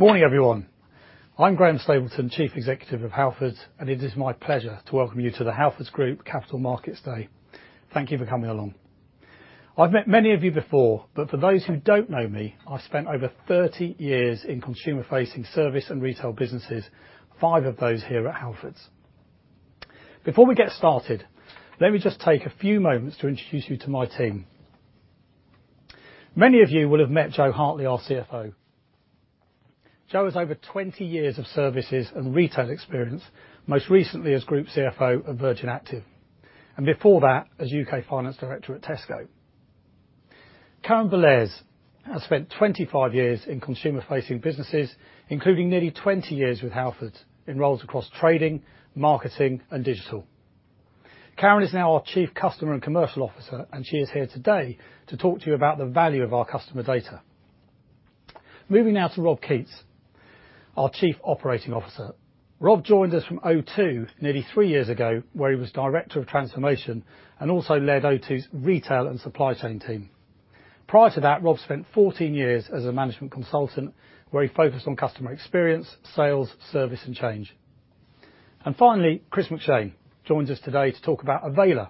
Morning, everyone. I'm Graham Stapleton, Chief Executive of Halfords, and it is my pleasure to welcome you to the Halfords Group Capital Markets Day. Thank you for coming along. I've met many of you before, but for those who don't know me, I've spent over 30 years in consumer-facing service and retail businesses, five of those here at Halfords. Before we get started, let me just take a few moments to introduce you to my team. Many of you will have met Jo Hartley, our CFO. Jo has over 20 years of services and retail experience, most recently as Group CFO at Virgin Active, and before that, as U.K. Finance Director at Tesco. Karen Bellairs has spent 25 years in consumer-facing businesses, including nearly 20 years with Halfords, in roles across trading, marketing, and digital. Karen Bellairs is now our Chief Customer and Commercial Officer. She is here today to talk to you about the value of our customer data. Moving now to Rob Keates, our Chief Operating Officer. Rob joined us from O2 nearly three years ago, where he was Director of Transformation and also led O2's retail and supply chain team. Prior to that, Rob spent 14 years as a management consultant, where he focused on customer experience, sales, service, and change. Finally, Chris McShane joins us today to talk about Avayler.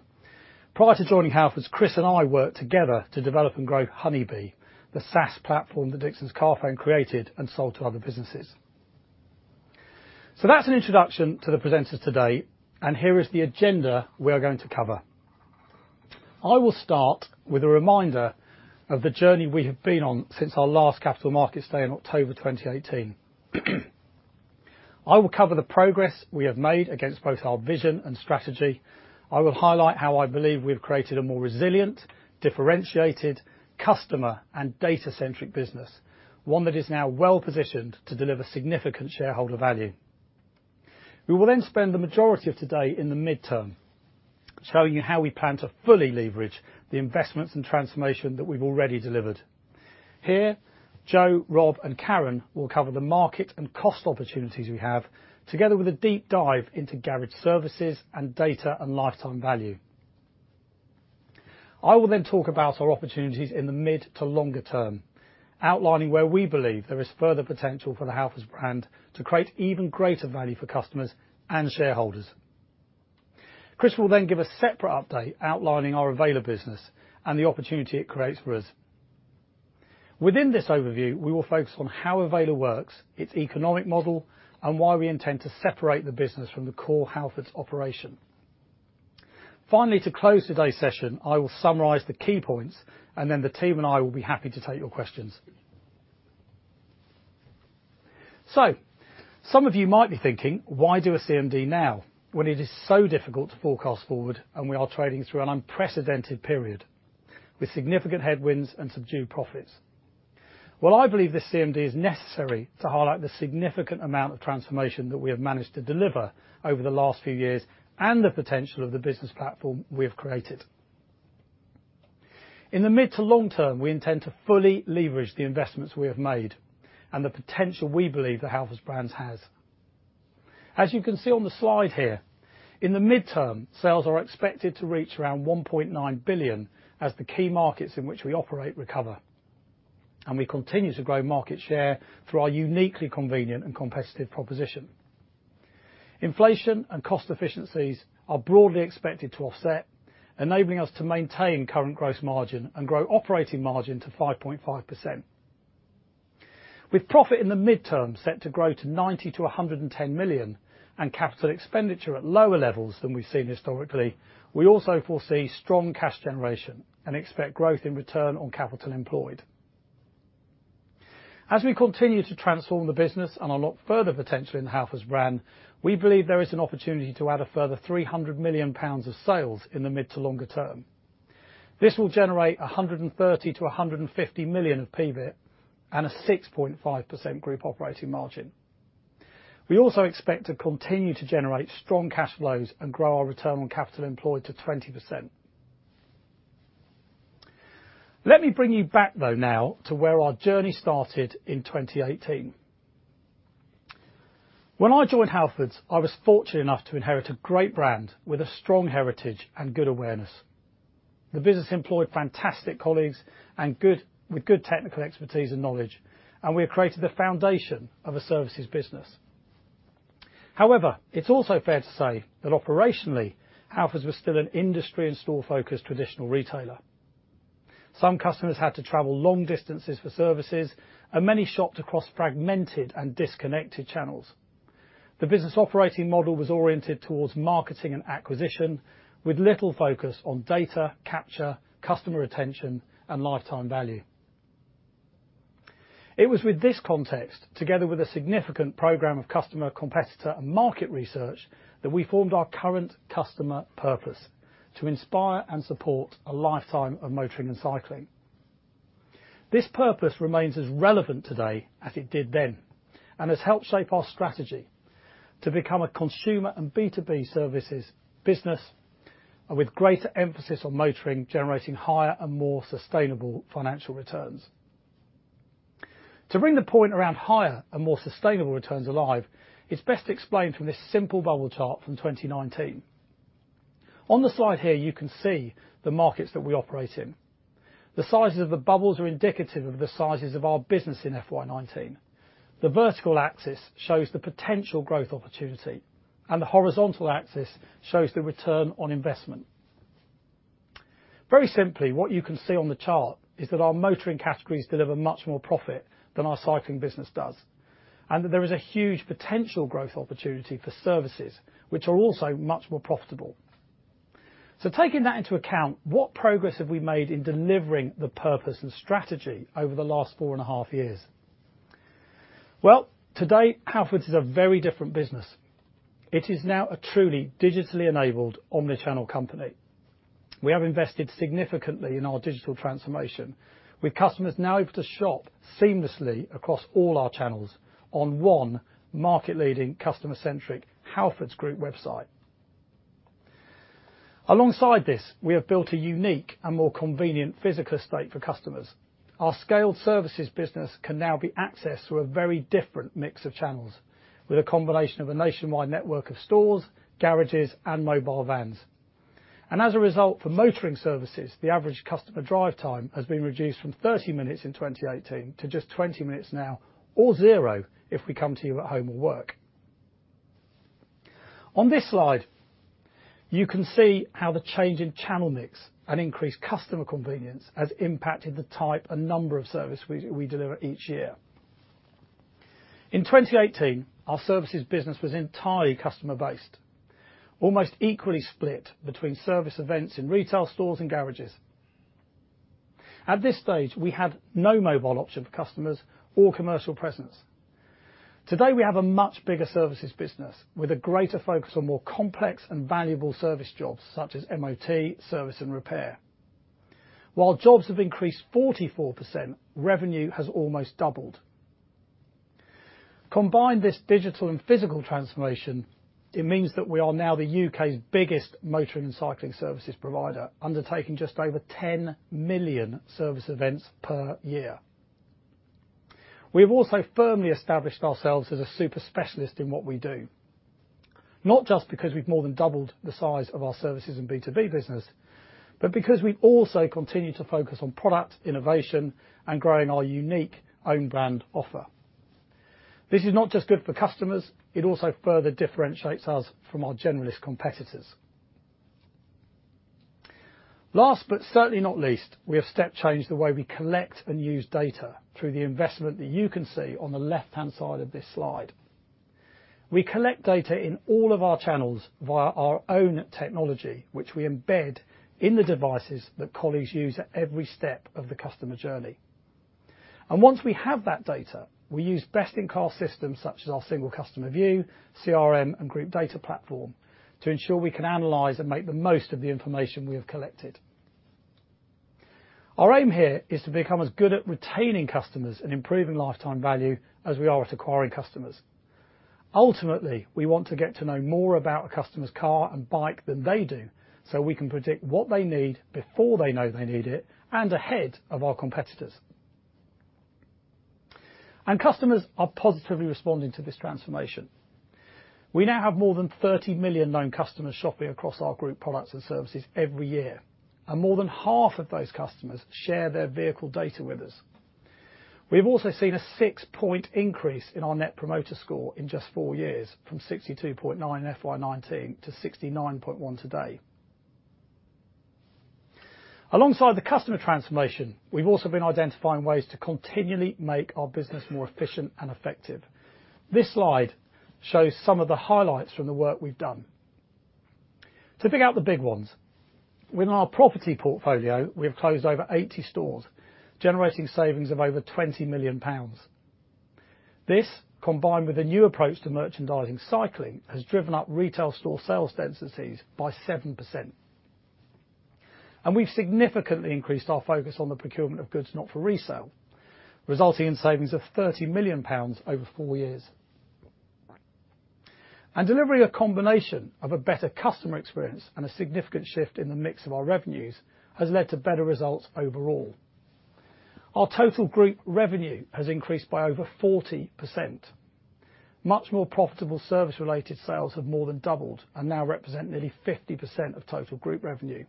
Prior to joining Halfords, Chris and I worked together to develop and grow honeyBee, the SaaS platform that Dixons Carphone created and sold to other businesses. That's an introduction to the presenters today. Here is the agenda we are going to cover. I will start with a reminder of the journey we have been on since our last Capital Markets Day in October 2018. I will cover the progress we have made against both our vision and strategy. I will highlight how I believe we have created a more resilient, differentiated customer and data-centric business, one that is now well-positioned to deliver significant shareholder value. We will then spend the majority of today in the midterm, showing you how we plan to fully leverage the investments and transformation that we've already delivered. Here, Jo, Rob, and Karen will cover the market and cost opportunities we have, together with a deep dive into garage services and data and lifetime value. I will then talk about our opportunities in the mid to longer term, outlining where we believe there is further potential for the Halfords brand to create even greater value for customers and shareholders. Chris will then give a separate update outlining our Avayler business and the opportunity it creates for us. Within this overview, we will focus on how Avayler works, its economic model, and why we intend to separate the business from the core Halfords operation. Finally, to close today's session, I will summarize the key points and then the team and I will be happy to take your questions. Some of you might be thinking, why do a CMD now when it is so difficult to forecast forward and we are trading through an unprecedented period with significant headwinds and subdued profits? Well, I believe this CMD is necessary to highlight the significant amount of transformation that we have managed to deliver over the last few years and the potential of the business platform we have created. In the mid to long term, we intend to fully leverage the investments we have made and the potential we believe the Halfords brand has. As you can see on the slide here, in the midterm, sales are expected to reach around 1.9 billion as the key markets in which we operate recover, and we continue to grow market share through our uniquely convenient and competitive proposition. Inflation and cost efficiencies are broadly expected to offset, enabling us to maintain current gross margin and grow operating margin to 5.5%. With profit in the midterm set to grow to 90 million-110 million and CapEx at lower levels than we've seen historically, we also foresee strong cash generation and expect growth in return on capital employed. As we continue to transform the business and unlock further potential in the Halfords brand, we believe there is an opportunity to add a further 300 million pounds of sales in the mid to longer term. This will generate 130 million-150 million of PBIT and a 6.5% group operating margin. We also expect to continue to generate strong cash flows and grow our return on capital employed to 20%. Let me bring you back though now to where our journey started in 2018. When I joined Halfords, I was fortunate enough to inherit a great brand with a strong heritage and good awareness. The business employed fantastic colleagues with good technical expertise and knowledge, and we have created the foundation of a services business. It's also fair to say that operationally, Halfords was still an industry and store-focused traditional retailer. Some customers had to travel long distances for services and many shopped across fragmented and disconnected channels. The business operating model was oriented towards marketing and acquisition with little focus on data, capture, customer retention, and lifetime value. It was with this context, together with a significant program of customer, competitor, and market research, that we formed our current customer purpose: to inspire and support a lifetime of motoring and cycling. This purpose remains as relevant today as it did then and has helped shape our strategy to become a consumer and B2B services business. With greater emphasis on motoring, generating higher and more sustainable financial returns. To bring the point around higher and more sustainable returns alive, it's best explained from this simple bubble chart from 2019. On the slide here, you can see the markets that we operate in. The sizes of the bubbles are indicative of the sizes of our business in FY 2019. The vertical axis shows the potential growth opportunity, and the horizontal axis shows the return on investment. Very simply, what you can see on the chart is that our motoring categories deliver much more profit than our cycling business does, and that there is a huge potential growth opportunity for services, which are also much more profitable. Taking that into account, what progress have we made in delivering the purpose and strategy over the last four and a half years? Today, Halfords is a very different business. It is now a truly digitally enabled omni-channel company. We have invested significantly in our digital transformation with customers now able to shop seamlessly across all our channels on one market-leading customer-centric Halfords Group website. Alongside this, we have built a unique and more convenient physical state for customers. Our scaled services business can now be accessed through a very different mix of channels with a combination of a nationwide network of stores, garages, and mobile vans. As a result, for motoring services, the average customer drive time has been reduced from 30 minutes in 2018 to just 20 minutes now, or zero if we come to you at home or work. On this slide, you can see how the change in channel mix and increased customer convenience has impacted the type and number of service we deliver each year. In 2018, our services business was entirely customer-based, almost equally split between service events in retail stores and garages. At this stage, we had no mobile option for customers or commercial presence. Today, we have a much bigger services business with a greater focus on more complex and valuable service jobs such as MOT, service and repair. While jobs have increased 44%, revenue has almost doubled. Combine this digital and physical transformation, it means that we are now the U.K.'s biggest motoring and cycling services provider, undertaking just over 10 million service events per year. We have also firmly established ourselves as a super specialist in what we do, not just because we've more than doubled the size of our services and B2B business, but because we also continue to focus on product, innovation, and growing our unique own brand offer. This is not just good for customers, it also further differentiates us from our generalist competitors. Last but certainly not least, we have step changed the way we collect and use data through the investment that you can see on the left-hand side of this slide. We collect data in all of our channels via our own technology, which we embed in the devices that colleagues use at every step of the customer journey. Once we have that data, we use best in-car systems such as our single customer view, CRM, and group data platform to ensure we can analyze and make the most of the information we have collected. Our aim here is to become as good at retaining customers and improving lifetime value as we are at acquiring customers. Ultimately, we want to get to know more about a customer's car and bike than they do, so we can predict what they need before they know they need it and ahead of our competitors. Customers are positively responding to this transformation. We now have more than 30 million known customers shopping across our group products and services every year, and more than half of those customers share their vehicle data with us. We have also seen a six-point increase in our Net Promoter Score in just four years from 62.9 in FY 2019 to 69.1 today. Alongside the customer transformation, we've also been identifying ways to continually make our business more efficient and effective. This slide shows some of the highlights from the work we've done. To pick out the big ones, within our property portfolio, we have closed over 80 stores, generating savings of over 20 million pounds. This, combined with a new approach to merchandising cycling, has driven up retail store sales densities by 7%. We've significantly increased our focus on the procurement of goods not for resale, resulting in savings of 30 million pounds over four years. Delivering a combination of a better customer experience and a significant shift in the mix of our revenues has led to better results overall. Our total group revenue has increased by over 40%. Much more profitable service-related sales have more than doubled and now represent nearly 50% of total group revenue.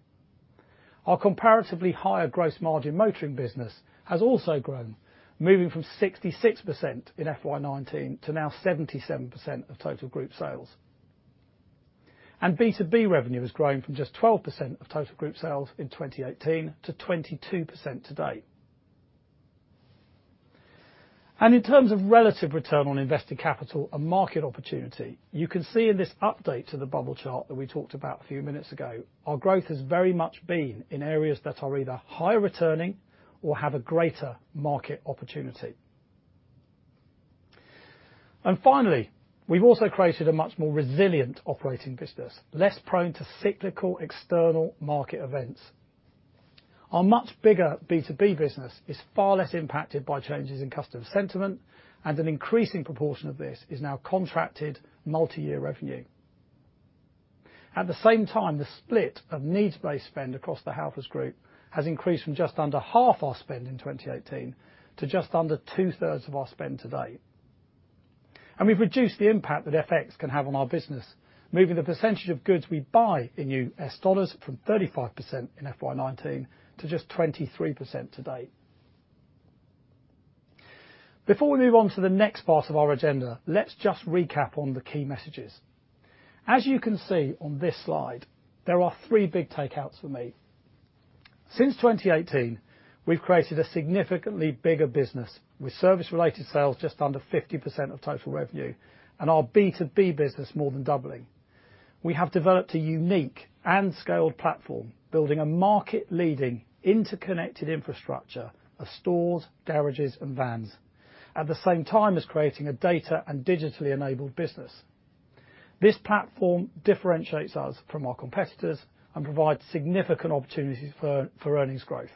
Our comparatively higher gross margin motoring business has also grown, moving from 66% in FY 2019 to now 77% of total group sales. B2B revenue has grown from just 12% of total group sales in 2018 to 22% today. In terms of relative return on invested capital and market opportunity, you can see in this update to the bubble chart that we talked about a few minutes ago, our growth has very much been in areas that are either higher returning or have a greater market opportunity. Finally, we've also created a much more resilient operating business, less prone to cyclical external market events. Our much bigger B2B business is far less impacted by changes in customer sentiment, and an increasing proportion of this is now contracted multi-year revenue. At the same time, the split of needs-based spend across the Halfords Group has increased from just under half our spend in 2018 to just under two-thirds of our spend today. We've reduced the impact that FX can have on our business, moving the percentage of goods we buy in US dollars from 35% in FY 2019 to just 23% today. Before we move on to the next part of our agenda, let's just recap on the key messages. As you can see on this slide, there are three big takeouts for me. Since 2018, we've created a significantly bigger business, with service-related sales just under 50% of total revenue and our B2B business more than doubling. We have developed a unique and scaled platform, building a market-leading interconnected infrastructure of stores, garages, and vans at the same time as creating a data and digitally enabled business. This platform differentiates us from our competitors and provides significant opportunities for earnings growth.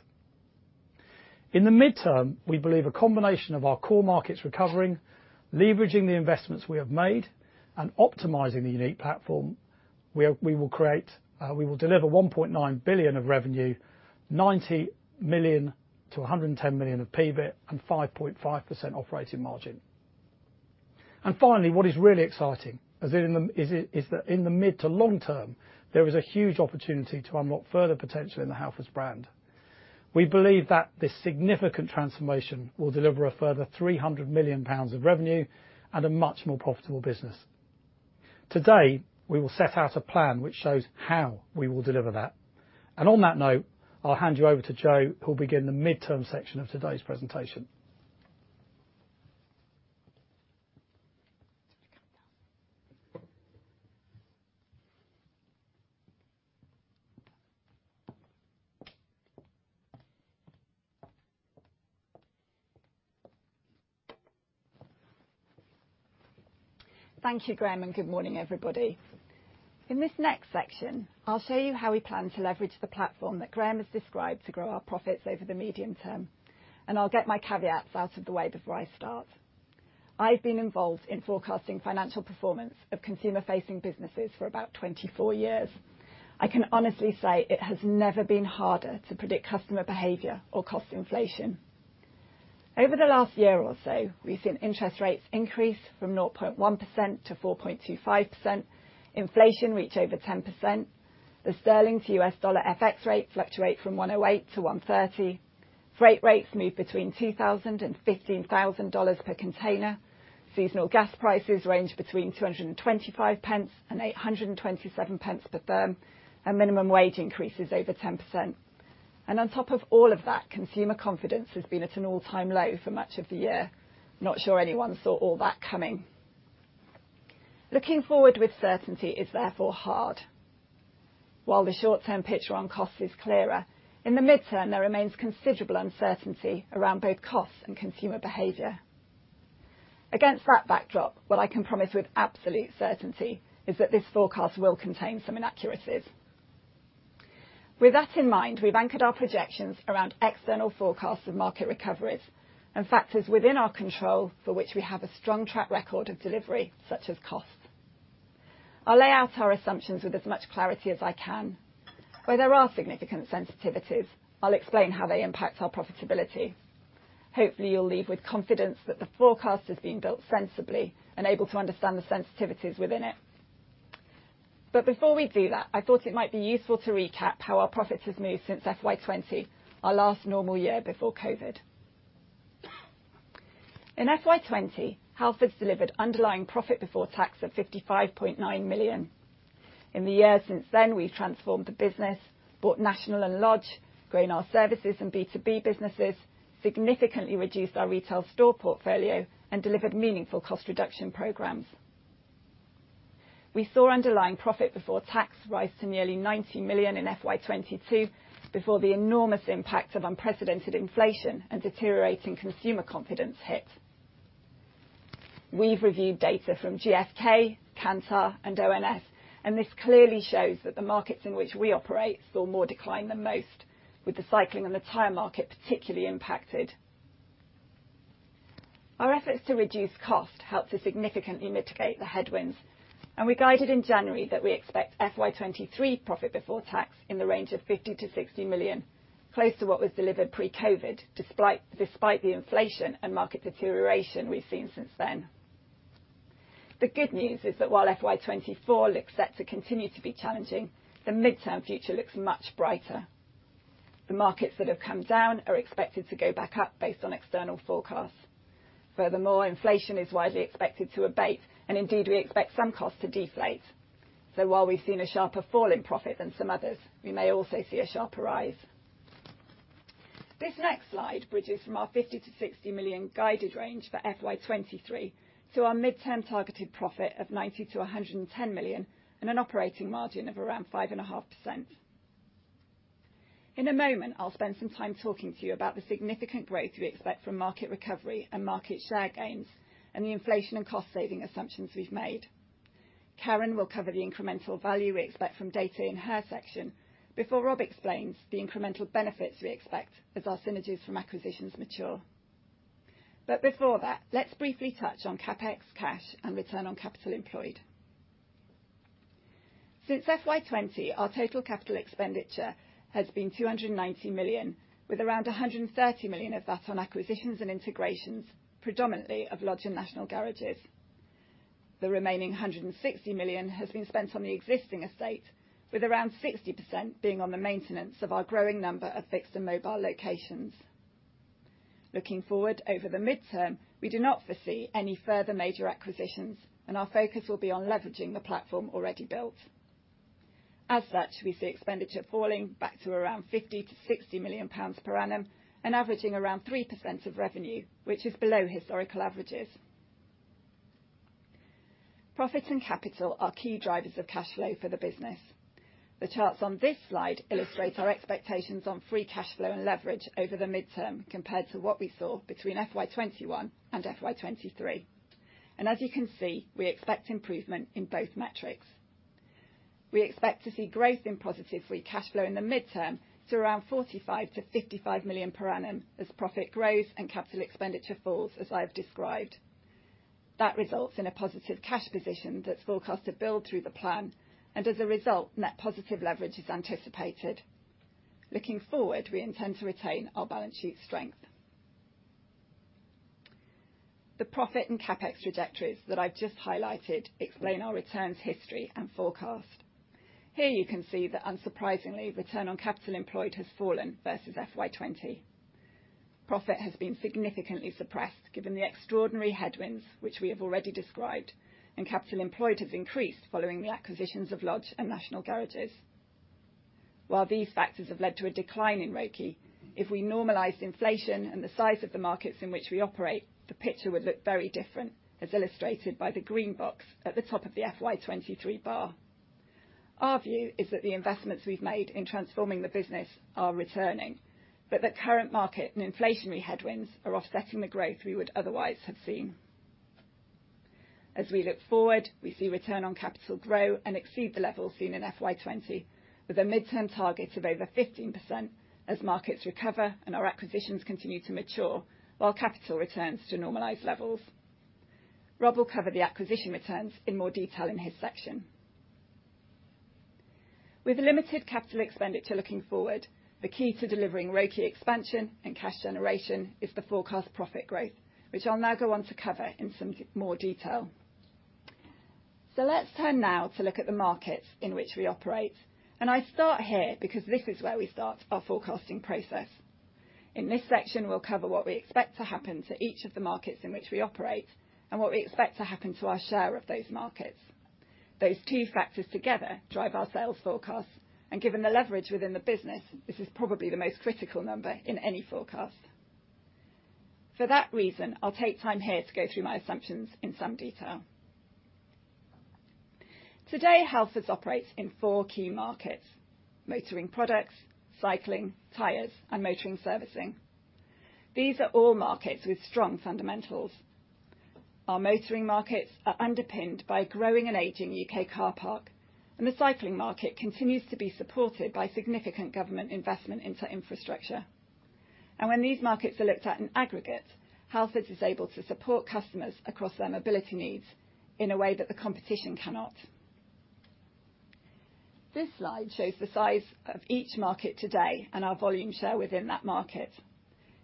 In the mid-term, we believe a combination of our core markets recovering, leveraging the investments we have made, and optimizing the unique platform, we will create, we will deliver 1.9 billion of revenue, 90 million-110 million of PBIT, and 5.5% operating margin. Finally, what is really exciting is that in the mid to long term, there is a huge opportunity to unlock further potential in the Halfords brand. We believe that this significant transformation will deliver a further 300 million pounds of revenue and a much more profitable business. Today, we will set out a plan which shows how we will deliver that. On that note, I'll hand you over to Jo, who'll begin the midterm section of today's presentation. Thank you, Graham, and good morning, everybody. In this next section, I'll show you how we plan to leverage the platform that Graham has described to grow our profits over the medium term, and I'll get my caveats out of the way before I start. I've been involved in forecasting financial performance of consumer-facing businesses for about 24 years. I can honestly say it has never been harder to predict customer behavior or cost inflation. Over the last year or so, we've seen interest rates increase from 0.1% to 4.25%, inflation reach over 10%, the sterling to US dollar FX rate fluctuate from 1.08-1.30, freight rates move between $2,000 and $15,000 per container, seasonal gas prices range between 2.25 and 8.27 per therm, minimum wage increases over 10%. On top of all of that, consumer confidence has been at an all-time low for much of the year. Not sure anyone saw all that coming. Looking forward with certainty is therefore hard. While the short-term picture on cost is clearer, in the mid-term, there remains considerable uncertainty around both costs and consumer behavior. Against that backdrop, what I can promise with absolute certainty is that this forecast will contain some inaccuracies. With that in mind, we've anchored our projections around external forecasts of market recoveries and factors within our control for which we have a strong track record of delivery, such as cost. I'll lay out our assumptions with as much clarity as I can. Where there are significant sensitivities, I'll explain how they impact our profitability. Hopefully, you'll leave with confidence that the forecast has been built sensibly and able to understand the sensitivities within it. Before we do that, I thought it might be useful to recap how our profits have moved since FY 2020, our last normal year before COVID. In FY 2020, Halfords delivered underlying profit before tax of 55.9 million. In the years since then, we've transformed the business, bought National and Lodge, grown our services and B2B businesses, significantly reduced our retail store portfolio, and delivered meaningful cost reduction programs. We saw underlying profit before tax rise to nearly 90 million in FY 2022 before the enormous impact of unprecedented inflation and deteriorating consumer confidence hit. We've reviewed data from GfK, Kantar and ONS. This clearly shows that the markets in which we operate saw more decline than most, with the cycling and the tire market particularly impacted. Our efforts to reduce cost helped to significantly mitigate the headwinds. We guided in January that we expect FY 2023 profit before tax in the range of 50 million-60 million, close to what was delivered pre-COVID, despite the inflation and market deterioration we've seen since then. The good news is that while FY 2024 looks set to continue to be challenging, the midterm future looks much brighter. The markets that have come down are expected to go back up based on external forecasts. Furthermore, inflation is widely expected to abate and indeed we expect some costs to deflate. While we've seen a sharper fall in profit than some others, we may also see a sharper rise. This next slide bridges from our 50 million-60 million guided range for FY 2023 to our midterm targeted profit of 90 million-110 million and an operating margin of around 5.5%. In a moment, I'll spend some time talking to you about the significant growth we expect from market recovery and market share gains and the inflation and cost-saving assumptions we've made. Karen will cover the incremental value we expect from data in her section before Rob explains the incremental benefits we expect as our synergies from acquisitions mature. Before that, let's briefly touch on CapEx, cash, and return on capital employed. Since FY 2020, our total capital expenditure has been 290 million, with around 130 million of that on acquisitions and integrations, predominantly of Lodge and National Garages. The remaining 160 million has been spent on the existing estate, with around 60% being on the maintenance of our growing number of fixed and mobile locations. Looking forward over the midterm, we do not foresee any further major acquisitions, and our focus will be on leveraging the platform already built. As such, we see expenditure falling back to around 50-60 million pounds per annum and averaging around 3% of revenue, which is below historical averages. Profit and capital are key drivers of cash flow for the business. The charts on this slide illustrate our expectations on free cash flow and leverage over the midterm compared to what we saw between FY 2021 and FY 2023. As you can see, we expect improvement in both metrics. We expect to see growth in positive free cash flow in the midterm to around 45 million-55 million per annum as profit grows and capital expenditure falls, as I have described. That results in a positive cash position that's forecast to build through the plan. As a result, net positive leverage is anticipated. Looking forward, we intend to retain our balance sheet strength. The profit and CapEx trajectories that I've just highlighted explain our returns history and forecast. Here you can see that unsurprisingly, return on capital employed has fallen versus FY 2020. Profit has been significantly suppressed given the extraordinary headwinds which we have already described. Capital employed has increased following the acquisitions of Lodge and National Garages. While these factors have led to a decline in ROCE, if we normalize inflation and the size of the markets in which we operate, the picture would look very different, as illustrated by the green box at the top of the FY 2023 bar. Our view is that the investments we've made in transforming the business are returning. The current market and inflationary headwinds are offsetting the growth we would otherwise have seen. As we look forward, we see return on capital grow and exceed the levels seen in FY 2020, with a midterm target of over 15% as markets recover and our acquisitions continue to mature while capital returns to normalized levels. Rob will cover the acquisition returns in more detail in his section. With limited capital expenditure looking forward, the key to delivering ROCE expansion and cash generation is the forecast profit growth, which I'll now go on to cover in some more detail. Let's turn now to look at the markets in which we operate. I start here because this is where we start our forecasting process. In this section, we'll cover what we expect to happen to each of the markets in which we operate, and what we expect to happen to our share of those markets. Those two factors together drive our sales forecast, and given the leverage within the business, this is probably the most critical number in any forecast. For that reason, I'll take time here to go through my assumptions in some detail. Today, Halfords operates in four key markets: motoring products, cycling, tires, and motoring servicing. These are all markets with strong fundamentals. Our motoring markets are underpinned by a growing and aging U.K. car park, the cycling market continues to be supported by significant government investment into infrastructure. When these markets are looked at in aggregate, Halfords is able to support customers across their mobility needs in a way that the competition cannot. This slide shows the size of each market today and our volume share within that market.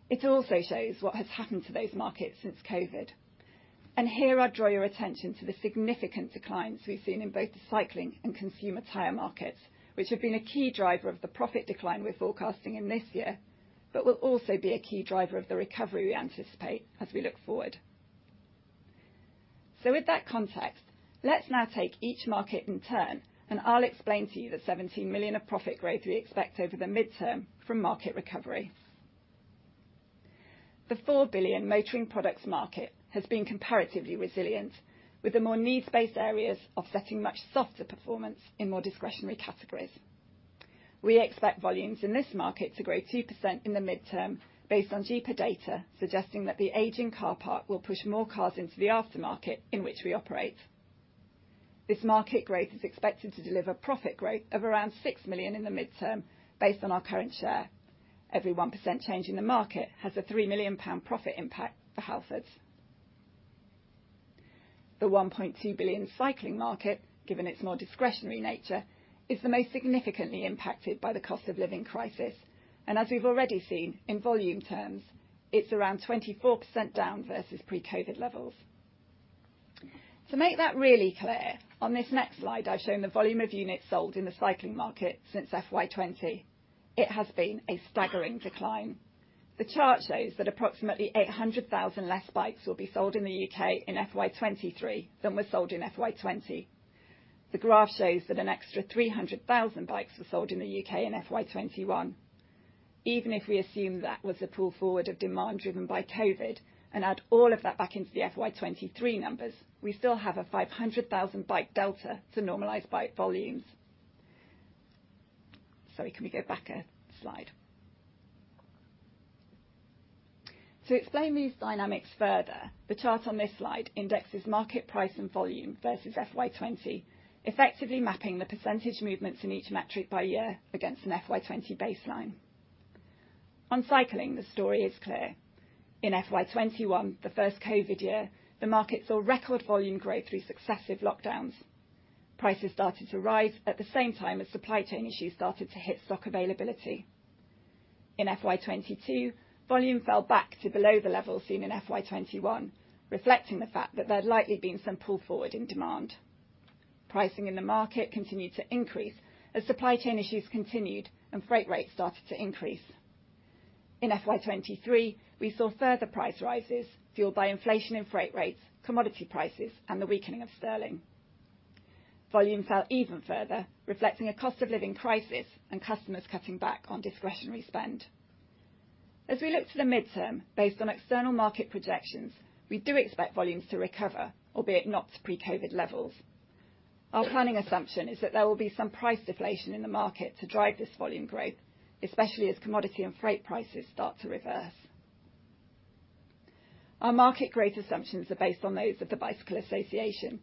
It also shows what has happened to those markets since COVID. Here, I draw your attention to the significant declines we've seen in both the cycling and consumer tire markets, which have been a key driver of the profit decline we're forecasting in this year, but will also be a key driver of the recovery we anticipate as we look forward. With that context, let's now take each market in turn, and I'll explain to you the 17 million of profit growth we expect over the midterm from market recovery. The 4 billion motoring products market has been comparatively resilient, with the more needs-based areas offsetting much softer performance in more discretionary categories. We expect volumes in this market to grow 2% in the midterm based on GPRA data suggesting that the aging car park will push more cars into the aftermarket in which we operate. This market growth is expected to deliver profit growth of around 6 million in the midterm based on our current share. Every 1% change in the market has a 3 million pound profit impact for Halfords. The 1.2 billion cycling market, given its more discretionary nature, is the most significantly impacted by the cost of living crisis. As we've already seen in volume terms, it's around 24% down versus pre-COVID levels. To make that really clear, on this next slide, I've shown the volume of units sold in the cycling market since FY 2020. It has been a staggering decline. The chart shows that approximately 800,000 less bikes will be sold in the U.K. in FY 2023 than were sold in FY 2020. The graph shows that an extra 300,000 bikes were sold in the U.K. in FY 2021. Even if we assume that was a pull forward of demand driven by COVID and add all of that back into the FY 2023 numbers, we still have a 500,000 bike delta to normalize bike volumes. Sorry, can we go back a slide? To explain these dynamics further, the chart on this slide indexes market price and volume versus FY 2020, effectively mapping the percentag movements in each metric by year against an FY 2020 baseline. On cycling, the story is clear. In FY 2021, the first COVID year, the market saw record volume growth through successive lockdowns. Prices started to rise at the same time as supply chain issues started to hit stock availability. In FY 2022, volume fell back to below the level seen in FY 2021, reflecting the fact that there had likely been some pull forward in demand. Pricing in the market continued to increase as supply chain issues continued and freight rates started to increase. In FY 2023, we saw further price rises fueled by inflation in freight rates, commodity prices, and the weakening of sterling. Volume fell even further, reflecting a cost of living crisis and customers cutting back on discretionary spend. As we look to the midterm based on external market projections, we do expect volumes to recover, albeit not to pre-COVID levels. Our planning assumption is that there will be some price deflation in the market to drive this volume growth, especially as commodity and freight prices start to reverse. Our market growth assumptions are based on those of the Bicycle Association,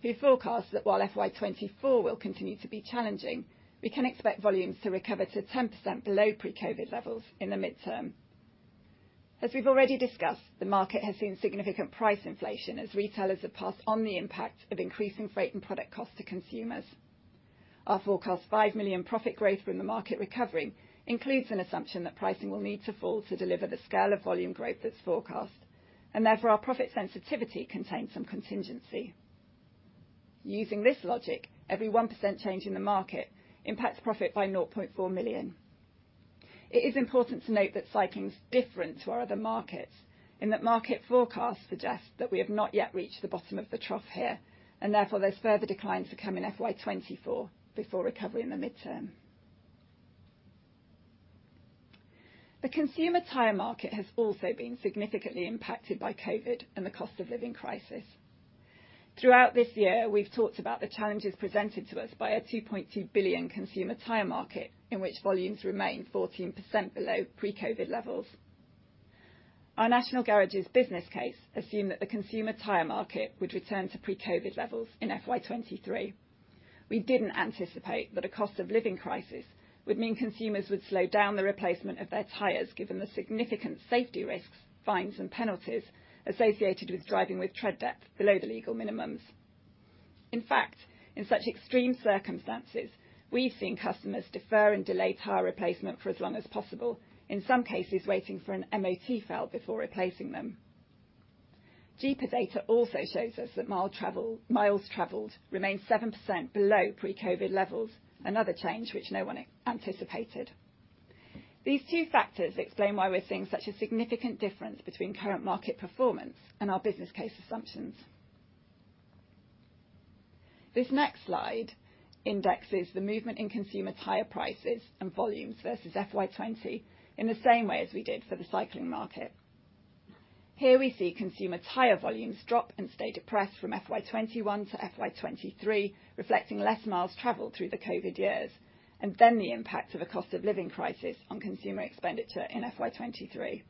who forecast that while FY 2024 will continue to be challenging, we can expect volumes to recover to 10% below pre-COVID levels in the midterm. As we've already discussed, the market has seen significant price inflation as retailers have passed on the impact of increasing freight and product costs to consumers. Our forecast 5 million profit growth from the market recovery includes an assumption that pricing will need to fall to deliver the scale of volume growth that's forecast. Therefore, our profit sensitivity contains some contingency. Using this logic, every 1% change in the market impacts profit by 0.4 million. It is important to note that cycling's different to our other markets in that market forecasts suggest that we have not yet reached the bottom of the trough here. Therefore, those further declines to come in FY 2024 before recovery in the midterm. The consumer tire market has also been significantly impacted by COVID and the cost of living crisis. Throughout this year, we've talked about the challenges presented to us by a 2.2 billion consumer tire market in which volumes remain 14% below pre-COVID levels. Our National Garages business case assumed that the consumer tire market would return to pre-COVID levels in FY 2023. We didn't anticipate that a cost of living crisis would mean consumers would slow down the replacement of their tires, given the significant safety risks, fines, and penalties associated with driving with tread depth below the legal minimums. In fact, in such extreme circumstances, we've seen customers defer and delay tire replacement for as long as possible, in some cases, waiting for an MOT fail before replacing them. GiPA data also shows us that miles traveled remains 7% below pre-COVID levels, another change which no one anticipated. These two factors explain why we're seeing such a significant difference between current market performance and our business case assumptions. This next slide indexes the movement in consumer tire prices and volumes versus FY 2020 in the same way as we did for the cycling market. Here we see consumer tire volumes drop and stay depressed from FY 2021 to FY 2023, reflecting less miles traveled through the COVID years, and then the impact of a cost of living crisis on consumer expenditure in FY 2023.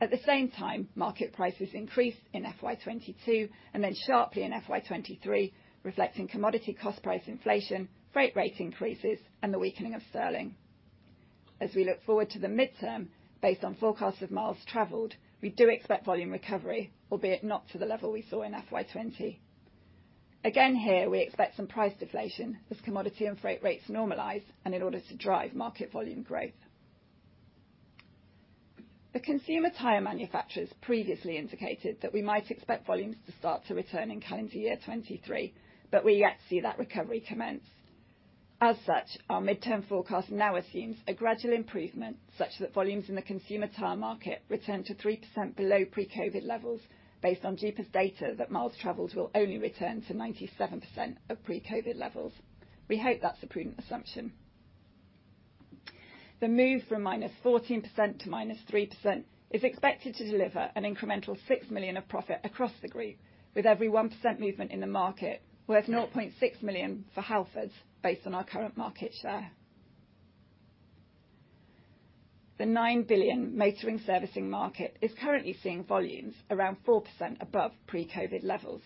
At the same time, market prices increased in FY 2022 and then sharply in FY 2023, reflecting commodity cost price inflation, freight rate increases, and the weakening of sterling. As we look forward to the midterm based on forecast of miles traveled, we do expect volume recovery, albeit not to the level we saw in FY 2020. We expect some price deflation as commodity and freight rates normalize and in order to drive market volume growth. The consumer tire manufacturers previously indicated that we might expect volumes to start to return in calendar year 2023, we're yet to see that recovery commence. Our midterm forecast now assumes a gradual improvement such that volumes in the consumer tire market return to 3% below pre-COVID levels based on GiPA's data that miles traveled will only return to 97% of pre-COVID levels. We hope that's a prudent assumption. The move from -14% to -3% is expected to deliver an incremental 6 million of profit across the group with every 1% movement in the market, worth 0.6 million for Halfords based on our current market share. The 9 billion motoring servicing market is currently seeing volumes around 4% above pre-COVID levels.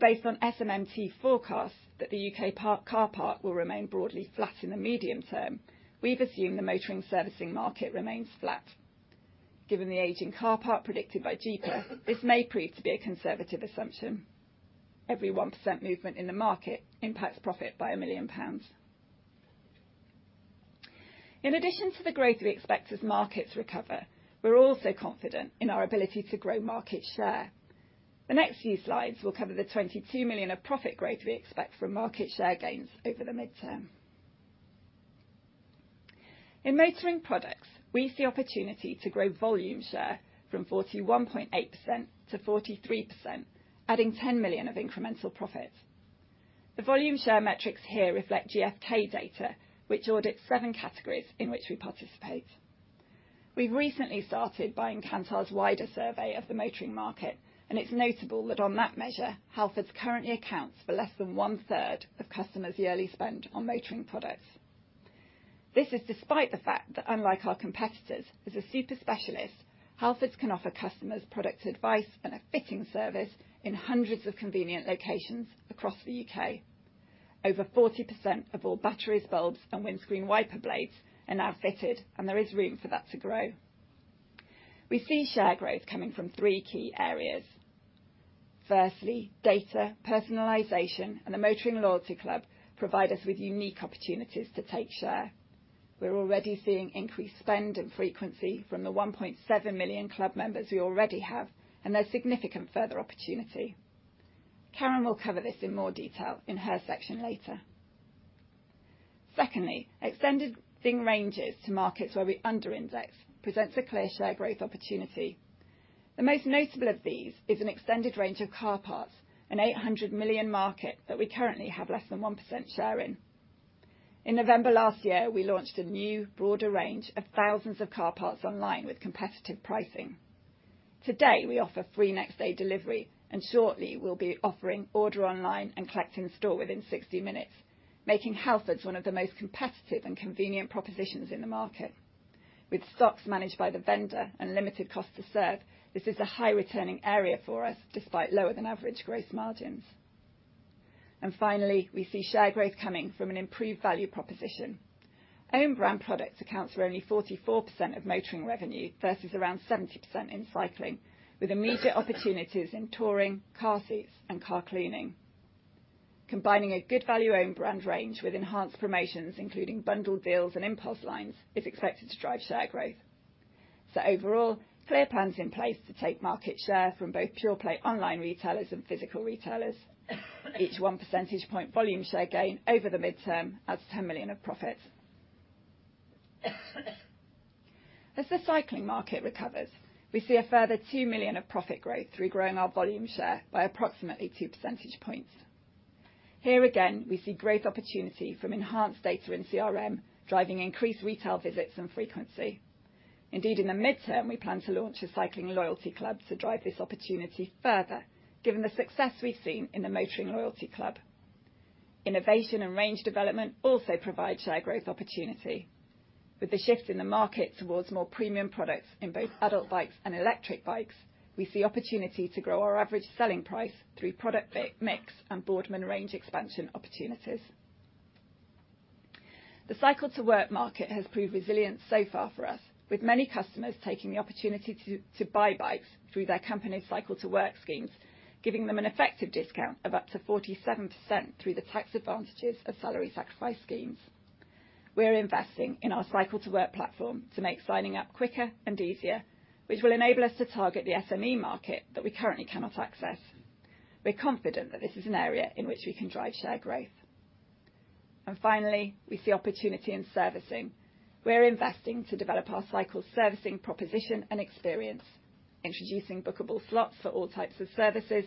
Based on SMMT forecasts that the U.K. car park will remain broadly flat in the medium term, we've assumed the motoring servicing market remains flat. Given the aging car park predicted by GiPA, this may prove to be a conservative assumption. Every 1% movement in the market impacts profit by 1 million pounds. In addition to the growth we expect as markets recover, we're also confident in our ability to grow market share. The next few slides will cover the 22 million of profit growth we expect from market share gains over the midterm. In motoring products, we see opportunity to grow volume share from 41.8% to 43%, adding 10 million of incremental profit. The volume share metrics here reflect GfK data, which audits seven categories in which we participate. We've recently started buying Kantar's wider survey of the motoring market. It's notable that on that measure, Halfords currently accounts for less than one-third of customers' yearly spend on motoring products. This is despite the fact that unlike our competitors, as a super specialist, Halfords can offer customers product advice and a fitting service in hundreds of convenient locations across the U.K. Over 40% of all batteries, bulbs, and windscreen wiper blades are now fitted. There is room for that to grow. We see share growth coming from 3 key areas. Firstly, data, personalization, and the Motoring Loyalty Club provide us with unique opportunities to take share. We're already seeing increased spend and frequency from the 1.7 million club members we already have. There's significant further opportunity. Karen will cover this in more detail in her section later. Secondly, extending ranges to markets where we under-index presents a clear share growth opportunity. The most notable of these is an extended range of car parts, a 800 million market that we currently have less than 1% share in. In November last year, we launched a new broader range of thousands of car parts online with competitive pricing. Today, we offer free next-day delivery and shortly we'll be offering order online and collect in store within 60 minutes, making Halfords one of the most competitive and convenient propositions in the market. With stocks managed by the vendor and limited cost to serve, this is a high returning area for us, despite lower than average gross margins. Finally, we see share growth coming from an improved value proposition. Own brand products account for only 44% of motoring revenue versus around 70% in cycling, with immediate opportunities in touring, car seats, and car cleaning. Combining a good value own brand range with enhanced promotions, including bundled deals and impulse lines, is expected to drive share growth. Overall, clear plans in place to take market share from both pure-play online retailers and physical retailers. Each 1 percentage point volume share gain over the midterm adds 10 million of profit. As the cycling market recovers, we see a further 2 million of profit growth through growing our volume share by approximately 2 percentage points. Here again, we see great opportunity from enhanced data in CRM, driving increased retail visits and frequency. Indeed, in the midterm, we plan to launch a cycling loyalty club to drive this opportunity further, given the success we've seen in the Motoring Loyalty Club. Innovation and range development also provide share growth opportunity. With the shift in the market towards more premium products in both adult bikes and electric bikes, we see opportunity to grow our average selling price through product mix and Boardman range expansion opportunities. The cycle-to-work market has proved resilient so far for us, with many customers taking the opportunity to buy bikes through their company cycle-to-work schemes, giving them an effective discount of up to 47% through the tax advantages of salary sacrifice schemes. We are investing in our cycle-to-work platform to make signing up quicker and easier, which will enable us to target the SME market that we currently cannot access. We're confident that this is an area in which we can drive share growth. Finally, we see opportunity in servicing. We're investing to develop our cycle servicing proposition and experience, introducing bookable slots for all types of services,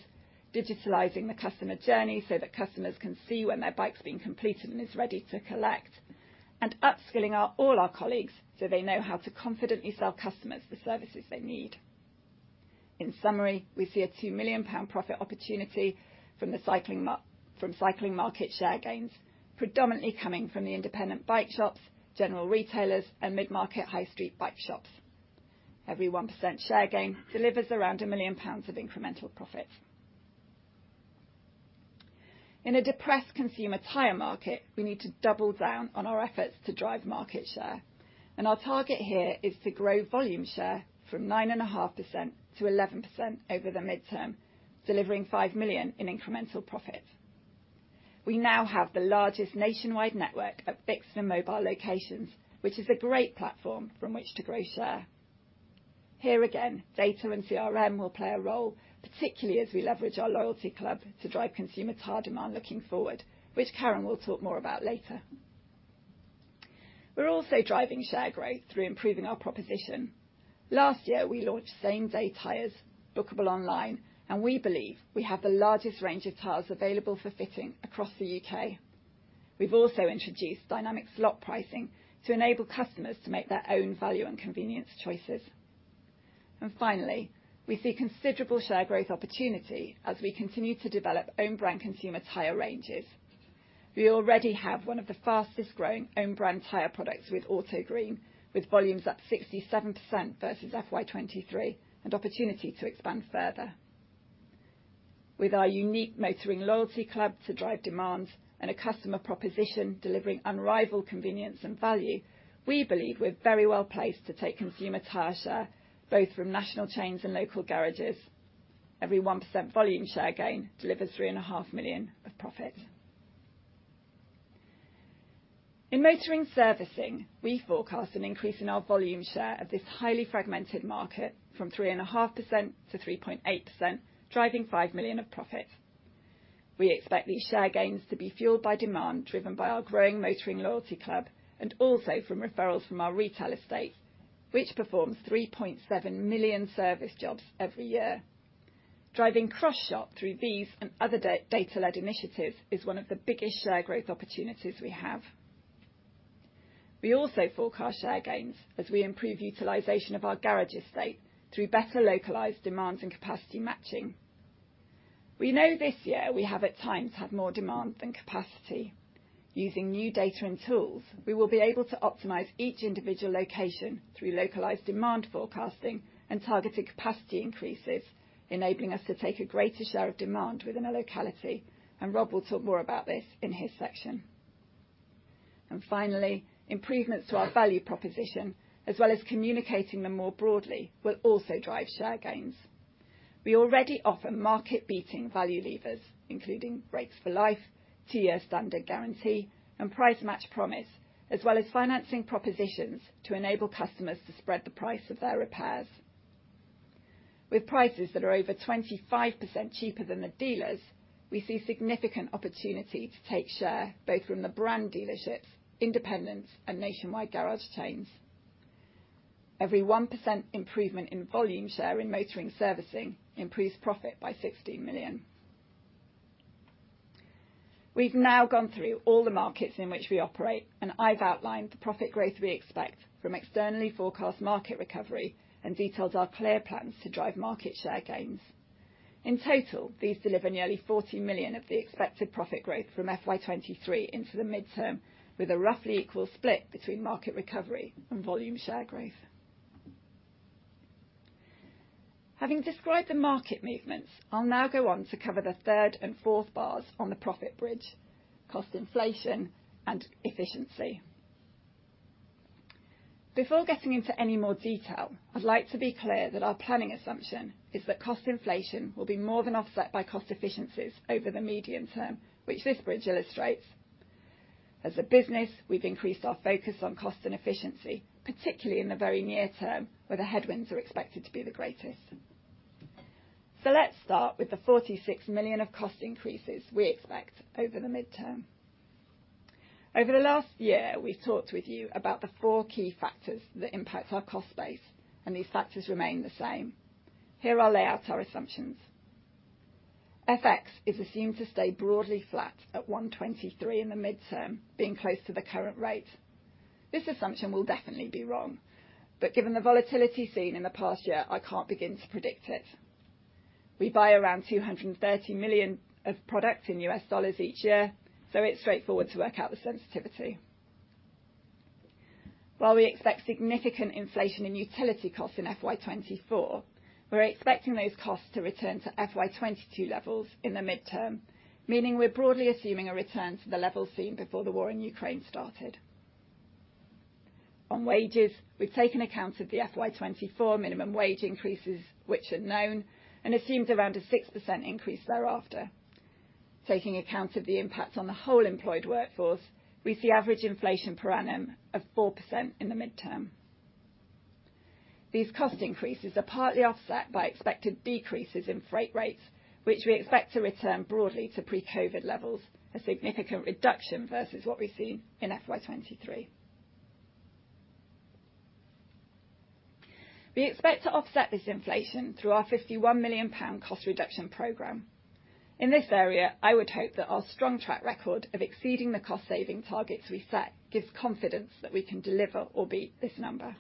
digitalizing the customer journey so that customers can see when their bike's been completed and is ready to collect, and upskilling all our colleagues, so they know how to confidently sell customers the services they need. We see a 2 million pound profit opportunity from cycling market share gains, predominantly coming from the independent bike shops, general retailers, and mid-market high street bike shops. Every 1% share gain delivers around 1 million pounds of incremental profit. In a depressed consumer tire market, we need to double down on our efforts to drive market share, our target here is to grow volume share from 9.5% to 11% over the midterm, delivering 5 million in incremental profit. We now have the largest nationwide network of fixed and mobile locations, which is a great platform from which to grow share. Here again, data and CRM will play a role, particularly as we leverage our loyalty club to drive consumer tire demand looking forward, which Karen will talk more about later. We're also driving share growth through improving our proposition. Last year, we launched same-day tires, bookable online, and we believe we have the largest range of tires available for fitting across the U.K. We've also introduced dynamic slot pricing to enable customers to make their own value and convenience choices. Finally, we see considerable share growth opportunity as we continue to develop own brand consumer tire ranges. We already have one of the fastest-growing own brand tire products with Autogreen, with volumes up 67% versus FY 2023, and opportunity to expand further. With our unique Motoring Loyalty Club to drive demand and a customer proposition delivering unrivaled convenience and value, we believe we're very well placed to take consumer tire share, both from national chains and local garages. Every 1% volume share gain delivers 3.5 million of profit. In motoring servicing, we forecast an increase in our volume share of this highly fragmented market from 3.5% to 3.8%, driving 5 million of profit. We expect these share gains to be fueled by demand, driven by our growing Motoring Loyalty Club and also from referrals from our retail estate, which performs 3.7 million service jobs every year. Driving cross-shop through these and other data-led initiatives is one of the biggest share growth opportunities we have. We also forecast share gains as we improve utilization of our garage estate through better localized demand and capacity matching. We know this year we have at times had more demand than capacity. Using new data and tools, we will be able to optimize each individual location through localized demand forecasting and targeted capacity increases, enabling us to take a greater share of demand within a locality, and Rob will talk more about this in his section. Finally, improvements to our value proposition, as well as communicating them more broadly, will also drive share gains. We already offer market-beating value levers, including Brakes4Life, two-year standard guarantee, and Price Match Promise, as well as financing propositions to enable customers to spread the price of their repairs. With prices that are over 25% cheaper than the dealers, we see significant opportunity to take share both from the brand dealerships, independents, and nationwide garage chains. Every 1% improvement in volume share in motoring servicing improves profit by 60 million. We've now gone through all the markets in which we operate, and I've outlined the profit growth we expect from externally forecast market recovery and detailed our clear plans to drive market share gains. In total, these deliver nearly 40 million of the expected profit growth from FY 2023 into the midterm, with a roughly equal split between market recovery and volume share growth. Having described the market movements, I'll now go on to cover the third and fourth bars on the profit bridge: cost inflation and efficiency. Before getting into any more detail, I'd like to be clear that our planning assumption is that cost inflation will be more than offset by cost efficiencies over the medium term, which this bridge illustrates. As a business, we've increased our focus on cost and efficiency, particularly in the very near term, where the headwinds are expected to be the greatest. Let's start with the 46 million of cost increases we expect over the midterm. Over the last year, we've talked with you about the four key factors that impact our cost base, and these factors remain the same. Here I'll lay out our assumptions. FX is assumed to stay broadly flat at 1.23 in the midterm, being close to the current rate. This assumption will definitely be wrong, but given the volatility seen in the past year, I can't begin to predict it. We buy around $230 million of product in U.S. dollars each year. It's straightforward to work out the sensitivity. We expect significant inflation in utility costs in FY 2024, we're expecting those costs to return to FY 2022 levels in the midterm, meaning we're broadly assuming a return to the level seen before the war in Ukraine started. On wages, we've taken account of the FY 2024 minimum wage increases, which are known, and assumed around a 6% increase thereafter. Taking account of the impact on the whole employed workforce, we see average inflation per annum of 4% in the midterm. These cost increases are partly offset by expected decreases in freight rates, which we expect to return broadly to pre-COVID levels, a significant reduction versus what we've seen in FY 2023. We expect to offset this inflation through our 51 million pound cost reduction program. In this area, I would hope that our strong track record of exceeding the cost-saving targets we set gives confidence that we can deliver or beat this number.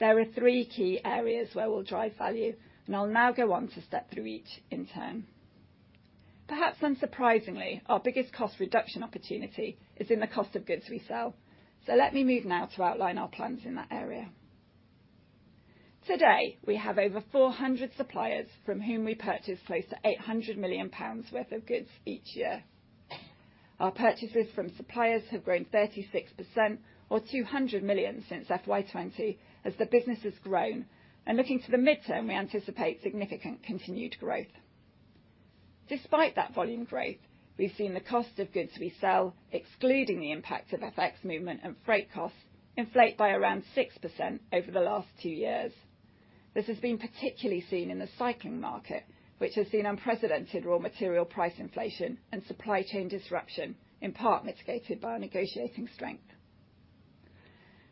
There are three key areas where we'll drive value, and I'll now go on to step through each in turn. Perhaps unsurprisingly, our biggest cost reduction opportunity is in the cost of goods we sell. Let me move now to outline our plans in that area. Today, we have over 400 suppliers from whom we purchase close to 800 million pounds worth of goods each year. Our purchases from suppliers have grown 36% or 200 million since FY 2020 as the business has grown, and looking to the midterm, we anticipate significant continued growth. Despite that volume growth, we've seen the cost of goods we sell, excluding the impact of FX movement and freight costs, inflate by around 6% over the last two years. This has been particularly seen in the cycling market, which has seen unprecedented raw material price inflation and supply chain disruption, in part mitigated by our negotiating strength.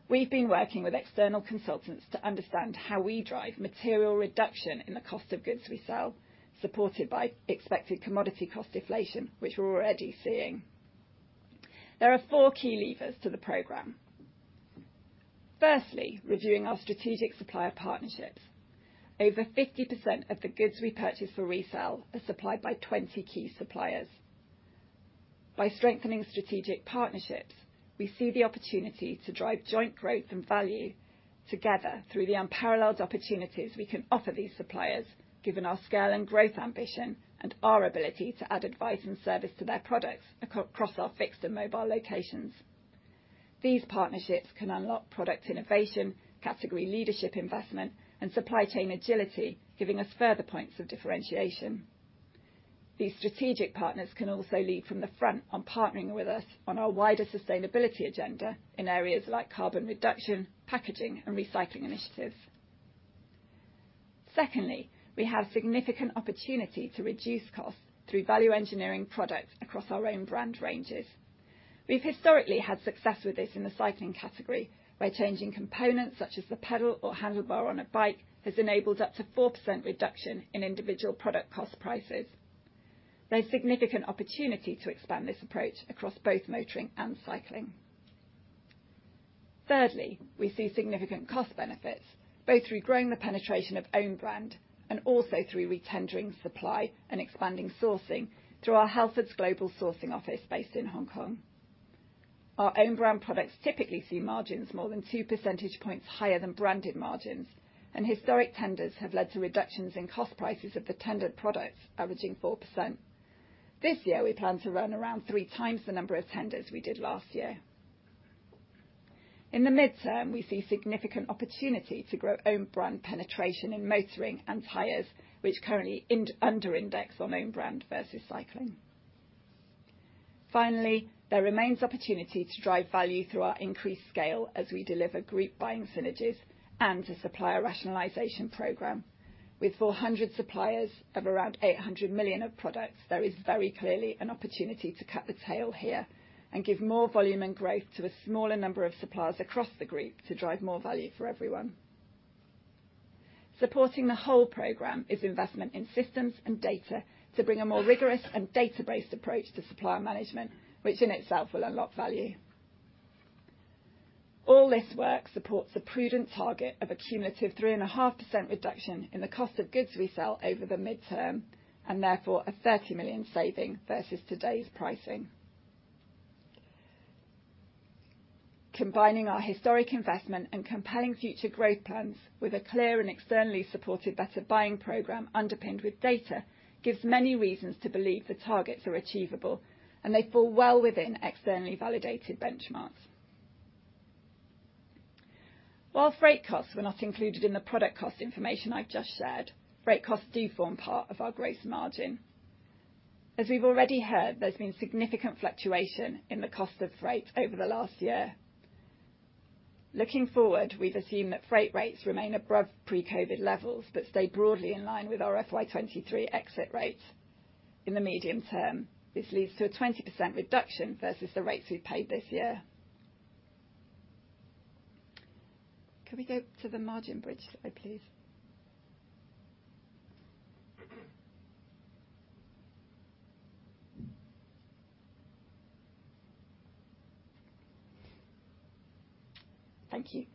We've been working with external consultants to understand how we drive material reduction in the cost of goods we sell, supported by expected commodity cost deflation, which we're already seeing. There are four key levers to the program. Firstly, reviewing our strategic supplier partnerships. Over 50% of the goods we purchase for resale are supplied by 20 key suppliers. By strengthening strategic partnerships, we see the opportunity to drive joint growth and value together through the unparalleled opportunities we can offer these suppliers, given our scale and growth ambition, and our ability to add advice and service to their products across our fixed and mobile locations. These partnerships can unlock product innovation, category leadership investment, and supply chain agility, giving us further points of differentiation. These strategic partners can also lead from the front on partnering with us on our wider sustainability agenda in areas like carbon reduction, packaging, and recycling initiatives. Secondly, we have significant opportunity to reduce costs through value engineering products across our own brand ranges. We've historically had success with this in the cycling category, where changing components such as the pedal or handlebar on a bike has enabled up to 4% reduction in individual product cost prices. There's significant opportunity to expand this approach across both motoring and cycling. Thirdly, we see significant cost benefits both through growing the penetration of own brand and also through retendering supply and expanding sourcing through our Halfords Global Sourcing office based in Hong Kong. Our own brand products typically see margins more than 2 percentage points higher than branded margins, and historic tenders have led to reductions in cost prices of the tendered products averaging 4%. This year, we plan to run around three times the number of tenders we did last year. In the mid term, we see significant opportunity to grow own brand penetration in motoring and tires, which currently under-index on own brand versus cycling. Finally, there remains opportunity to drive value through our increased scale as we deliver group buying synergies and to supplier rationalization program. With 400 suppliers of around 800 million of products, there is very clearly an opportunity to cut the tail here and give more volume and growth to a smaller number of suppliers across the group to drive more value for everyone. Supporting the whole program is investment in systems and data to bring a more rigorous and data-based approach to supplier management, which in itself will unlock value. All this work supports a prudent target of a cumulative 3.5% reduction in the cost of goods we sell over the midterm, and therefore a 30 million saving versus today's pricing. Combining our historic investment and compelling future growth plans with a clear and externally supported better buying program underpinned with data gives many reasons to believe the targets are achievable, and they fall well within externally validated benchmarks. While freight costs were not included in the product cost information I've just shared, freight costs do form part of our gross margin. As we've already heard, there's been significant fluctuation in the cost of freight over the last year. Looking forward, we've assumed that freight rates remain above pre-COVID levels, but stay broadly in line with our FY 2023 exit rates in the medium term. This leads to a 20% reduction versus the rates we paid this year. Can we go to the margin bridge slide, please? Thank you.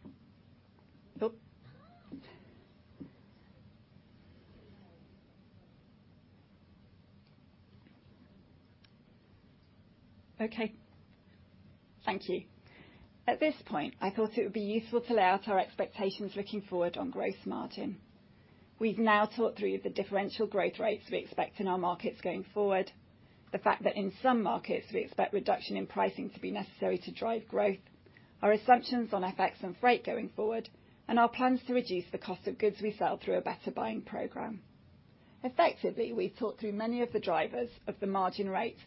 Okay. Thank you. At this point, I thought it would be useful to lay out our expectations looking forward on gross margin. We've now talked through the differential growth rates we expect in our markets going forward, the fact that in some markets we expect reduction in pricing to be necessary to drive growth, our assumptions on FX and freight going forward, and our plans to reduce the cost of goods we sell through a better buying program. Effectively, we've talked through many of the drivers of the margin rate,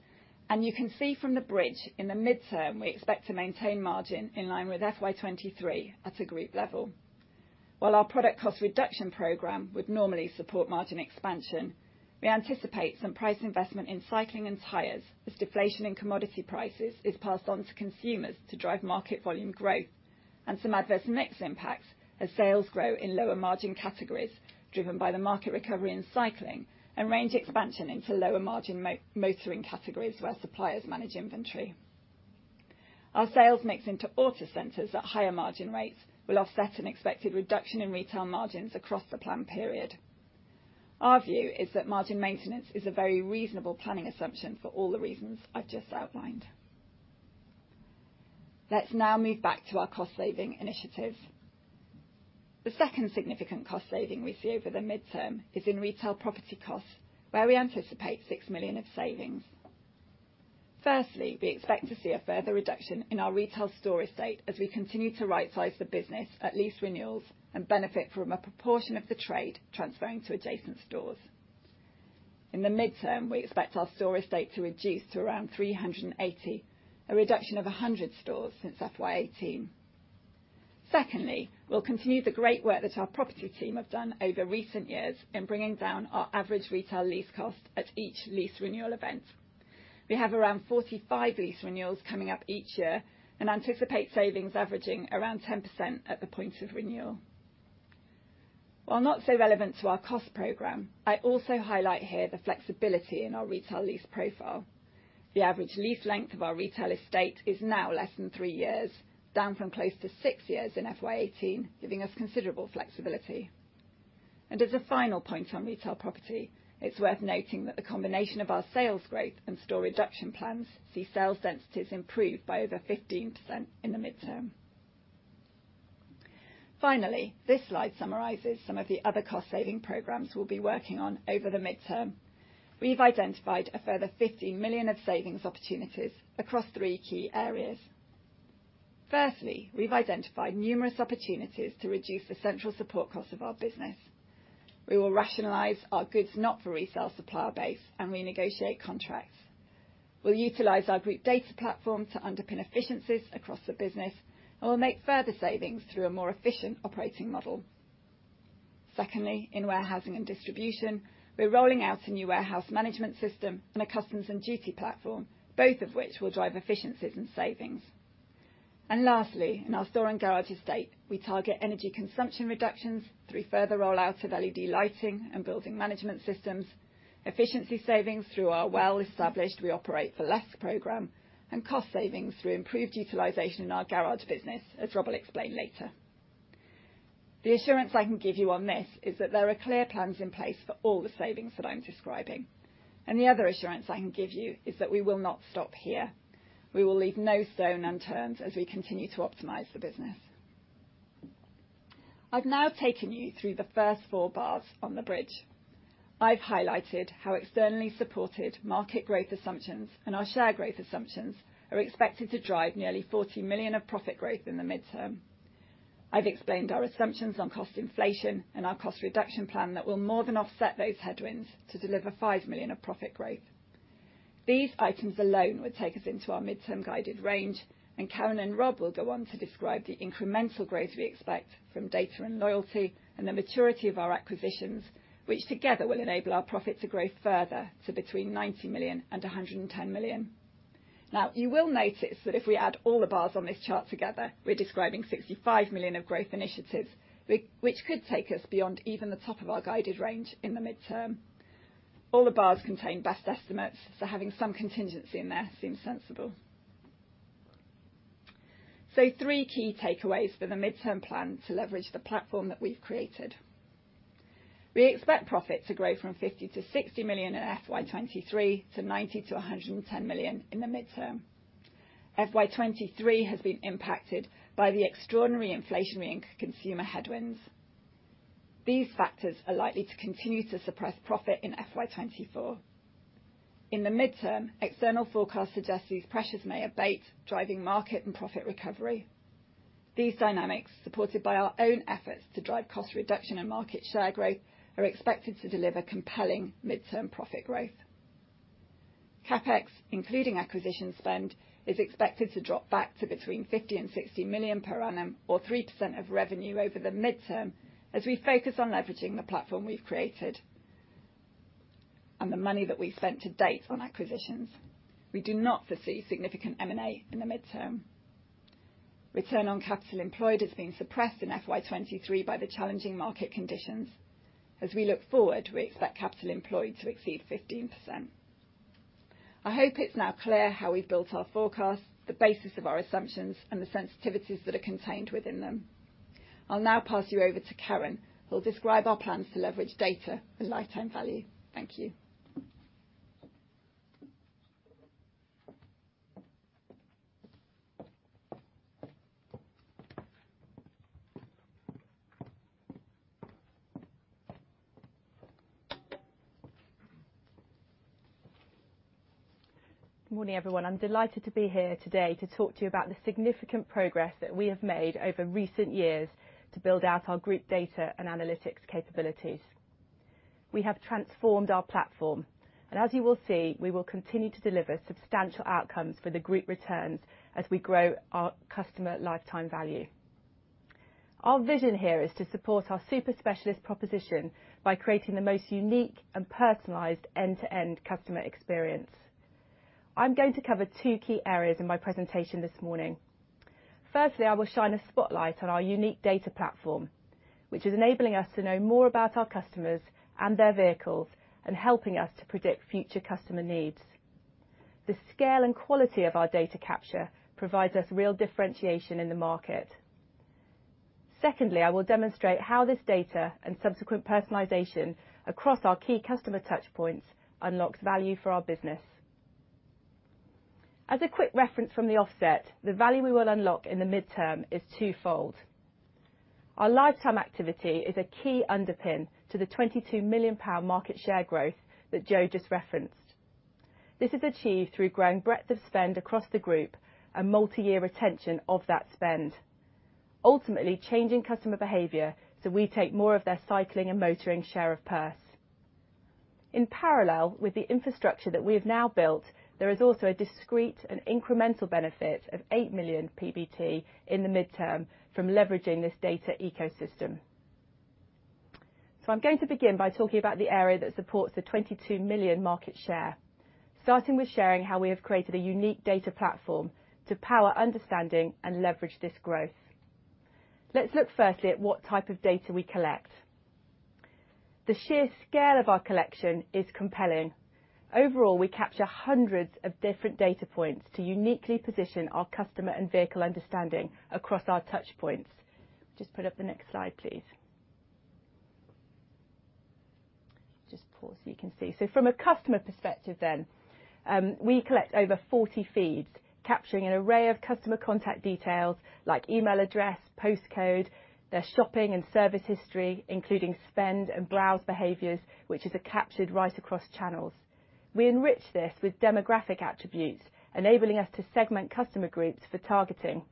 you can see from the bridge in the mid-term, we expect to maintain margin in line with FY 2023 at a group level. While our product cost reduction program would normally support margin expansion, we anticipate some price investment in cycling and tires as deflation in commodity prices is passed on to consumers to drive market volume growth and some adverse mix impacts as sales grow in lower margin categories driven by the market recovery and cycling and range expansion into lower margin motoring categories where suppliers manage inventory. Our sales mix into Halfords Autocentres at higher margin rates will offset an expected reduction in retail margins across the plan period. Our view is that margin maintenance is a very reasonable planning assumption for all the reasons I've just outlined. Let's now move back to our cost saving initiative. The second significant cost saving we see over the midterm is in retail property costs, where we anticipate 6 million of savings. Firstly, we expect to see a further reduction in our retail store estate as we continue to rightsize the business at lease renewals and benefit from a proportion of the trade transferring to adjacent stores. In the midterm, we expect our store estate to reduce to around 380, a reduction of 100 stores since FY 2018. Secondly, we'll continue the great work that our property team have done over recent years in bringing down our average retail lease cost at each lease renewal event. We have around 45 lease renewals coming up each year and anticipate savings averaging around 10% at the point of renewal. While not so relevant to our cost program, I also highlight here the flexibility in our retail lease profile. The average lease length of our retail estate is now less than three years, down from close to six years in FY 2018, giving us considerable flexibility. As a final point on retail property, it's worth noting that the combination of our sales growth and store reduction plans see sales densities improve by over 15% in the midterm. Finally, this slide summarizes some of the other cost saving programs we'll be working on over the midterm. We've identified a further 50 million of savings opportunities across three key areas. Firstly, we've identified numerous opportunities to reduce the central support cost of our business. We will rationalize our goods not for resale supplier base and renegotiate contracts. We'll utilize our group data platform to underpin efficiencies across the business and we'll make further savings through a more efficient operating model. Secondly, in warehousing and distribution, we're rolling out a new warehouse management system and a customs and duty platform, both of which will drive efficiencies and savings. Lastly, in our store and garage estate, we target energy consumption reductions through further rollouts of LED lighting and building management systems, efficiency savings through our well-established We Operate For Less program, and cost savings through improved utilization in our garage business, as Rob will explain later. The assurance I can give you on this is that there are clear plans in place for all the savings that I'm describing. The other assurance I can give you is that we will not stop here. We will leave no stone unturned as we continue to optimize the business. I've now taken you through the first four bars on the bridge. I've highlighted how externally supported market growth assumptions and our share growth assumptions are expected to drive nearly 40 million of profit growth in the midterm. I've explained our assumptions on cost inflation and our cost reduction plan that will more than offset those headwinds to deliver 5 million of profit growth. These items alone would take us into our midterm guided range. Karen and Rob will go on to describe the incremental growth we expect from data and loyalty and the maturity of our acquisitions, which together will enable our profit to grow further to between 90 million and 110 million. You will notice that if we add all the bars on this chart together, we're describing 65 million of growth initiatives, which could take us beyond even the top of our guided range in the midterm. All the bars contain best estimates, having some contingency in there seems sensible. Three key takeaways for the midterm plan to leverage the platform that we've created. We expect profit to grow from 50 million-60 million in FY 2023 to 90 million-110 million in the midterm. FY 2023 has been impacted by the extraordinary inflationary and consumer headwinds. These factors are likely to continue to suppress profit in FY 2024. In the midterm, external forecasts suggest these pressures may abate, driving market and profit recovery. These dynamics, supported by our own efforts to drive cost reduction and market share growth, are expected to deliver compelling midterm profit growth. CapEx, including acquisition spend, is expected to drop back to between 50 million and 60 million per annum, or 3% of revenue over the midterm, as we focus on leveraging the platform we've created and the money that we've spent to date on acquisitions. We do not foresee significant M&A in the midterm. Return on capital employed has been suppressed in FY 2023 by the challenging market conditions. As we look forward, we expect capital employed to exceed 15%. I hope it's now clear how we've built our forecast, the basis of our assumptions, and the sensitivities that are contained within them. I'll now pass you over to Karen, who'll describe our plans to leverage data and lifetime value. Thank you. Morning, everyone. I'm delighted to be here today to talk to you about the significant progress that we have made over recent years to build out our group data and analytics capabilities. We have transformed our platform, and as you will see, we will continue to deliver substantial outcomes for the group returns as we grow our customer lifetime value. Our vision here is to support our super specialist proposition by creating the most unique and personalized end-to-end customer experience. I'm going to cover two key areas in my presentation this morning. Firstly, I will shine a spotlight on our unique data platform, which is enabling us to know more about our customers and their vehicles and helping us to predict future customer needs. The scale and quality of our data capture provides us real differentiation in the market. Secondly, I will demonstrate how this data and subsequent personalization across our key customer touchpoints unlocks value for our business. As a quick reference from the offset, the value we will unlock in the midterm is twofold. Our lifetime activity is a key underpin to the 22 million pound market share growth that Jo just referenced. This is achieved through growing breadth of spend across the group and multiyear retention of that spend, ultimately changing customer behavior, so we take more of their cycling and motoring share of purse. In parallel with the infrastructure that we have now built, there is also a discrete and incremental benefit of 8 million PBT in the midterm from leveraging this data ecosystem. I'm going to begin by talking about the area that supports the 22 million market share, starting with sharing how we have created a unique data platform to power understanding and leverage this growth. Let's look firstly at what type of data we collect. The sheer scale of our collection is compelling. Overall, we capture hundreds of different data points to uniquely position our customer and vehicle understanding across our touchpoints. Just put up the next slide, please. Just pause so you can see. From a customer perspective then, we collect over 40 feeds, capturing an array of customer contact details like email address, postcode, their shopping and service history, including spend and browse behaviors, which is captured right across channels. We enrich this with demographic attributes, enabling us to segment customer groups for targeting.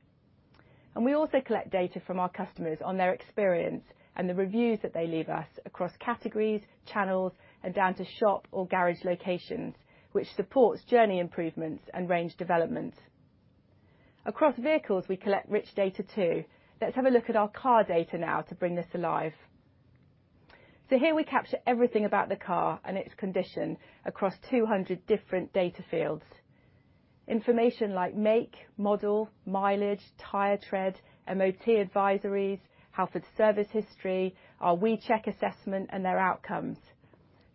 We also collect data from our customers on their experience and the reviews that they leave us across categories, channels, and down to shop or garage locations, which supports journey improvements and range development. Across vehicles, we collect rich data too. Let's have a look at our car data now to bring this alive. Here we capture everything about the car and its condition across 200 different data fields. Information like make, model, mileage, tire tread, MOT advisories, Halfords service history, our WeCheck assessment and their outcomes.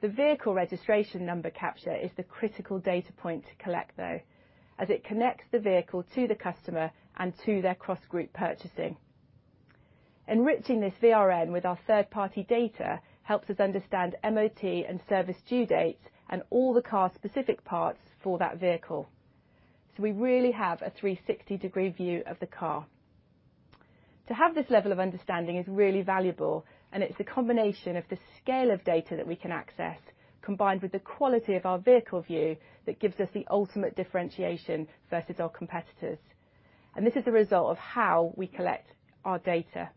The vehicle registration number capture is the critical data point to collect, though, as it connects the vehicle to the customer and to their cross-group purchasing. Enriching this VRN with our third-party data helps us understand MOT and service due dates and all the car-specific parts for that vehicle. We really have a 360-degree view of the car. To have this level of understanding is really valuable, and it's a combination of the scale of data that we can access, combined with the quality of our vehicle view, that gives us the ultimate differentiation versus our competitors. This is a result of how we collect our data.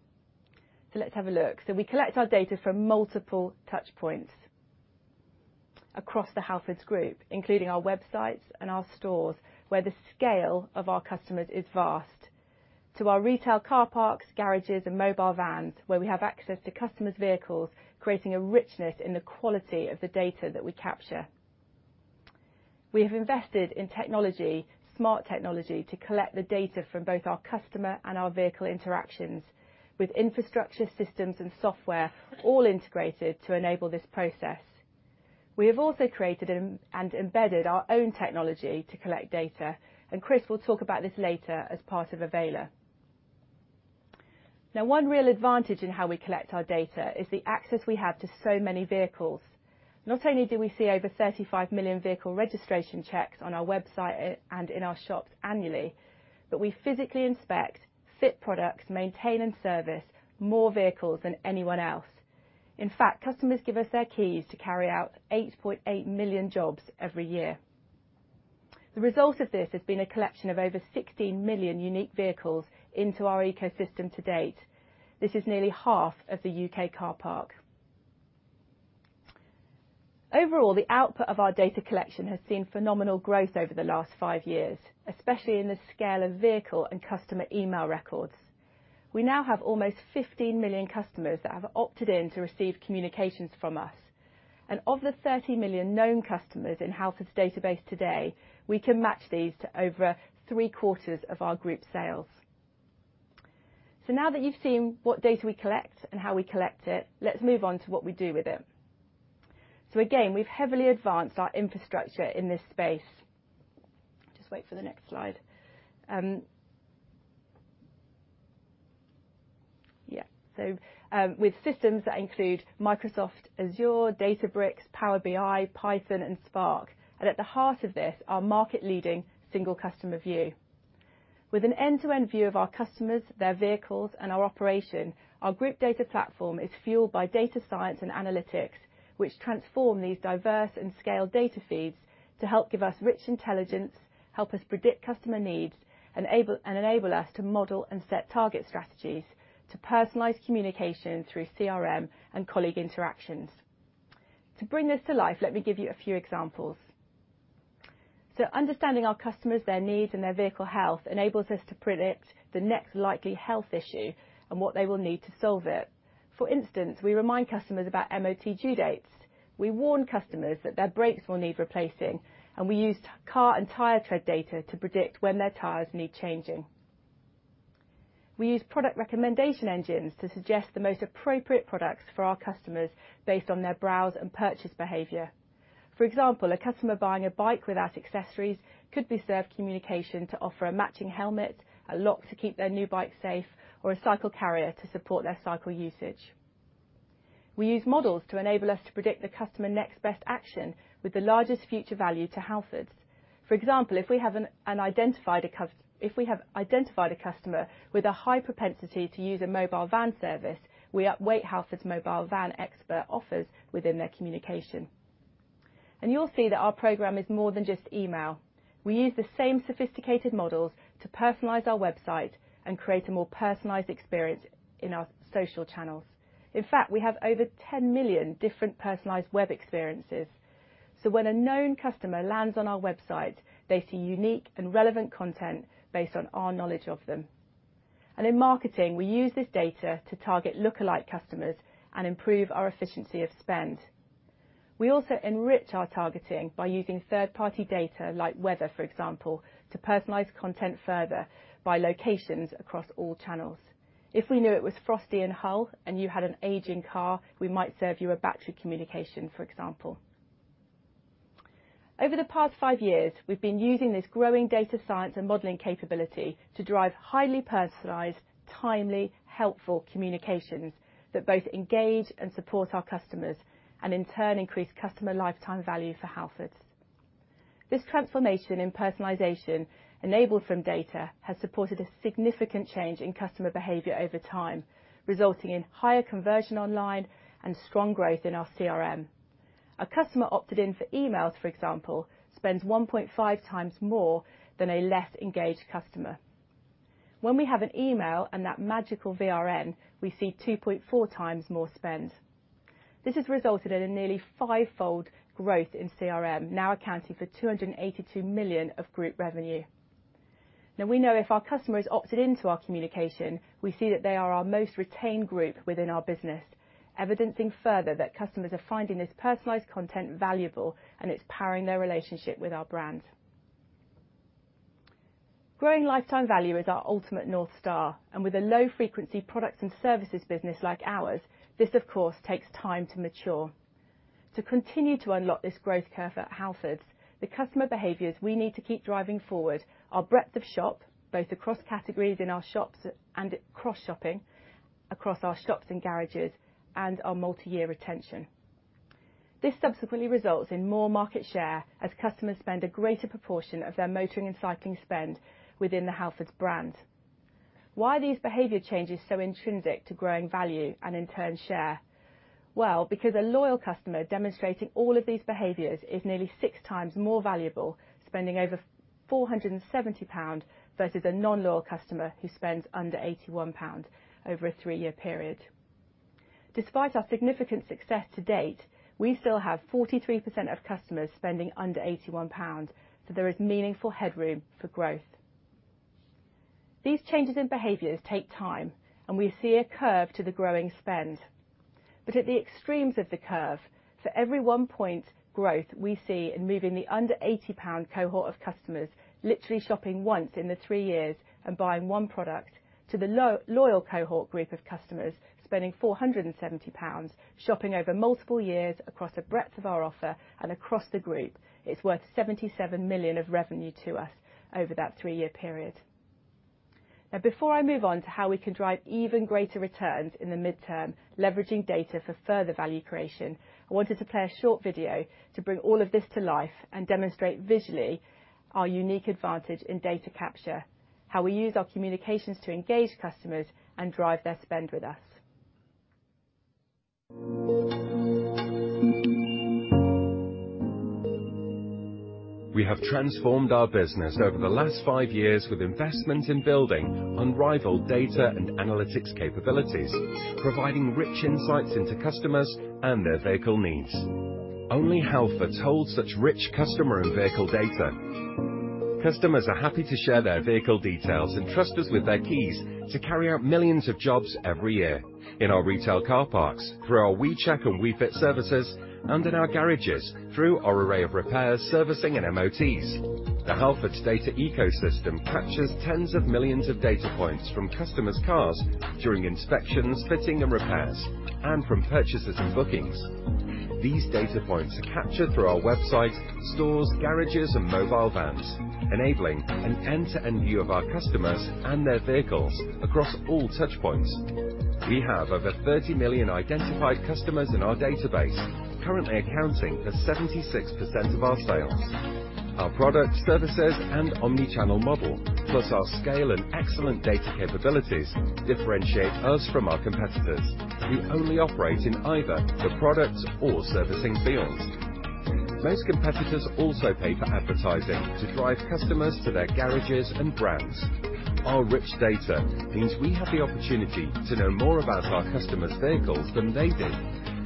Let's have a look. We collect our data from multiple touchpoints across the Halfords Group, including our websites and our stores, where the scale of our customers is vast, to our retail car parks, garages, and mobile vans, where we have access to customers' vehicles, creating a richness in the quality of the data that we capture. We have invested in technology, smart technology, to collect the data from both our customer and our vehicle interactions with infrastructure systems and software all integrated to enable this process. We have also created and embedded our own technology to collect data. Chris will talk about this later as part of Avayler. One real advantage in how we collect our data is the access we have to so many vehicles. Not only do we see over 35 million vehicle registration checks on our website and in our shops annually, we physically inspect, fit products, maintain and service more vehicles than anyone else. In fact, customers give us their keys to carry out 8.8 million jobs every year. The result of this has been a collection of over 16 million unique vehicles into our ecosystem to date. This is nearly half of the U.K. car park. Overall, the output of our data collection has seen phenomenal growth over the last five years, especially in the scale of vehicle and customer email records. We now have almost 15 million customers that have opted in to receive communications from us. Of the 30 million known customers in Halfords' database today, we can match these to over 3three quarters of our group sales. Now that you've seen what data we collect and how we collect it, let's move on to what we do with it. Again, we've heavily advanced our infrastructure in this space. Just wait for the next slide. With systems that include Microsoft Azure, Databricks, Power BI, Python, and Spark, and at the heart of this, our market-leading single customer view. With an end-to-end view of our customers, their vehicles, and our operation, our group data platform is fueled by data science and analytics, which transform these diverse and scaled data feeds to help give us rich intelligence, help us predict customer needs, and enable us to model and set target strategies to personalize communication through CRM and colleague interactions. To bring this to life, let me give you a few examples. Understanding our customers, their needs, and their vehicle health enables us to predict the next likely health issue and what they will need to solve it. For instance, we remind customers about MOT due dates. We warn customers that their brakes will need replacing, and we use car and tire tread data to predict when their tires need changing. We use product recommendation engines to suggest the most appropriate products for our customers based on their browse and purchase behavior. For example, a customer buying a bike without accessories could be served communication to offer a matching helmet, a lock to keep their new bike safe, or a cycle carrier to support their cycle usage. We use models to enable us to predict the customer next best action with the largest future value to Halfords. For example, if we have identified a customer with a high propensity to use a mobile van service, we up-weight Halfords mobile van expert offers within their communication. You'll see that our program is more than just email. We use the same sophisticated models to personalize our website and create a more personalized experience in our social channels. In fact, we have over 10 million different personalized web experiences, so when a known customer lands on our website, they see unique and relevant content based on our knowledge of them. In marketing, we use this data to target lookalike customers and improve our efficiency of spend. We also enrich our targeting by using third-party data, like weather, for example, to personalize content further by locations across all channels. If we knew it was frosty in Hull and you had an aging car, we might serve you a battery communication, for example. Over the past five years, we've been using this growing data science and modeling capability to drive highly personalized, timely, helpful communications that both engage and support our customers and in turn, increase customer lifetime value for Halfords. This transformation in personalization enabled from data has supported a significant change in customer behavior over time, resulting in higher conversion online and strong growth in our CRM. A customer opted in for emails, for example, spends 1.5 times more than a less engaged customer. When we have an email and that magical VRN, we see 2.4 times more spend. This has resulted in a nearly five-fold growth in CRM, now accounting for 282 million of group revenue. We know if our customer has opted into our communication, we see that they are our most retained group within our business, evidencing further that customers are finding this personalized content valuable, and it's powering their relationship with our brand. Growing lifetime value is our ultimate North Star. With a low frequency products and services business like ours, this, of course, takes time to mature. To continue to unlock this growth curve at Halfords, the customer behaviors we need to keep driving forward are breadth of shop, both across categories in our shops and cross-shopping across our shops and garages, and our multiyear retention. This subsequently results in more market share as customers spend a greater proportion of their motoring and cycling spend within the Halfords brand. Why are these behavior changes so intrinsic to growing value and in turn share? Well, because a loyal customer demonstrating all of these behaviors is nearly six times more valuable, spending over 470 pound versus a non-loyal customer who spends under 81 pound over a three-year period. Despite our significant success to date, we still have 43% of customers spending under 81 pounds, so there is meaningful headroom for growth. These changes in behaviors take time, and we see a curve to the growing spend. At the extremes of the curve, for every one point growth we see in moving the under 80 pound cohort of customers literally shopping once in the three years and buying one product to the loyal cohort group of customers spending 470 pounds, shopping over multiple years across the breadth of our offer and across the group, it's worth 77 million of revenue to us over that three-year period. Now, before I move on to how we can drive even greater returns in the mid-term, leveraging data for further value creation, I wanted to play a short video to bring all of this to life and demonstrate visually our unique advantage in data capture, how we use our communications to engage customers and drive their spend with us. We have transformed our business over the last five years with investment in building unrivaled data and analytics capabilities, providing rich insights into customers and their vehicle needs. Only Halfords holds such rich customer and vehicle data. Customers are happy to share their vehicle details and trust us with their keys to carry out millions of jobs every year in our retail car parks through our WeCheck and WeFit services and in our garages through our array of repairs, servicing and MOTs. The Halfords data ecosystem captures tens of millions of data points from customers' cars during inspections, fitting, and repairs, and from purchases and bookings. These data points are captured through our website, stores, garages, and mobile vans, enabling an end-to-end view of our customers and their vehicles across all touch points. We have over 30 million identified customers in our database, currently accounting for 76% of our sales. Our product, services, and omni-channel model, plus our scale and excellent data capabilities differentiate us from our competitors who only operate in either the product or servicing fields. Most competitors also pay for advertising to drive customers to their garages and brands. Our rich data means we have the opportunity to know more about our customers' vehicles than they do,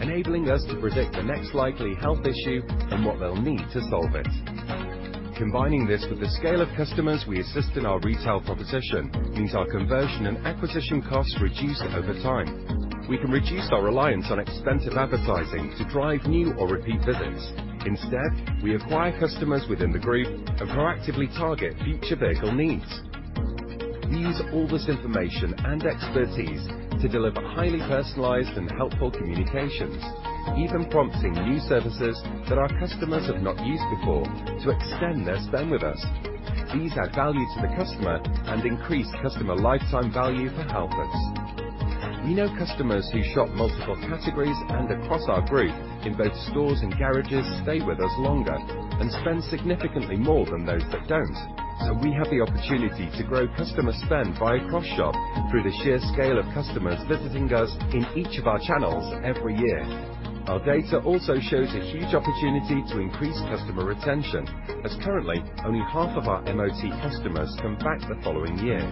enabling us to predict the next likely health issue and what they'll need to solve it. Combining this with the scale of customers we assist in our retail proposition means our conversion and acquisition costs reduce over time. We can reduce our reliance on expensive advertising to drive new or repeat business. Instead, we acquire customers within the group and proactively target future vehicle needs. We use all this information and expertise to deliver highly personalized and helpful communications, even prompting new services that our customers have not used before to extend their spend with us. These add value to the customer and increase customer lifetime value for Halfords. We know customers who shop multiple categories and across our group in both stores and garages stay with us longer and spend significantly more than those that don't, so we have the opportunity to grow customer spend via cross-shop through the sheer scale of customers visiting us in each of our channels every year. Our data also shows a huge opportunity to increase customer retention, as currently only half of our MOT customers come back the following year.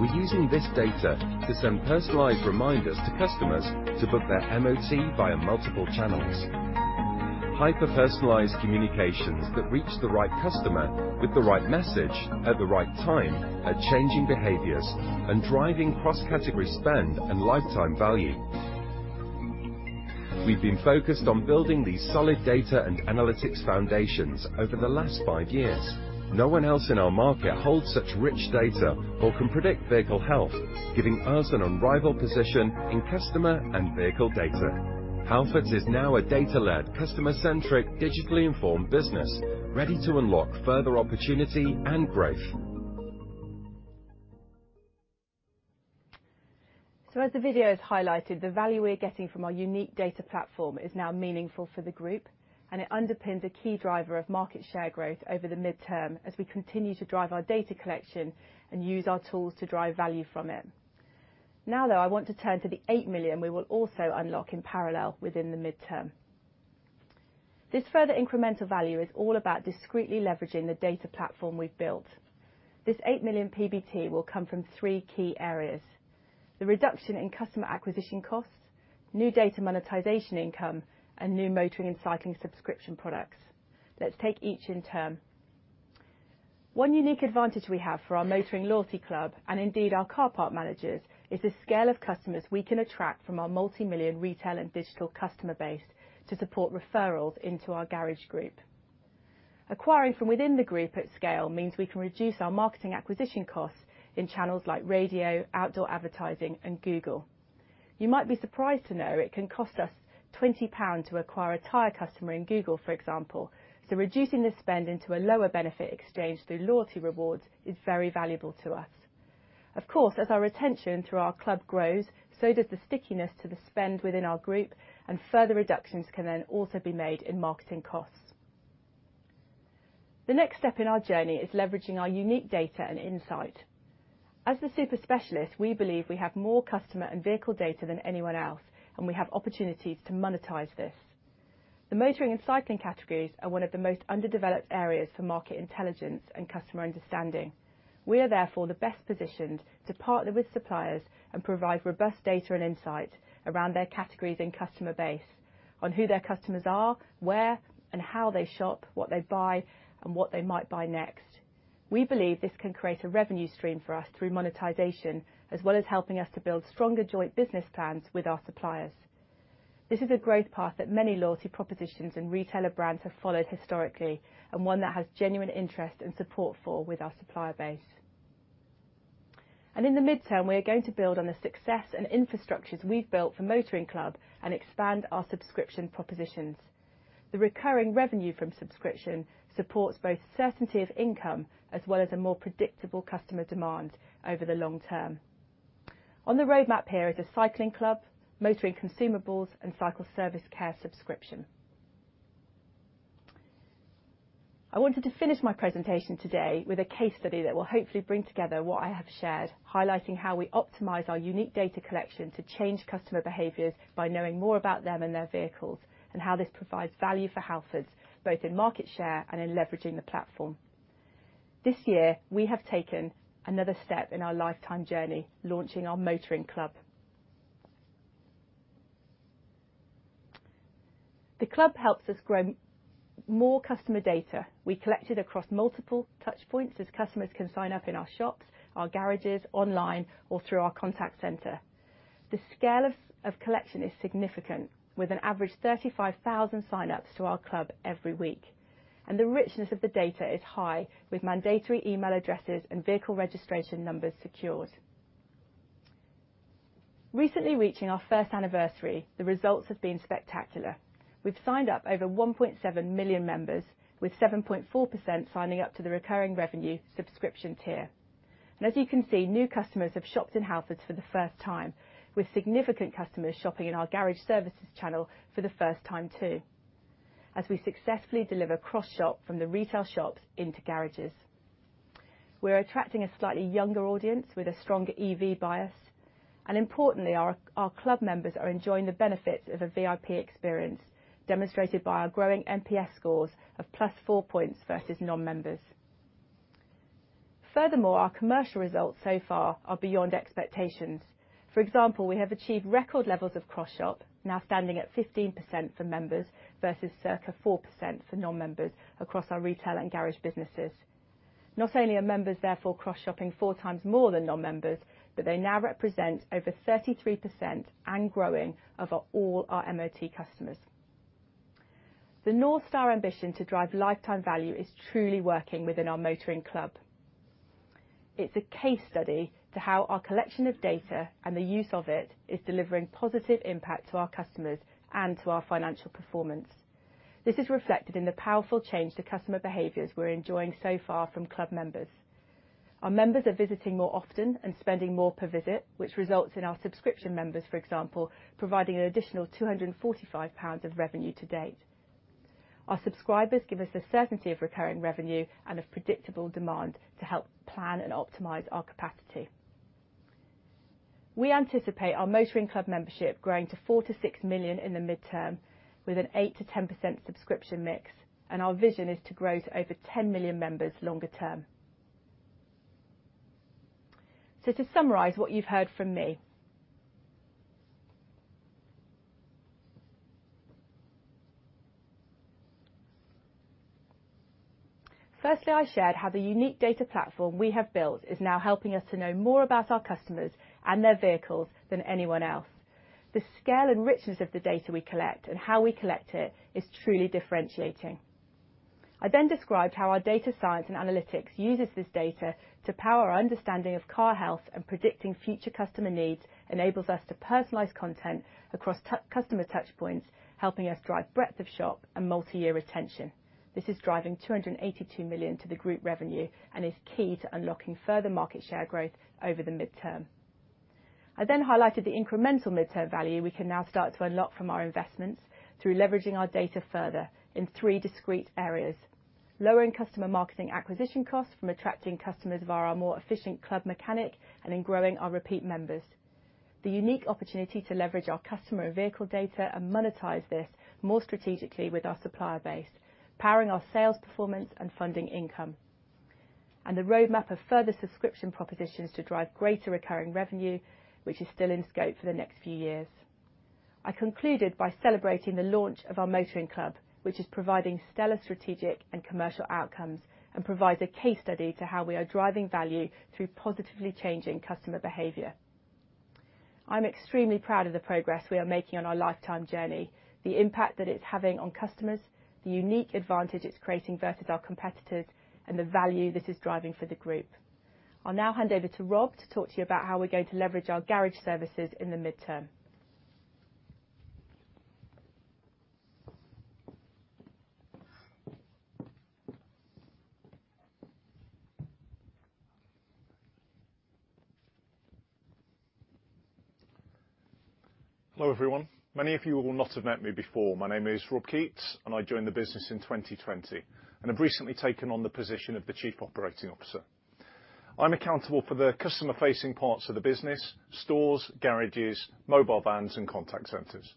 We're using this data to send personalized reminders to customers to book their MOT via multiple channels. Hyper-personalized communications that reach the right customer with the right message at the right time are changing behaviors and driving cross-category spend and lifetime value. We've been focused on building these solid data and analytics foundations over the last five years. No one else in our market holds such rich data or can predict vehicle health, giving us an unrivaled position in customer and vehicle data. Halfords is now a data-led, customer-centric, digitally informed business ready to unlock further opportunity and growth. As the video has highlighted, the value we're getting from our unique data platform is now meaningful for the group, and it underpins a key driver of market share growth over the midterm as we continue to drive our data collection and use our tools to drive value from it. Though, I want to turn to the 8 million we will also unlock in parallel within the midterm. This further incremental value is all about discreetly leveraging the data platform we've built. This 8 million PBT will come from three key areas, the reduction in customer acquisition costs, new data monetization income, and new motoring and cycling subscription products. Let's take each in turn. One unique advantage we have for our Motoring Loyalty Club, and indeed our car park managers, is the scale of customers we can attract from our multi-million retail and digital customer base to support referrals into our garage group. Acquiring from within the group at scale means we can reduce our marketing acquisition costs in channels like radio, outdoor advertising, and Google. You might be surprised to know it can cost us 20 pounds to acquire a tire customer in Google, for example. Reducing this spend into a lower benefit exchange through loyalty rewards is very valuable to us. Of course, as our retention through our club grows, so does the stickiness to the spend within our group, and further reductions can then also be made in marketing costs. The next step in our journey is leveraging our unique data and insight. As the super specialist, we believe we have more customer and vehicle data than anyone else, and we have opportunities to monetize this. The motoring and cycling categories are one of the most underdeveloped areas for market intelligence and customer understanding. We are therefore the best positioned to partner with suppliers and provide robust data and insight around their categories and customer base on who their customers are, where and how they shop, what they buy, and what they might buy next. We believe this can create a revenue stream for us through monetization, as well as helping us to build stronger joint business plans with our suppliers. This is a growth path that many loyalty propositions and retailer brands have followed historically and one that has genuine interest and support for with our supplier base. In the midterm, we are going to build on the success and infrastructures we've built for Motoring Club and expand our subscription propositions. The recurring revenue from subscription supports both certainty of income as well as a more predictable customer demand over the long term. On the roadmap here is a cycling club, motoring consumables, and cycle service care subscription. I wanted to finish my presentation today with a case study that will hopefully bring together what I have shared, highlighting how we optimize our unique data collection to change customer behaviors by knowing more about them and their vehicles, and how this provides value for Halfords, both in market share and in leveraging the platform. This year, we have taken another step in our lifetime journey, launching our Motoring Club. The club helps us grow more customer data. We collect it across multiple touch points as customers can sign up in our shops, our garages, online or through our contact center. The scale of collection is significant, with an average 35,000 sign-ups to our club every week. The richness of the data is high, with mandatory email addresses and vehicle registration numbers secured. Recently reaching our first anniversary, the results have been spectacular. We've signed up over 1.7 million members, with 7.4% signing up to the recurring revenue subscription tier. As you can see, new customers have shopped in Halfords for the first time, with significant customers shopping in our garage services channel for the first time too, as we successfully deliver cross-shop from the retail shops into garages. We're attracting a slightly younger audience with a stronger EV bias. Importantly, our club members are enjoying the benefits of a VIP experience, demonstrated by our growing NPS scores of +4 points versus non-members. Furthermore, our commercial results so far are beyond expectations. For example, we have achieved record levels of cross-shop, now standing at 15% for members versus circa 4% for non-members across our retail and garage businesses. Not only are members therefore cross-shopping four times more than non-members, but they now represent over 33% and growing of all our MOT customers. The North Star ambition to drive lifetime value is truly working within our Motoring Club. It's a case study to how our collection of data and the use of it is delivering positive impact to our customers and to our financial performance. This is reflected in the powerful change to customer behaviors we're enjoying so far from club members. Our members are visiting more often and spending more per visit, which results in our subscription members, for example, providing an additional 245 pounds of revenue to date. Our subscribers give us the certainty of recurring revenue and a predictable demand to help plan and optimize our capacity. We anticipate our Motoring Club membership growing to 4 million-6 million in the midterm with an 8%-10% subscription mix, and our vision is to grow to over 10 million members longer term. To summarize what you've heard from me. Firstly, I shared how the unique data platform we have built is now helping us to know more about our customers and their vehicles than anyone else. The scale and richness of the data we collect and how we collect it is truly differentiating. I described how our data science and analytics uses this data to power our understanding of car health and predicting future customer needs, enables us to personalize content across customer touch points, helping us drive breadth of shop and multi-year retention. This is driving 282 million to the group revenue and is key to unlocking further market share growth over the midterm. I highlighted the incremental midterm value we can now start to unlock from our investments through leveraging our data further in three discrete areas. Lowering customer marketing acquisition costs from attracting customers via our more efficient club mechanic and in growing our repeat members. The unique opportunity to leverage our customer and vehicle data and monetize this more strategically with our supplier base, powering our sales performance and funding income. The roadmap of further subscription propositions to drive greater recurring revenue, which is still in scope for the next few years. I concluded by celebrating the launch of our Motoring Club, which is providing stellar strategic and commercial outcomes and provides a case study to how we are driving value through positively changing customer behavior. I'm extremely proud of the progress we are making on our lifetime journey, the impact that it's having on customers, the unique advantage it's creating versus our competitors, and the value this is driving for the group. I'll now hand over to Rob to talk to you about how we're going to leverage our garage services in the midterm. Hello, everyone. Many of you will not have met me before. My name is Rob Keates, and I joined the business in 2020 and have recently taken on the position of the chief operating officer. I'm accountable for the customer-facing parts of the business, stores, garages, mobile vans, and contact centers.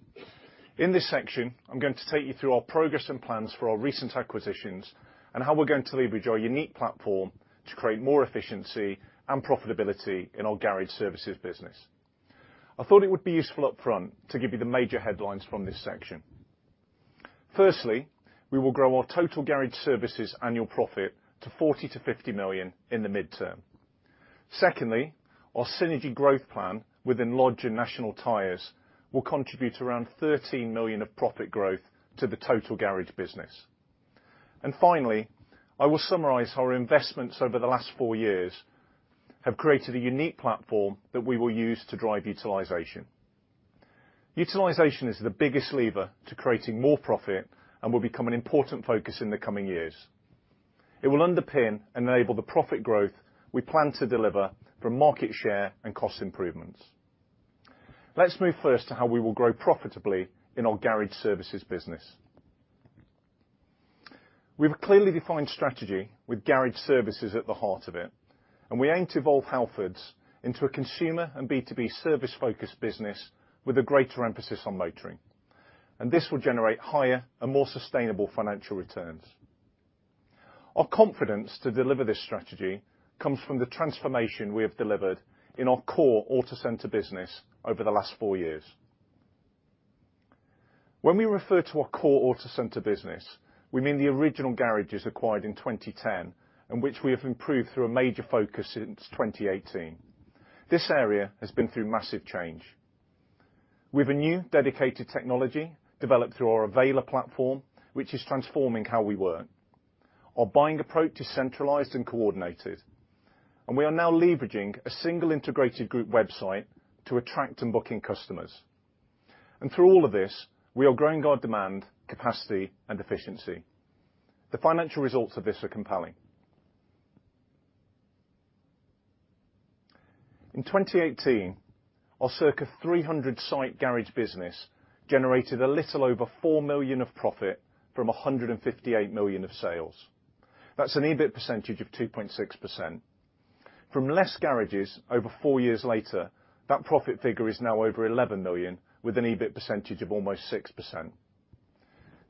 In this section, I'm going to take you through our progress and plans for our recent acquisitions and how we're going to leverage our unique platform to create more efficiency and profitability in our garage services business. I thought it would be useful up front to give you the major headlines from this section. Firstly, we will grow our total garage services annual profit to 40 million-50 million in the midterm. Secondly, our synergy growth plan within Lodge and National Tyres will contribute around 13 million of profit growth to the total garage business. Finally, I will summarize our investments over the last four years have created a unique platform that we will use to drive utilization. Utilization is the biggest lever to creating more profit and will become an important focus in the coming years. It will underpin and enable the profit growth we plan to deliver from market share and cost improvements. Let's move first to how we will grow profitably in our garage services business. We have a clearly defined strategy with garage services at the heart of it, and we aim to evolve Halfords into a consumer and B2B service-focused business with a greater emphasis on motoring. This will generate higher and more sustainable financial returns. Our confidence to deliver this strategy comes from the transformation we have delivered in our core autocenter business over the last four years. When we refer to our core autocenter business, we mean the original garages acquired in 2010, and which we have improved through a major focus since 2018. This area has been through massive change. We have a new dedicated technology developed through our Avayler platform, which is transforming how we work. Our buying approach is centralized and coordinated, and we are now leveraging a single integrated group website to attract and book in customers. Through all of this, we are growing our demand, capacity and efficiency. The financial results of this are compelling. In 2018, our circa 300 site garage business generated a little over 4 million of profit from 158 million of sales. That's an EBIT percentage of 2.6%. From less garages over four years later, that profit figure is now over 11 million, with an EBIT percentage of almost 6%.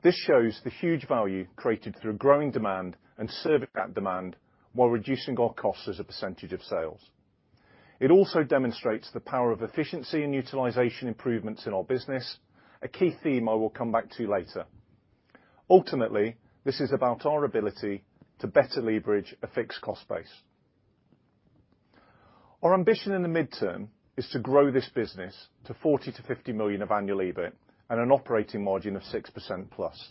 This shows the huge value created through growing demand and serving that demand while reducing our costs as a percentage of sales. It also demonstrates the power of efficiency and utilization improvements in our business, a key theme I will come back to later. Ultimately, this is about our ability to better leverage a fixed cost base. Our ambition in the midterm is to grow this business to 40 million-50 million of annual EBIT and an operating margin of 6%+.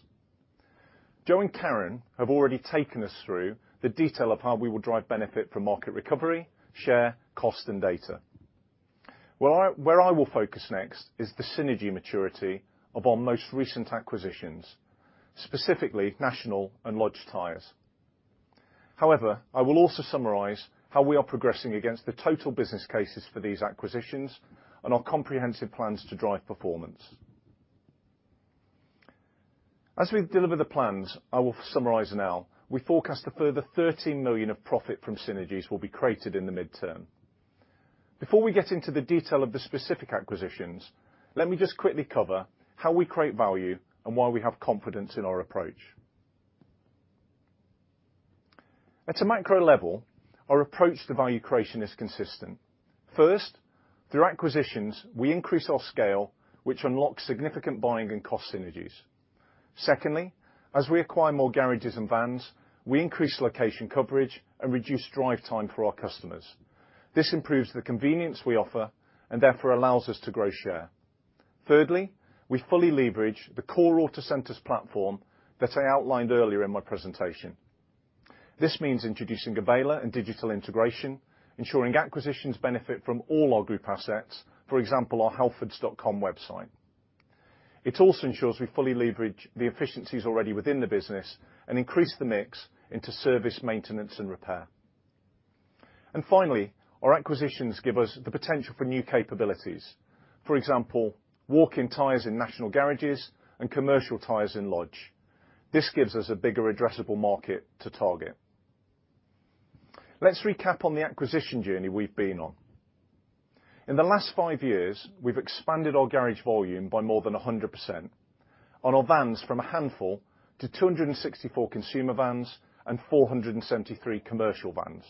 Jo and Karen have already taken us through the detail of how we will drive benefit from market recovery, share, cost and data. Where I will focus next is the synergy maturity of our most recent acquisitions, specifically National and Lodge Tyre. I will also summarize how we are progressing against the total business cases for these acquisitions and our comprehensive plans to drive performance. As we deliver the plans I will summarize now, we forecast a further 13 million of profit from synergies will be created in the midterm. Before we get into the detail of the specific acquisitions, let me just quickly cover how we create value and why we have confidence in our approach. At a micro level, our approach to value creation is consistent. First, through acquisitions, we increase our scale, which unlocks significant buying and cost synergies. Secondly, as we acquire more garages and vans, we increase location coverage and reduce drive time for our customers. This improves the convenience we offer and therefore allows us to grow share. Thirdly, we fully leverage the core Autocentres platform that I outlined earlier in my presentation. This means introducing Avayler and digital integration, ensuring acquisitions benefit from all our group assets, for example, our halfords.com website. It also ensures we fully leverage the efficiencies already within the business and increase the mix into service, maintenance and repair. Finally, our acquisitions give us the potential for new capabilities. For example, walk-in tires in National garages and commercial tires in Lodge. This gives us a bigger addressable market to target. Let's recap on the acquisition journey we've been on. In the last five years, we've expanded our garage volume by more than 100% and our vans from a handful to 264 consumer vans and 473 commercial vans.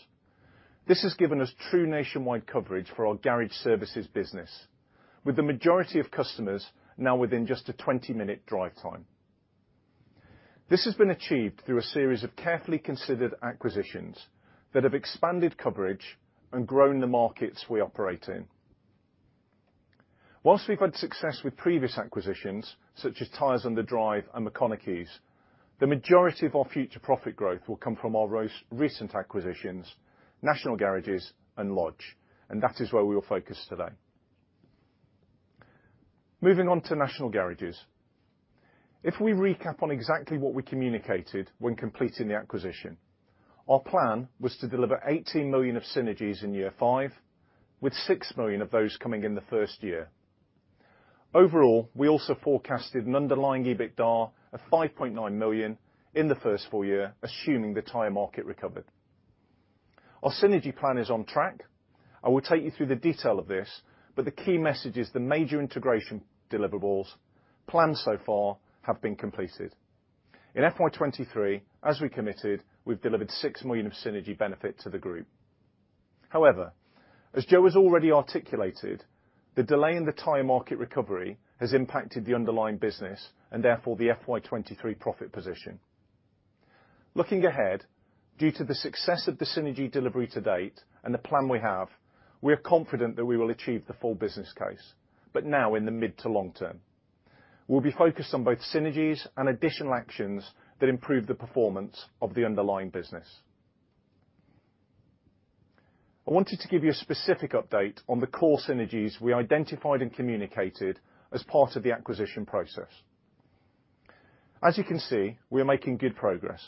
This has given us true nationwide coverage for our garage services business, with the majority of customers now within just a 20-minute drive time. This has been achieved through a series of carefully considered acquisitions that have expanded coverage and grown the markets we operate in. Whilst we've had success with previous acquisitions, such as Tyres on the Drive and McConechy's, the majority of our future profit growth will come from our recent acquisitions, National Garages and Lodge, and that is where we will focus today. Moving on to National Garages. If we recap on exactly what we communicated when completing the acquisition, our plan was to deliver 18 million of synergies in year five with 6 million of those coming in the 1st year. Overall, we also forecasted an underlying EBITDAR of 5.9 million in the 1st full year, assuming the tire market recovered. Our synergy plan is on track. I will take you through the detail of this, but the key message is the major integration deliverables planned so far have been completed. In FY 2023, as we committed, we've delivered 6 million of synergy benefit to the group. However, as Jo has already articulated, the delay in the tyre market recovery has impacted the underlying business and therefore the FY 2023 profit position. Looking ahead, due to the success of the synergy delivery to date and the plan we have, we are confident that we will achieve the full business case, but now in the mid to long term. We'll be focused on both synergies and additional actions that improve the performance of the underlying business. I wanted to give you a specific update on the core synergies we identified and communicated as part of the acquisition process. As you can see, we are making good progress.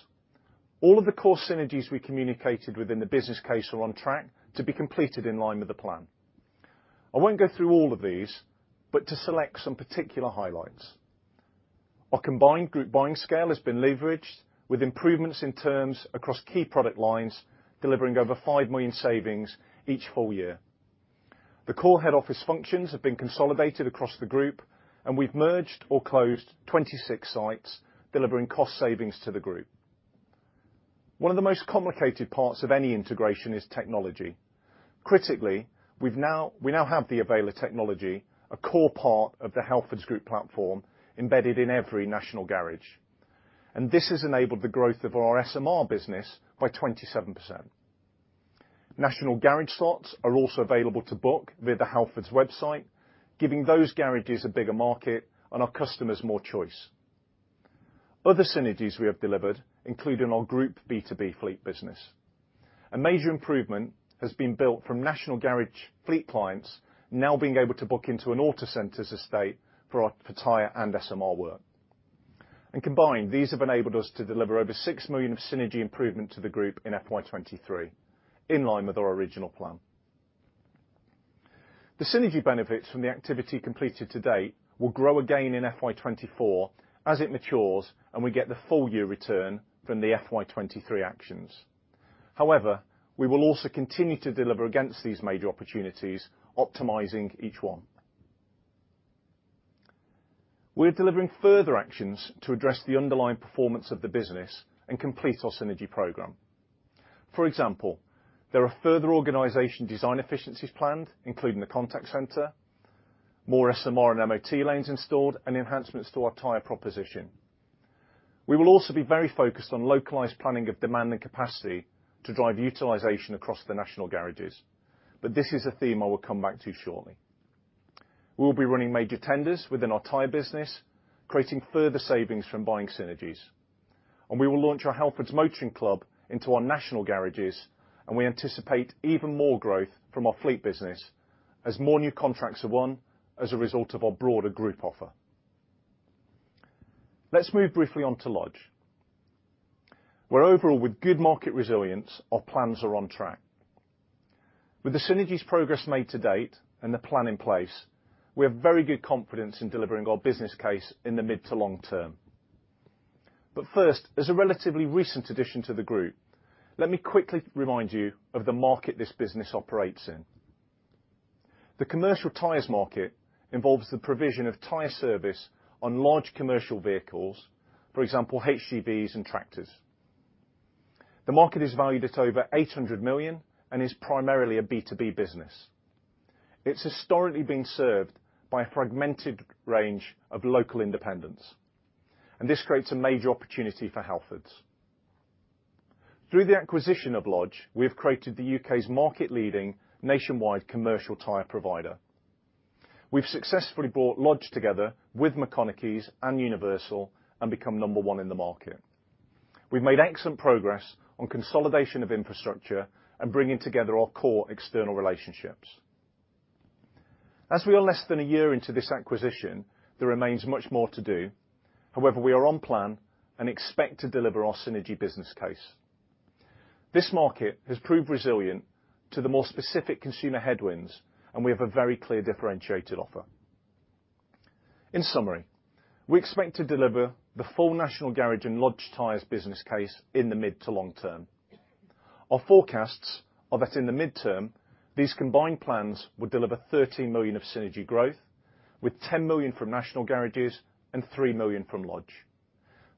All of the core synergies we communicated within the business case are on track to be completed in line with the plan. I won't go through all of these, but to select some particular highlights. Our combined group buying scale has been leveraged with improvements in terms across key product lines, delivering over 5 million savings each full year. The core head office functions have been consolidated across the group. We've merged or closed 26 sites, delivering cost savings to the group. One of the most complicated parts of any integration is technology. Critically, we now have the Avayler technology, a core part of the Halfords Group platform, embedded in every National Garage. This has enabled the growth of our SMR business by 27%. National Garage slots are also available to book via the Halfords website, giving those garages a bigger market and our customers more choice. Other synergies we have delivered include in our group B2B fleet business. A major improvement has been built from National Garage fleet clients now being able to book into an Autocentres' estate for tire and SMR work. Combined, these have enabled us to deliver over 6 million of synergy improvement to the group in FY 2023, in line with our original plan. The synergy benefits from the activity completed to date will grow again in FY 2024 as it matures and we get the full year return from the FY 2023 actions. We will also continue to deliver against these major opportunities, optimizing each one. We're delivering further actions to address the underlying performance of the business and complete our synergy program. For example, there are further organization design efficiencies planned, including the contact center, more SMR and MOT lanes installed, and enhancements to our tire proposition. This is a theme I will come back to shortly. We'll be running major tenders within our tire business, creating further savings from buying synergies. We will launch our Halfords Motoring Club into our national garages. We anticipate even more growth from our fleet business as more new contracts are won as a result of our broader group offer. Let's move briefly on to Lodge. Where overall with good market resilience, our plans are on track. With the synergies progress made to date and the plan in place, we have very good confidence in delivering our business case in the mid to long term. First, as a relatively recent addition to the group, let me quickly remind you of the market this business operates in. The commercial tires market involves the provision of tire service on large commercial vehicles, for example, HGVs and tractors. The market is valued at over 800 million and is primarily a B2B business. It's historically been served by a fragmented range of local independents, and this creates a major opportunity for Halfords. Through the acquisition of Lodge, we have created the U.K.'s market-leading nationwide commercial tire provider. We've successfully brought Lodge together with McConechy's and Universal and become number one in the market. We've made excellent progress on consolidation of infrastructure and bringing together our core external relationships. As we are less than a year into this acquisition, there remains much more to do. We are on plan and expect to deliver our synergy business case. This market has proved resilient to the more specific consumer headwinds, and we have a very clear differentiated offer. In summary, we expect to deliver the full National Garage and Lodge Tyre business case in the mid to long term. Our forecasts are that in the mid-term, these combined plans will deliver 13 million of synergy growth, with 10 million from National Garages and 3 million from Lodge.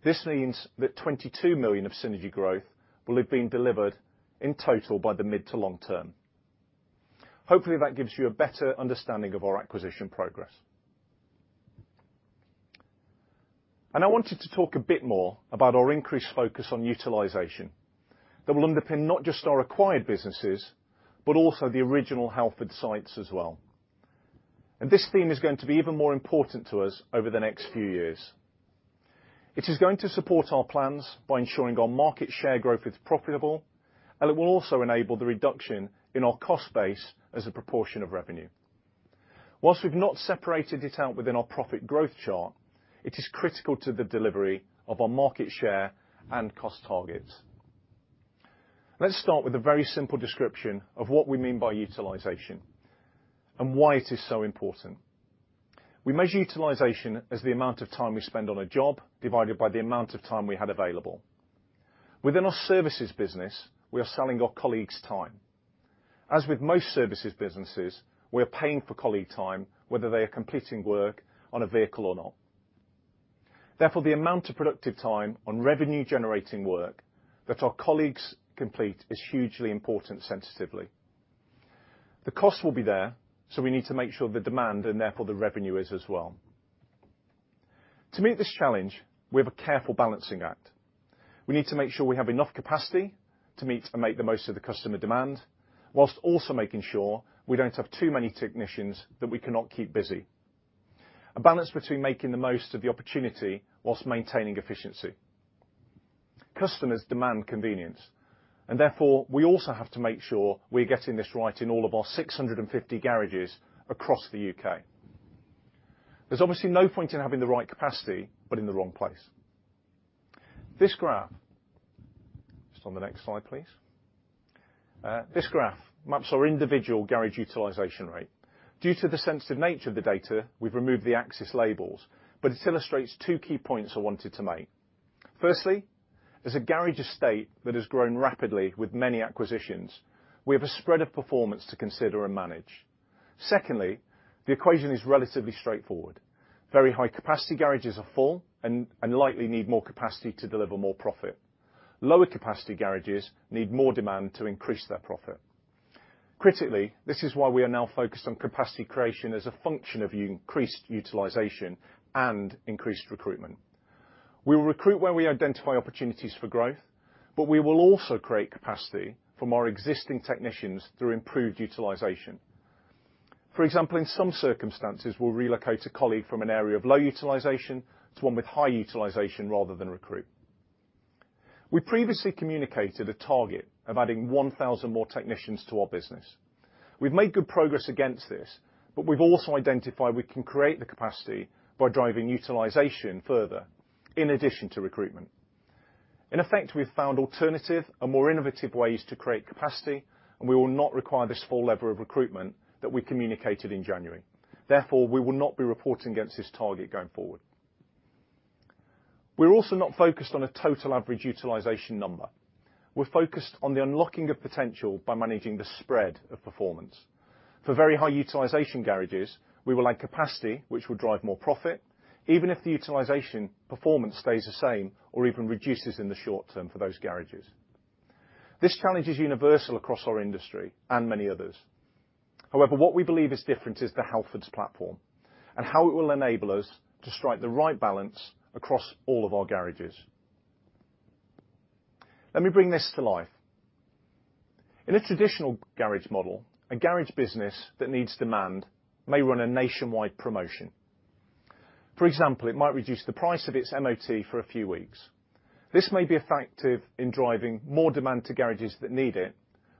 This means that 22 million of synergy growth will have been delivered in total by the mid to long term. Hopefully that gives you a better understanding of our acquisition progress. I wanted to talk a bit more about our increased focus on utilization that will underpin not just our acquired businesses, but also the original Halfords sites as well. This theme is going to be even more important to us over the next few years. It is going to support our plans by ensuring our market share growth is profitable, and it will also enable the reduction in our cost base as a proportion of revenue. Whilst we've not separated it out within our profit growth chart, it is critical to the delivery of our market share and cost targets. Let's start with a very simple description of what we mean by utilization and why it is so important. We measure utilization as the amount of time we spend on a job divided by the amount of time we had available. Within our services business, we are selling our colleagues' time. As with most services businesses, we are paying for colleague time, whether they are completing work on a vehicle or not. The amount of productive time on revenue-generating work that our colleagues complete is hugely important sensitively. The cost will be there, so we need to make sure the demand and therefore the revenue is as well. To meet this challenge, we have a careful balancing act. We need to make sure we have enough capacity to meet and make the most of the customer demand, while also making sure we don't have too many technicians that we cannot keep busy. A balance between making the most of the opportunity while maintaining efficiency. Customers demand convenience, therefore we also have to make sure we're getting this right in all of our 650 garages across the U.K. There's obviously no point in having the right capacity, but in the wrong place. This graph. Just on the next slide, please. This graph maps our individual garage utilization rate. Due to the sensitive nature of the data, we've removed the axis labels, but it illustrates two key points I wanted to make. Firstly, as a garage estate that has grown rapidly with many acquisitions, we have a spread of performance to consider and manage. Secondly, the equation is relatively straightforward. Very high capacity garages are full and likely need more capacity to deliver more profit. Lower capacity garages need more demand to increase their profit. Critically, this is why we are now focused on capacity creation as a function of increased utilization and increased recruitment. We will recruit where we identify opportunities for growth, but we will also create capacity from our existing technicians through improved utilization. For example, in some circumstances, we'll relocate a colleague from an area of low utilization to one with high utilization rather than recruit. We previously communicated a target of adding 1,000 more technicians to our business. We've made good progress against this, but we've also identified we can create the capacity by driving utilization further in addition to recruitment. In effect, we've found alternative and more innovative ways to create capacity, and we will not require this full level of recruitment that we communicated in January. Therefore, we will not be reporting against this target going forward. We're also not focused on a total average utilization number. We're focused on the unlocking of potential by managing the spread of performance. For very high utilization garages, we will add capacity which will drive more profit, even if the utilization performance stays the same or even reduces in the short term for those garages. This challenge is universal across our industry and many others. What we believe is different is the Halfords platform and how it will enable us to strike the right balance across all of our garages. Let me bring this to life. In a traditional garage model, a garage business that needs demand may run a nationwide promotion. For example, it might reduce the price of its MOT for a few weeks. This may be effective in driving more demand to garages that need it,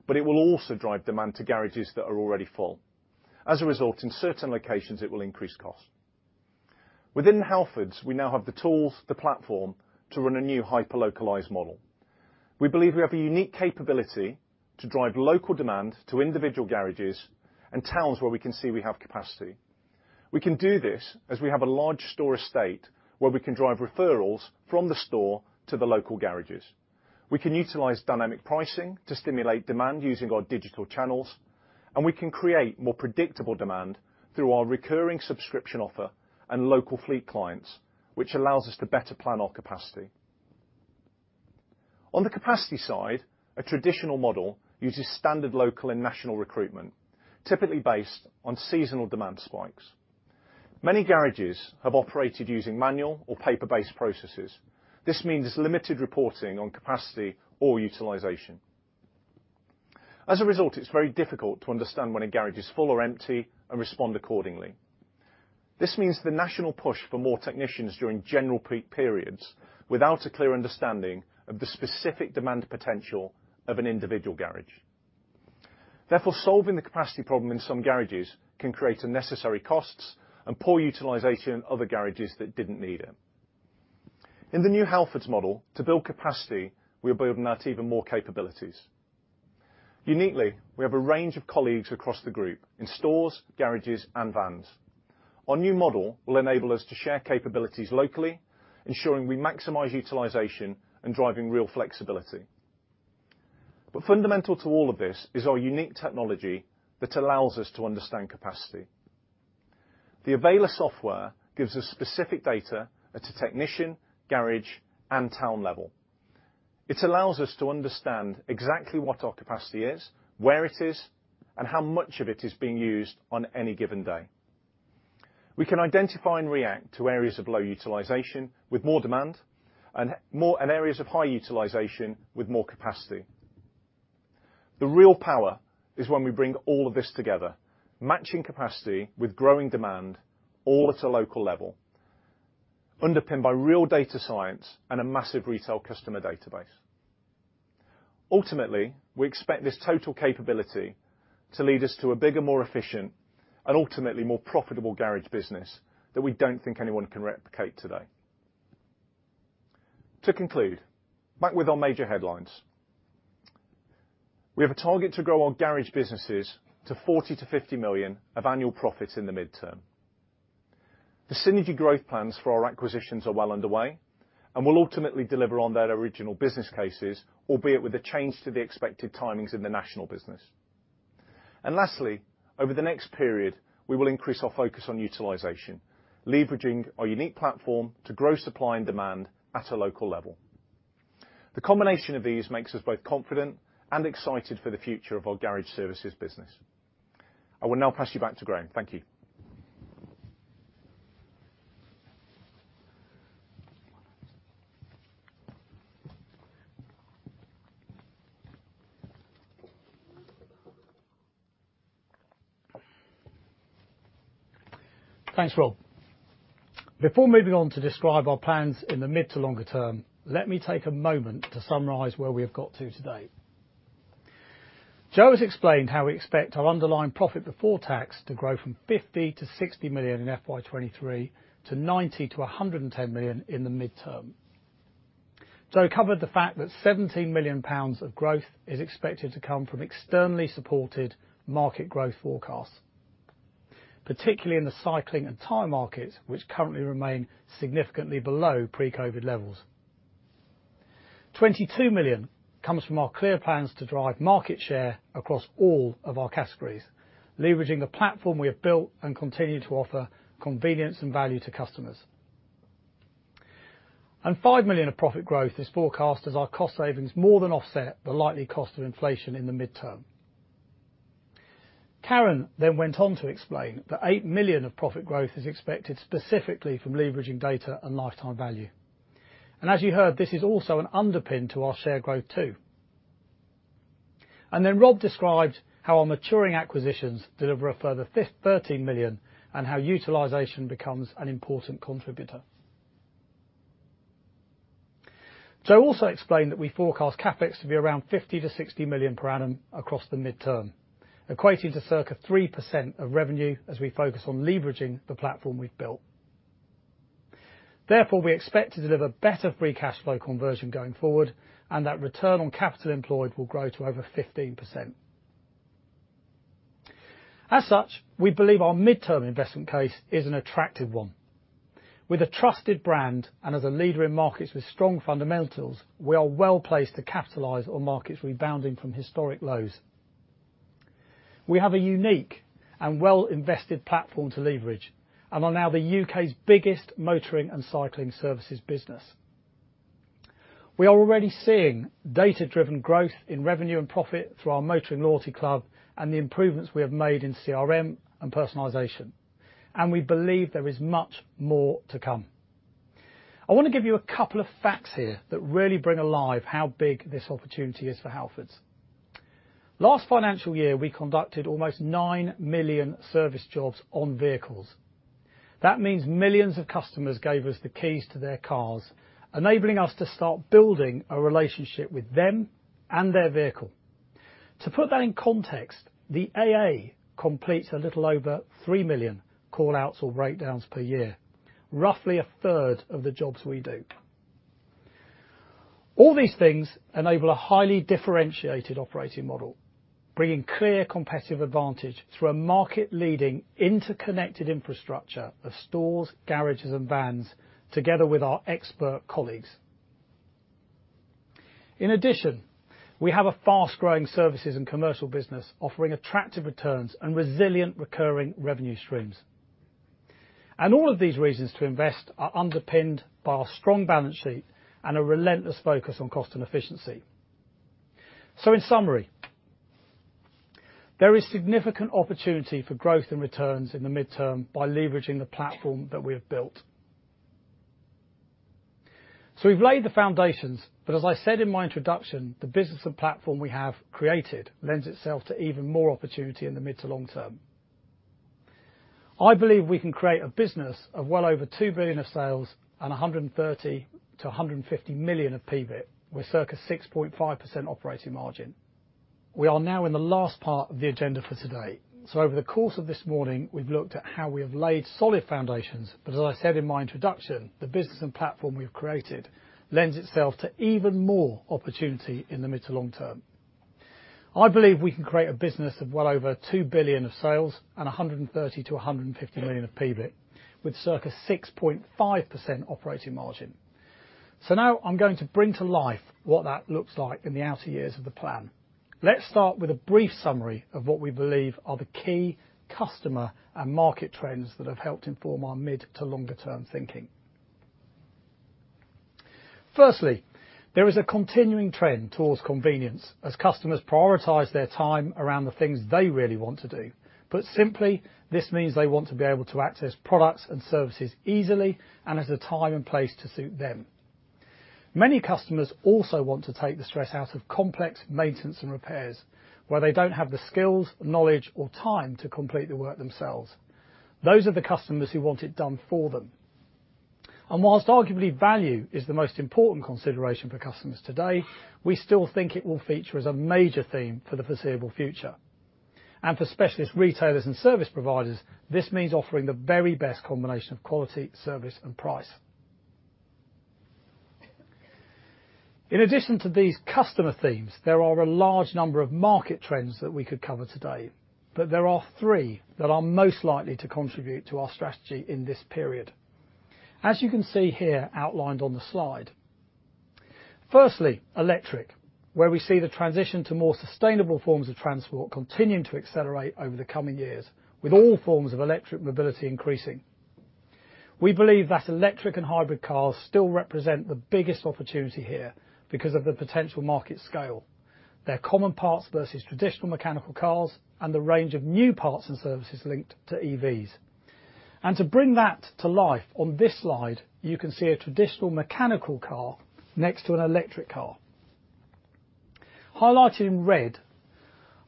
but it will also drive demand to garages that are already full. As a result, in certain locations, it will increase cost. Within Halfords, we now have the tools, the platform, to run a new hyper-localized model. We believe we have a unique capability to drive local demand to individual garages and towns where we can see we have capacity. We can do this as we have a large store estate where we can drive referrals from the store to the local garages. We can utilize dynamic pricing to stimulate demand using our digital channels, and we can create more predictable demand through our recurring subscription offer and local fleet clients, which allows us to better plan our capacity. On the capacity side, a traditional model uses standard local and national recruitment, typically based on seasonal demand spikes. Many garages have operated using manual or paper-based processes. This means there's limited reporting on capacity or utilization. As a result, it's very difficult to understand when a garage is full or empty and respond accordingly. This means the national push for more technicians during general peak periods without a clear understanding of the specific demand potential of an individual garage. Therefore, solving the capacity problem in some garages can create unnecessary costs and poor utilization of the garages that didn't need it. In the new Halfords model, to build capacity, we are building out even more capabilities. Uniquely, we have a range of colleagues across the group in stores, garages, and vans. Our new model will enable us to share capabilities locally, ensuring we maximize utilization and driving real flexibility. Fundamental to all of this is our unique technology that allows us to understand capacity. The Avayler software gives us specific data at a technician, garage, and town level. It allows us to understand exactly what our capacity is, where it is, and how much of it is being used on any given day. We can identify and react to areas of low utilization with more demand and more and areas of high utilization with more capacity. The real power is when we bring all of this together, matching capacity with growing demand, all at a local level, underpinned by real data science and a massive retail customer database. Ultimately, we expect this total capability to lead us to a bigger, more efficient and ultimately more profitable garage business that we don't think anyone can replicate today. Back with our major headlines. We have a target to grow our garage businesses to 40-GBP50 million of annual profits in the mid-term. The synergy growth plans for our acquisitions are well underway and will ultimately deliver on their original business cases, albeit with the change to the expected timings in the national business. Lastly, over the next period, we will increase our focus on utilization, leveraging our unique platform to grow supply and demand at a local level. The combination of these makes us both confident and excited for the future of our garage services business. I will now pass you back to Graham. Thank you. Thanks, Rob. Before moving on to describe our plans in the mid to longer term, let me take a moment to summarize where we have got to today. Jo has explained how we expect our underlying profit before tax to grow from 50 million-60 million in FY 2023 to 90 million-110 million in the mid-term. Jo covered the fact that 17 million pounds of growth is expected to come from externally supported market growth forecasts, particularly in the cycling and tire markets, which currently remain significantly below pre-COVID levels. 22 million comes from our clear plans to drive market share across all of our categories, leveraging the platform we have built and continue to offer convenience and value to customers. 5 million of profit growth is forecast as our cost savings more than offset the likely cost of inflation in the mid-term. Karen went on to explain that 8 million of profit growth is expected specifically from leveraging data and lifetime value. As you heard, this is also an underpin to our share growth too. Rob described how our maturing acquisitions deliver a further 13 million and how utilization becomes an important contributor. Jo also explained that we forecast CapEx to be around 50 million-60 million per annum across the mid-term, equating to circa 3% of revenue as we focus on leveraging the platform we've built. Therefore, we expect to deliver better free cash flow conversion going forward and that return on capital employed will grow to over 15%. As such, we believe our mid-term investment case is an attractive one. With a trusted brand and as a leader in markets with strong fundamentals, we are well placed to capitalize on markets rebounding from historic lows. We have a unique and well-invested platform to leverage and are now the U.K.'s biggest motoring and cycling services business. We are already seeing data driven growth in revenue and profit through our Motoring Loyalty Club and the improvements we have made in CRM and personalization. We believe there is much more to come. I want to give you a couple of facts here that really bring alive how big this opportunity is for Halfords. Last financial year, we conducted almost 9 million service jobs on vehicles. That means millions of customers gave us the keys to their cars, enabling us to start building a relationship with them and their vehicle. To put that in context, the AA completes a little over 3 million call outs or breakdowns per year, roughly a third of the jobs we do. All these things enable a highly differentiated operating model, bringing clear competitive advantage through a market-leading interconnected infrastructure of stores, garages, and vans together with our expert colleagues. In addition, we have a fast-growing services and commercial business offering attractive returns and resilient recurring revenue streams. All of these reasons to invest are underpinned by our strong balance sheet and a relentless focus on cost and efficiency. In summary, there is significant opportunity for growth and returns in the mid-term by leveraging the platform that we have built. We've laid the foundations, but as I said in my introduction, the business and platform we have created lends itself to even more opportunity in the mid- to long-term. I believe we can create a business of well over 2 billion of sales and 130 million-150 million of PBIT, with circa 6.5% operating margin. We are now in the last part of the agenda for today. Over the course of this morning we've looked at how we have laid solid foundations, but as I said in my introduction, the business and platform we've created lends itself to even more opportunity in the mid to long term. I believe we can create a business of well over 2 billion of sales and 130 million-150 million of PBIT, with circa 6.5% operating margin. Now I'm going to bring to life what that looks like in the outer years of the plan. Let's start with a brief summary of what we believe are the key customer and market trends that have helped inform our mid to longer term thinking. Firstly, there is a continuing trend towards convenience as customers prioritize their time around the things they really want to do. Put simply, this means they want to be able to access products and services easily and at a time and place to suit them. Many customers also want to take the stress out of complex maintenance and repairs where they don't have the skills, knowledge, or time to complete the work themselves. Those are the customers who want it done for them. Whilst arguably value is the most important consideration for customers today, we still think it will feature as a major theme for the foreseeable future. For specialist retailers and service providers, this means offering the very best combination of quality, service, and price. In addition to these customer themes, there are a large number of market trends that we could cover today, but there are three that are most likely to contribute to our strategy in this period, as you can see here outlined on the slide. Firstly, electric, where we see the transition to more sustainable forms of transport continuing to accelerate over the coming years with all forms of electric mobility increasing. We believe that electric and hybrid cars still represent the biggest opportunity here because of the potential market scale, their common parts versus traditional mechanical cars, and the range of new parts and services linked to EVs. To bring that to life, on this slide you can see a traditional mechanical car next to an electric car. Highlighted in red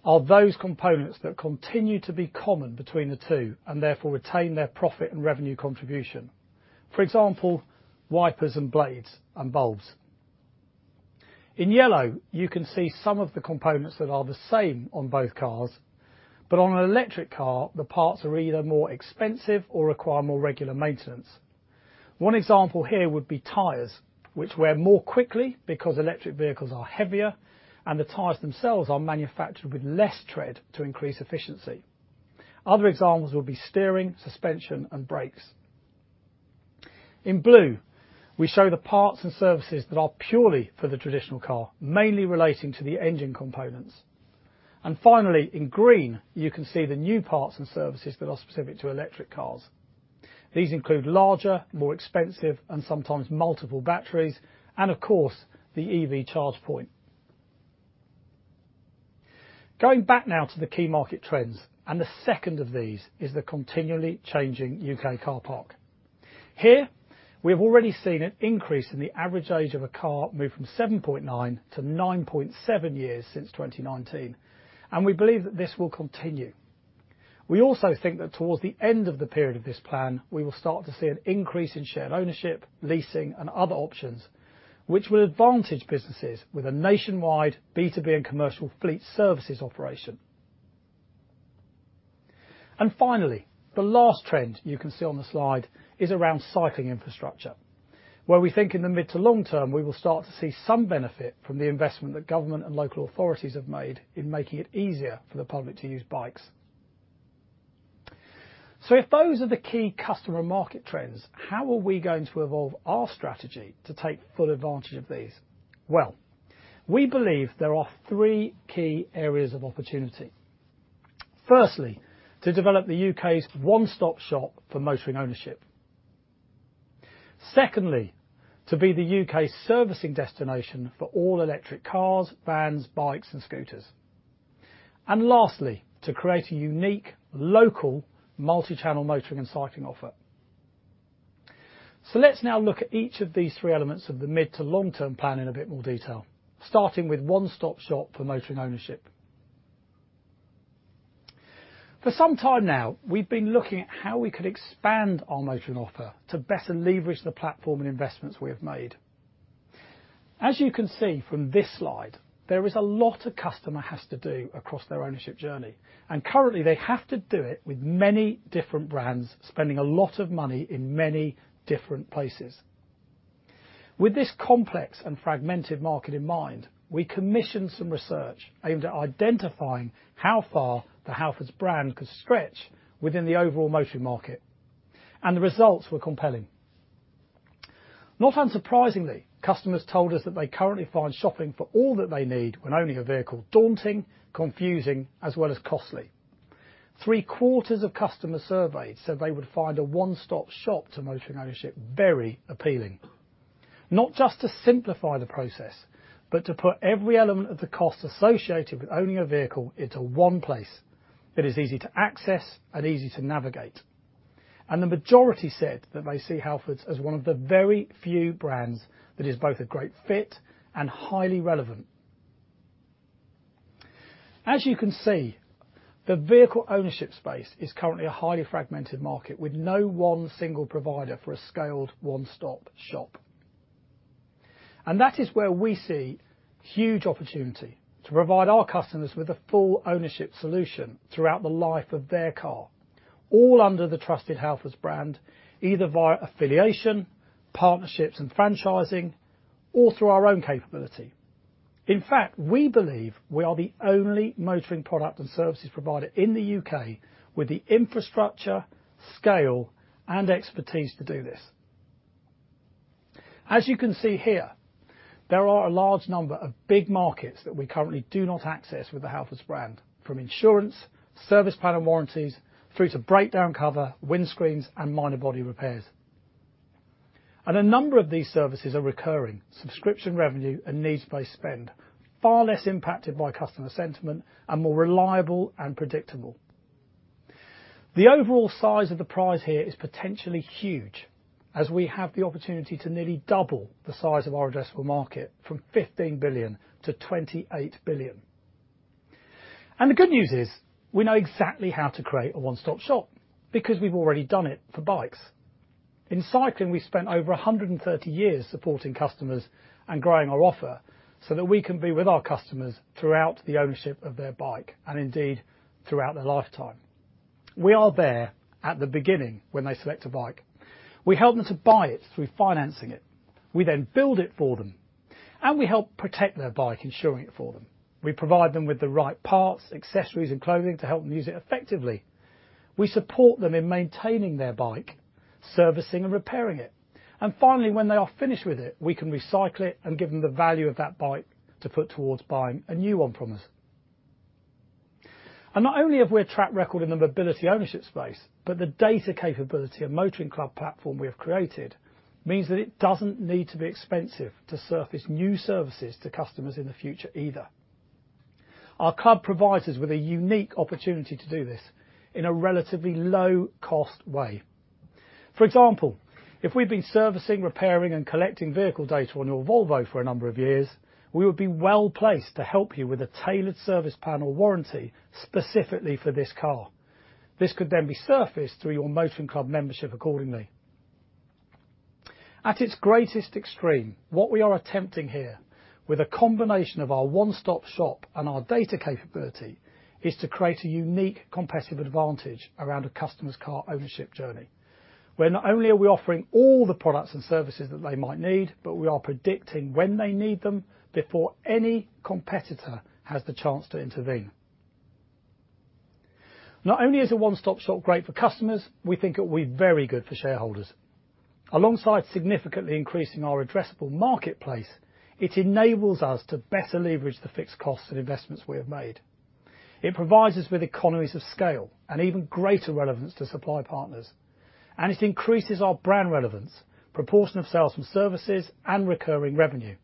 are those components that continue to be common between the two and therefore retain their profit and revenue contribution. For example, wipers and blades and bulbs. In yellow, you can see some of the components that are the same on both cars, but on an electric car, the parts are either more expensive or require more regular maintenance. One example here would be tires, which wear more quickly because electric vehicles are heavier and the tires themselves are manufactured with less tread to increase efficiency. Other examples would be steering, suspension, and brakes. In blue, we show the parts and services that are purely for the traditional car, mainly relating to the engine components. Finally, in green, you can see the new parts and services that are specific to electric cars. These include larger, more expensive, and sometimes multiple batteries and of course, the EV charge point. Going back now to the key market trends, and the second of these is the continually changing U.K. car park. Here, we have already seen an increase in the average age of a car move from 7.9 to 9.7 years since 2019, and we believe that this will continue. We also think that towards the end of the period of this plan, we will start to see an increase in shared ownership, leasing, and other options which will advantage businesses with a nationwide B2B and commercial fleet services operation. Finally, the last trend you can see on the slide is around cycling infrastructure, where we think in the mid to long term we will start to see some benefit from the investment that government and local authorities have made in making it easier for the public to use bikes. If those are the key customer market trends, how are we going to evolve our strategy to take full advantage of these? We believe there are three key areas of opportunity. Firstly, to develop the U.K.'s one-stop shop for motoring ownership. Secondly, to be the U.K.'s servicing destination for all electric cars, vans, bikes and scooters. Lastly, to create a unique, local, multi-channel motoring and cycling offer. Let's now look at each of these three elements of the mid to long term plan in a bit more detail, starting with one-stop shop for motoring ownership. For some time now, we've been looking at how we could expand our motoring offer to better leverage the platform and investments we have made. As you can see from this slide, there is a lot a customer has to do across their ownership journey. Currently they have to do it with many different brands, spending a lot of money in many different places. With this complex and fragmented market in mind, we commissioned some research aimed at identifying how far the Halfords brand could stretch within the overall motoring market. The results were compelling. Not unsurprisingly, customers told us that they currently find shopping for all that they need when owning a vehicle daunting, confusing, as well as costly. Three quarters of customers surveyed said they would find a one-stop shop to motoring ownership very appealing, not just to simplify the process, but to put every element of the cost associated with owning a vehicle into one place that is easy to access and easy to navigate. The majority said that they see Halfords as one of the very few brands that is both a great fit and highly relevant. As you can see, the vehicle ownership space is currently a highly fragmented market with no one single provider for a scaled one-stop shop. That is where we see huge opportunity to provide our customers with a full ownership solution throughout the life of their car, all under the trusted Halfords brand, either via affiliation, partnerships and franchising or through our own capability. In fact, we believe we are the only motoring product and services provider in the U.K. with the infrastructure, scale, and expertise to do this. As you can see here, there are a large number of big markets that we currently do not access with the Halfords brand, from insurance, service plan and warranties, through to breakdown cover, windscreens, and minor body repairs. A number of these services are recurring, subscription revenue, and needs-based spend, far less impacted by customer sentiment and more reliable and predictable. The overall size of the prize here is potentially huge, as we have the opportunity to nearly double the size of our addressable market from 15 billion to 28 billion. The good news is, we know exactly how to create a one-stop shop, because we've already done it for bikes. In cycling, we spent over 130 years supporting customers and growing our offer so that we can be with our customers throughout the ownership of their bike, and indeed, throughout their lifetime. We are there at the beginning when they select a bike. We help them to buy it through financing it. We then build it for them, and we help protect their bike, insuring it for them. We provide them with the right parts, accessories and clothing to help them use it effectively. We support them in maintaining their bike, servicing and repairing it. Finally, when they are finished with it, we can recycle it and give them the value of that bike to put towards buying a new one from us. Not only have we a track record in the mobility ownership space, but the data capability of Motoring Club platform we have created means that it doesn't need to be expensive to surface new services to customers in the future either. Our club provides us with a unique opportunity to do this in a relatively low-cost way. For example, if we've been servicing, repairing, and collecting vehicle data on your Volvo for a number of years, we would be well-placed to help you with a tailored service plan or warranty specifically for this car. This could then be surfaced through your Motoring Club membership accordingly. At its greatest extreme, what we are attempting here with a combination of our one-stop shop and our data capability is to create a unique competitive advantage around a customer's car ownership journey, where not only are we offering all the products and services that they might need, but we are predicting when they need them before any competitor has the chance to intervene. Not only is a one-stop-shop great for customers, we think it will be very good for shareholders. Alongside significantly increasing our addressable marketplace, it enables us to better leverage the fixed costs and investments we have made. It provides us with economies of scale and even greater relevance to supply partners, it increases our brand relevance, proportion of sales from services, and recurring revenue.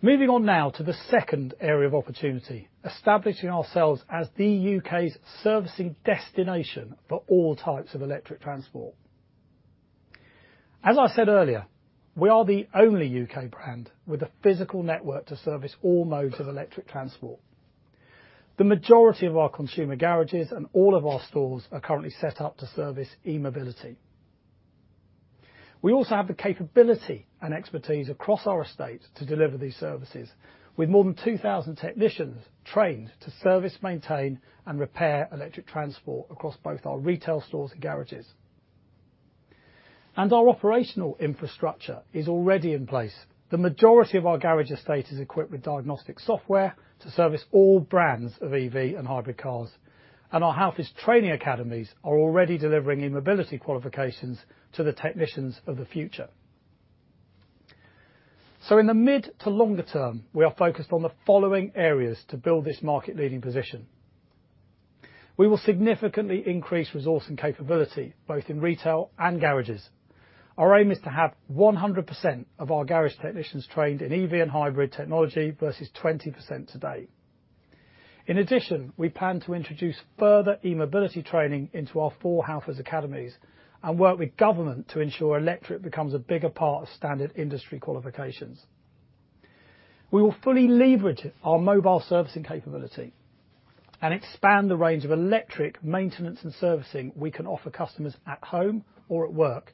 Moving on now to the second area of opportunity, establishing ourselves as the U.K.'s servicing destination for all types of electric transport. As I said earlier, we are the only U.K. brand with a physical network to service all modes of electric transport. The majority of our consumer garages and all of our stores are currently set up to service e-mobility. We also have the capability and expertise across our estate to deliver these services, with more than 2,000 technicians trained to service, maintain, and repair electric transport across both our retail stores and garages. Our operational infrastructure is already in place. The majority of our garage estate is equipped with diagnostic software to service all brands of EV and hybrid cars, and our Halfords Training Academies are already delivering e-mobility qualifications to the technicians of the future. In the mid to longer term, we are focused on the following areas to build this market-leading position. We will significantly increase resource and capability, both in retail and garages. Our aim is to have 100% of our garage technicians trained in EV and hybrid technology versus 20% today. In addition, we plan to introduce further e-mobility training into our four Halfords academies and work with government to ensure electric becomes a bigger part of standard industry qualifications. We will fully leverage our mobile servicing capability and expand the range of electric maintenance and servicing we can offer customers at home or at work.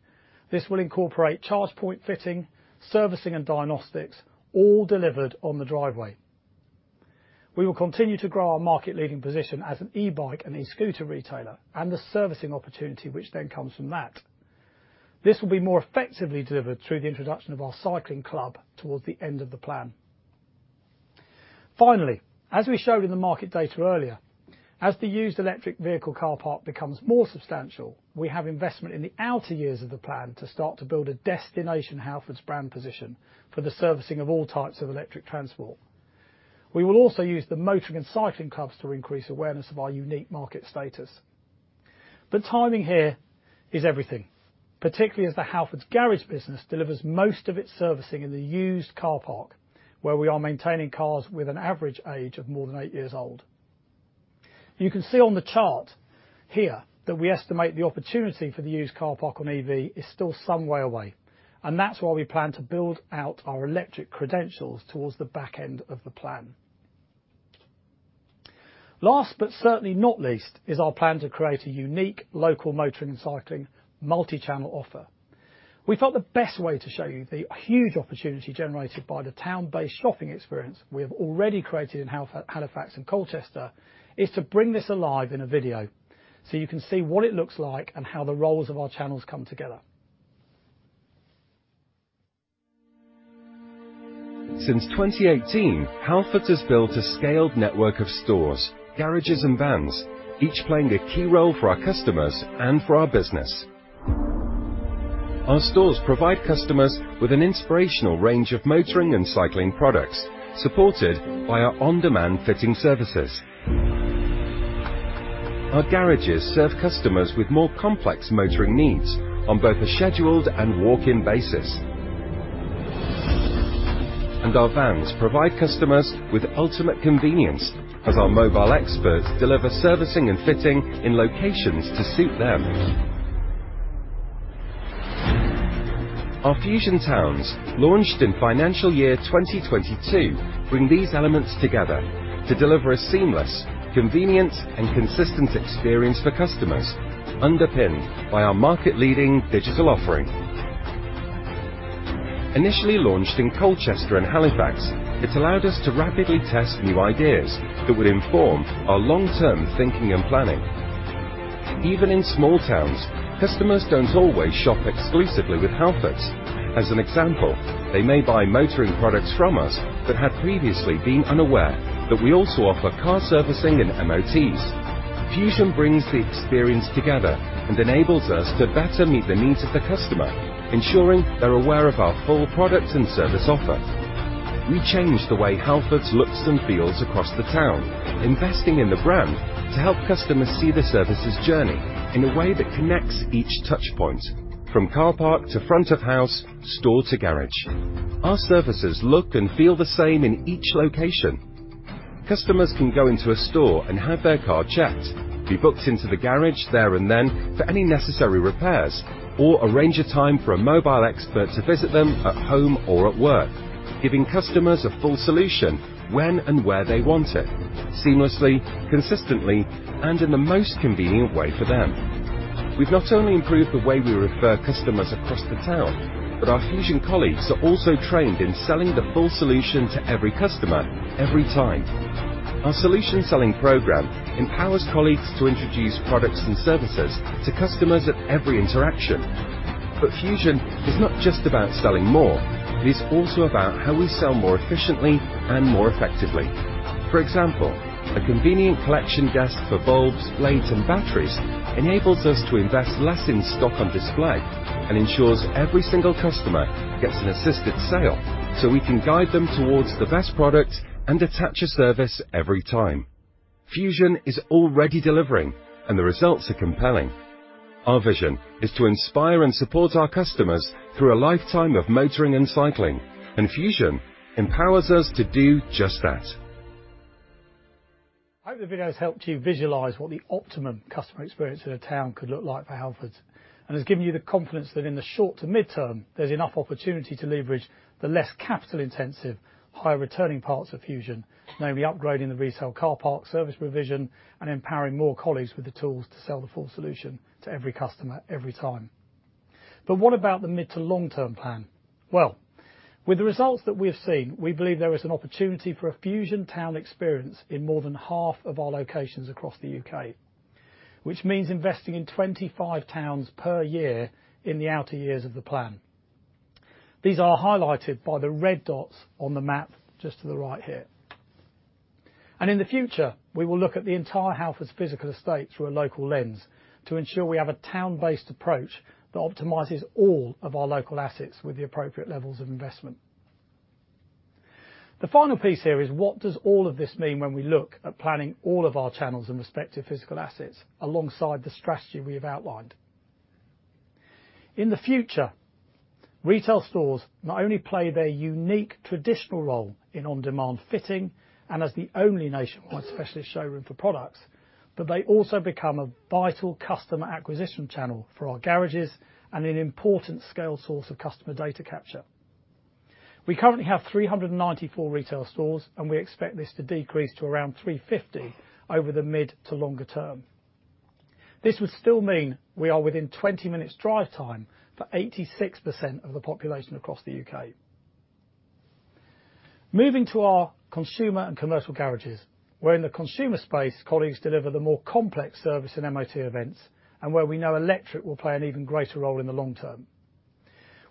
This will incorporate charge point fitting, servicing and diagnostics, all delivered on the driveway. We will continue to grow our market-leading position as an e-bike and e-scooter retailer and the servicing opportunity which then comes from that. This will be more effectively delivered through the introduction of our cycling club towards the end of the plan. Finally, as we showed in the market data earlier, as the used electric vehicle car park becomes more substantial, we have investment in the outer years of the plan to start to build a destination Halfords brand position for the servicing of all types of electric transport. We will also use the motoring and cycling clubs to increase awareness of our unique market status. Timing here is everything, particularly as the Halfords garage business delivers most of its servicing in the used car park, where we are maintaining cars with an average age of more than eight years old. You can see on the chart here that we estimate the opportunity for the used car park on EV is still some way away. That's why we plan to build out our electric credentials towards the back end of the plan. Last but certainly not least is our plan to create a unique local motoring and cycling multi-channel offer. We thought the best way to show you the huge opportunity generated by the town-based shopping experience we have already created in Halifax and Colchester is to bring this alive in a video so you can see what it looks like and how the roles of our channels come together. Since 2018, Halfords has built a scaled network of stores, garages, and vans, each playing a key role for our customers and for our business. Our stores provide customers with an inspirational range of motoring and cycling products, supported by our on-demand fitting services. Our garages serve customers with more complex motoring needs on both a scheduled and walk-in basis. Our vans provide customers with ultimate convenience as our mobile experts deliver servicing and fitting in locations to suit them. Our Fusion towns, launched in financial year 2022, bring these elements together to deliver a seamless, convenient, and consistent experience for customers, underpinned by our market-leading digital offering. Initially launched in Colchester and Halifax, it allowed us to rapidly test new ideas that would inform our long-term thinking and planning. Even in small towns, customers don't always shop exclusively with Halfords. As an example, they may buy motoring products from us, but had previously been unaware that we also offer car servicing and MOTs. Fusion brings the experience together and enables us to better meet the needs of the customer, ensuring they're aware of our full product and service offer. We change the way Halfords looks and feels across the town, investing in the brand to help customers see the services journey in a way that connects each touchpoint from car park to front of house, store to garage. Our services look and feel the same in each location. Customers can go into a store and have their car checked, be booked into the garage there and then for any necessary repairs, or arrange a time for a Mobile Expert to visit them at home or at work, giving customers a full solution when and where they want it, seamlessly, consistently, and in the most convenient way for them. We've not only improved the way we refer customers across the town, but our Fusion colleagues are also trained in selling the full solution to every customer, every time. Our solution selling program empowers colleagues to introduce products and services to customers at every interaction. Fusion is not just about selling more, it is also about how we sell more efficiently and more effectively. For example, a convenient collection desk for bulbs, blades, and batteries enables us to invest less in stock on display and ensures every single customer gets an assisted sale, so we can guide them towards the best product and attach a service every time. Fusion is already delivering and the results are compelling. Our vision is to inspire and support our customers through a lifetime of motoring and cycling, and Fusion empowers us to do just that. I hope the video has helped you visualize what the optimum customer experience in a town could look like for Halfords and has given you the confidence that in the short to mid-term, there's enough opportunity to leverage the less capital-intensive, high returning parts of Fusion, namely upgrading the resale car park, service revision, and empowering more colleagues with the tools to sell the full solution to every customer every time. What about the mid to long-term plan? Well, with the results that we have seen, we believe there is an opportunity for a Fusion town experience in more than half of our locations across the U.K., which means investing in 25 towns per year in the outer years of the plan. These are highlighted by the red dots on the map just to the right here. In the future, we will look at the entire Halfords physical estate through a local lens to ensure we have a town-based approach that optimizes all of our local assets with the appropriate levels of investment. The final piece here is: what does all of this mean when we look at planning all of our channels and respective physical assets alongside the strategy we have outlined? In the future, retail stores not only play their unique traditional role in on-demand fitting and as the only nationwide specialist showroom for products, but they also become a vital customer acquisition channel for our garages and an important scale source of customer data capture. We currently have 394 retail stores, and we expect this to decrease to around 350 over the mid to longer term. This would still mean we are within 20 minutes drive time for 86% of the population across the U.K. Moving to our consumer and commercial garages, where in the consumer space, colleagues deliver the more complex service and MOT events and where we know electric will play an even greater role in the long term.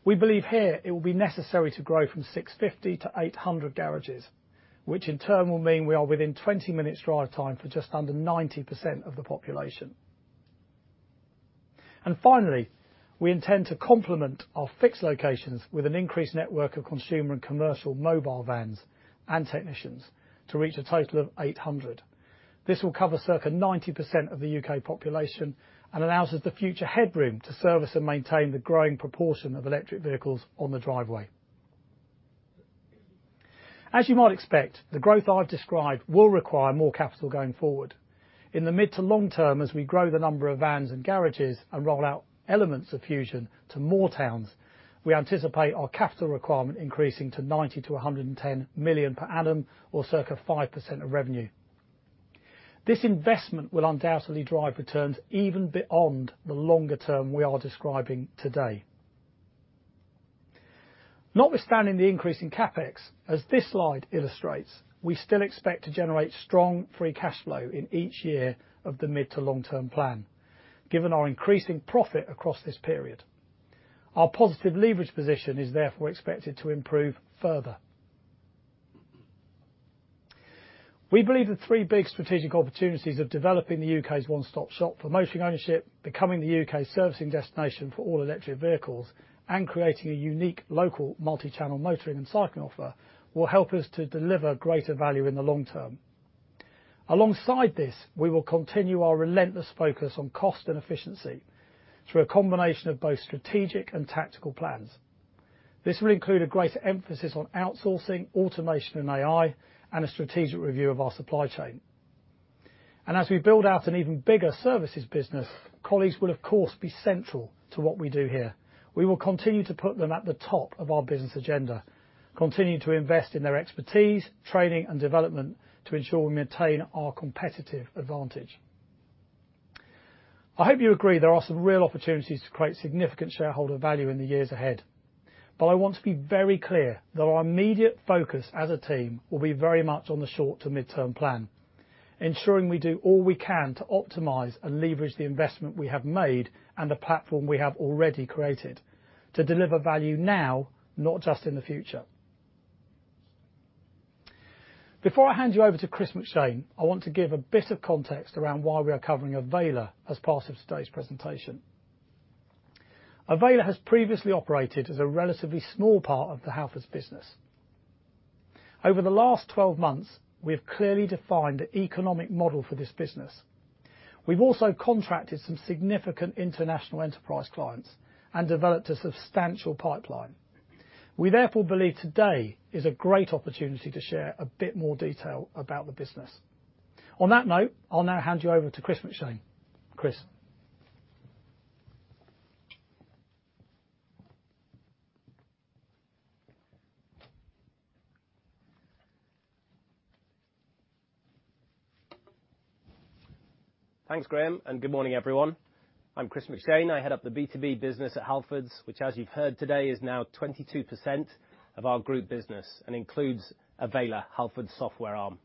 We believe here it will be necessary to grow from 650 to 800 garages, which in turn will mean we are within 20 minutes drive time for just under 90% of the population. Finally, we intend to complement our fixed locations with an increased network of consumer and commercial mobile vans and technicians to reach a total of 800. This will cover circa 90% of the U.K. population and allows us the future headroom to service and maintain the growing proportion of electric vehicles on the driveway. As you might expect, the growth I've described will require more capital going forward. In the mid to long term, as we grow the number of vans and garages and roll out elements of Fusion to more towns, we anticipate our capital requirement increasing to 90 million-110 million per annum or circa 5% of revenue. This investment will undoubtedly drive returns even beyond the longer term we are describing today. Notwithstanding the increase in CapEx, as this slide illustrates, we still expect to generate strong free cash flow in each year of the mid to long-term plan, given our increasing profit across this period. Our positive leverage position is therefore expected to improve further. We believe the three big strategic opportunities of developing the U.K.'s one-stop shop for motoring ownership, becoming the U.K.'s servicing destination for all electric vehicles, and creating a unique local multi-channel motoring and cycling offer will help us to deliver greater value in the long term. Alongside this, we will continue our relentless focus on cost and efficiency through a combination of both strategic and tactical plans. This will include a greater emphasis on outsourcing, automation and AI, and a strategic review of our supply chain. As we build out an even bigger services business, colleagues will, of course, be central to what we do here. We will continue to put them at the top of our business agenda, continue to invest in their expertise, training and development to ensure we maintain our competitive advantage. I hope you agree there are some real opportunities to create significant shareholder value in the years ahead. I want to be very clear that our immediate focus as a team will be very much on the short to midterm plan, ensuring we do all we can to optimize and leverage the investment we have made and the platform we have already created to deliver value now, not just in the future. Before I hand you over to Chris McShane, I want to give a bit of context around why we are covering Avayler as part of today's presentation. Avayler has previously operated as a relatively small part of the Halfords business. Over the last 12 months, we have clearly defined the economic model for this business. We've also contracted some significant international enterprise clients and developed a substantial pipeline. We therefore believe today is a great opportunity to share a bit more detail about the business. On that note, I'll now hand you over to Chris McShane. Chris? Thanks, Graham. Good morning, everyone. I'm Chris McShane, I head up the B2B business at Halfords, which as you've heard today, is now 22% of our group business and includes Avayler, Halfords' software arm.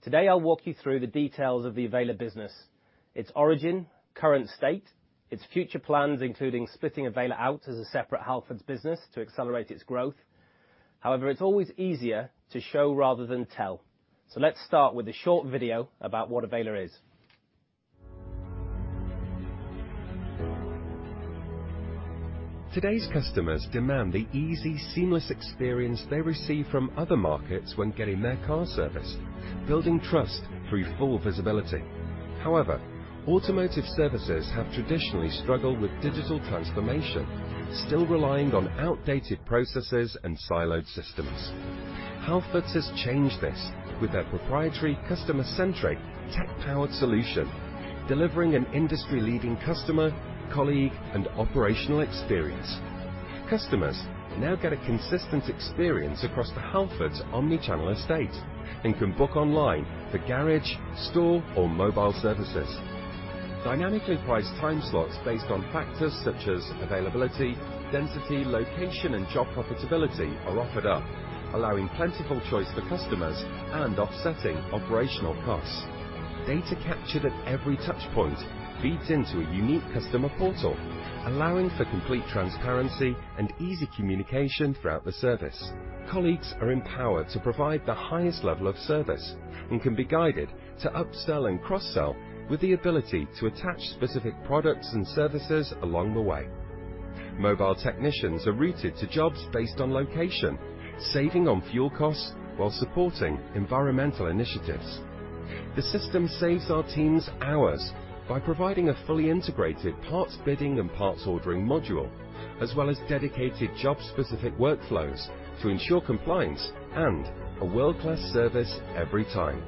Today, I'll walk you through the details of the Avayler business, its origin, current state, its future plans, including splitting Avayler out as a separate Halfords business to accelerate its growth. However, it's always easier to show rather than tell, so let's start with a short video about what Avayler is. Today's customers demand the easy, seamless experience they receive from other markets when getting their car serviced, building trust through full visibility. However, automotive services have traditionally struggled with digital transformation, still relying on outdated processes and siloed systems. Halfords has changed this with their proprietary customer-centric, tech-powered solution, delivering an industry-leading customer, colleague, and operational experience. Customers now get a consistent experience across the Halfords omni-channel estate and can book online for garage, store, or mobile services. Dynamically priced time slots based on factors such as availability, density, location, and job profitability are offered up, allowing plentiful choice for customers and offsetting operational costs. Data captured at every touch point feeds into a unique customer portal, allowing for complete transparency and easy communication throughout the service. Colleagues are empowered to provide the highest level of service and can be guided to upsell and cross-sell with the ability to attach specific products and services along the way. Mobile technicians are routed to jobs based on location, saving on fuel costs while supporting environmental initiatives. The system saves our teams hours by providing a fully integrated parts bidding and parts ordering module, as well as dedicated job-specific workflows to ensure compliance and a world-class service every time.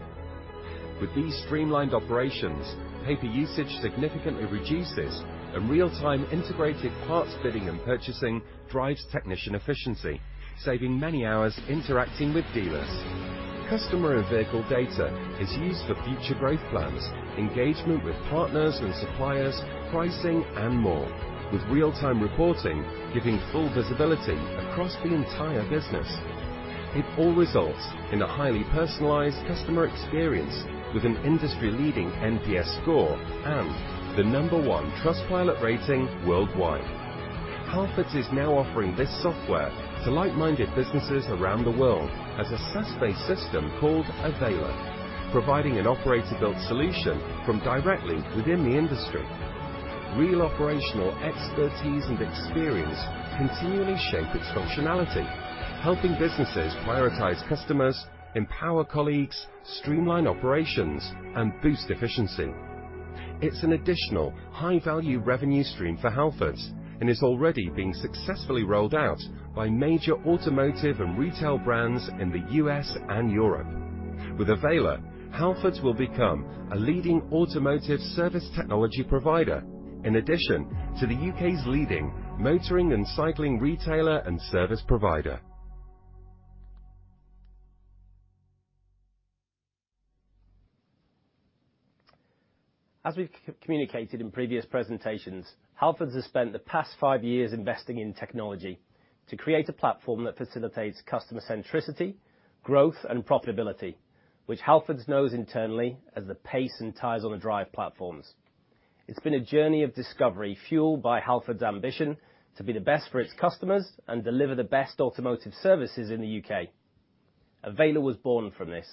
With these streamlined operations, paper usage significantly reduces and real-time integrated parts bidding and purchasing drives technician efficiency, saving many hours interacting with dealers. Customer and vehicle data is used for future growth plans, engagement with partners and suppliers, pricing, and more, with real-time reporting giving full visibility across the entire business. It all results in a highly personalized customer experience with an industry-leading NPS score and the number one Trustpilot rating worldwide. Halfords is now offering this software to like-minded businesses around the world as a SaaS-based system called Avayler, providing an operator-built solution from directly within the industry. Real operational expertise and experience continually shape its functionality, helping businesses prioritize customers, empower colleagues, streamline operations, and boost efficiency. It's an additional high-value revenue stream for Halfords and is already being successfully rolled out by major automotive and retail brands in the U.S. and Europe. With Avayler, Halfords will become a leading automotive service technology provider, in addition to the U.K.'s leading motoring and cycling retailer and service provider. As we've communicated in previous presentations, Halfords has spent the past five years investing in technology to create a platform that facilitates customer centricity, growth, and profitability, which Halfords knows internally as the PACE and Tyres on the Drive platforms. It's been a journey of discovery fueled by Halfords' ambition to be the best for its customers and deliver the best automotive services in the U.K. Avayler was born from this.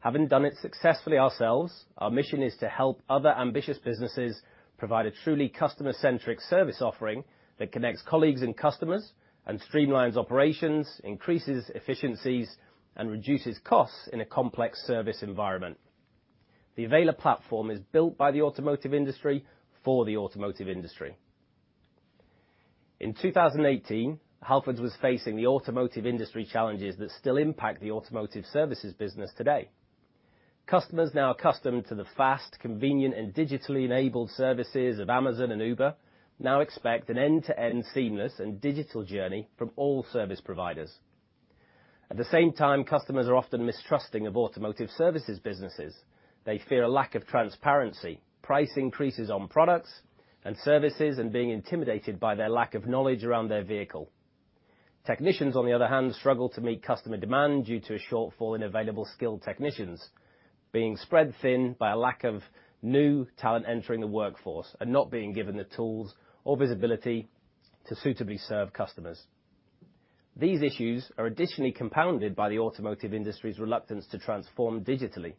Having done it successfully ourselves, our mission is to help other ambitious businesses provide a truly customer-centric service offering that connects colleagues and customers and streamlines operations, increases efficiencies, and reduces costs in a complex service environment. The Avayler platform is built by the automotive industry for the automotive industry. In 2018, Halfords was facing the automotive industry challenges that still impact the automotive services business today. Customers now accustomed to the fast, convenient, and digitally enabled services of Amazon and Uber now expect an end-to-end seamless and digital journey from all service providers. At the same time, customers are often mistrusting of automotive services businesses. They fear a lack of transparency, price increases on products and services, and being intimidated by their lack of knowledge around their vehicle. Technicians, on the other hand, struggle to meet customer demand due to a shortfall in available skilled technicians, being spread thin by a lack of new talent entering the workforce and not being given the tools or visibility to suitably serve customers. These issues are additionally compounded by the automotive industry's reluctance to transform digitally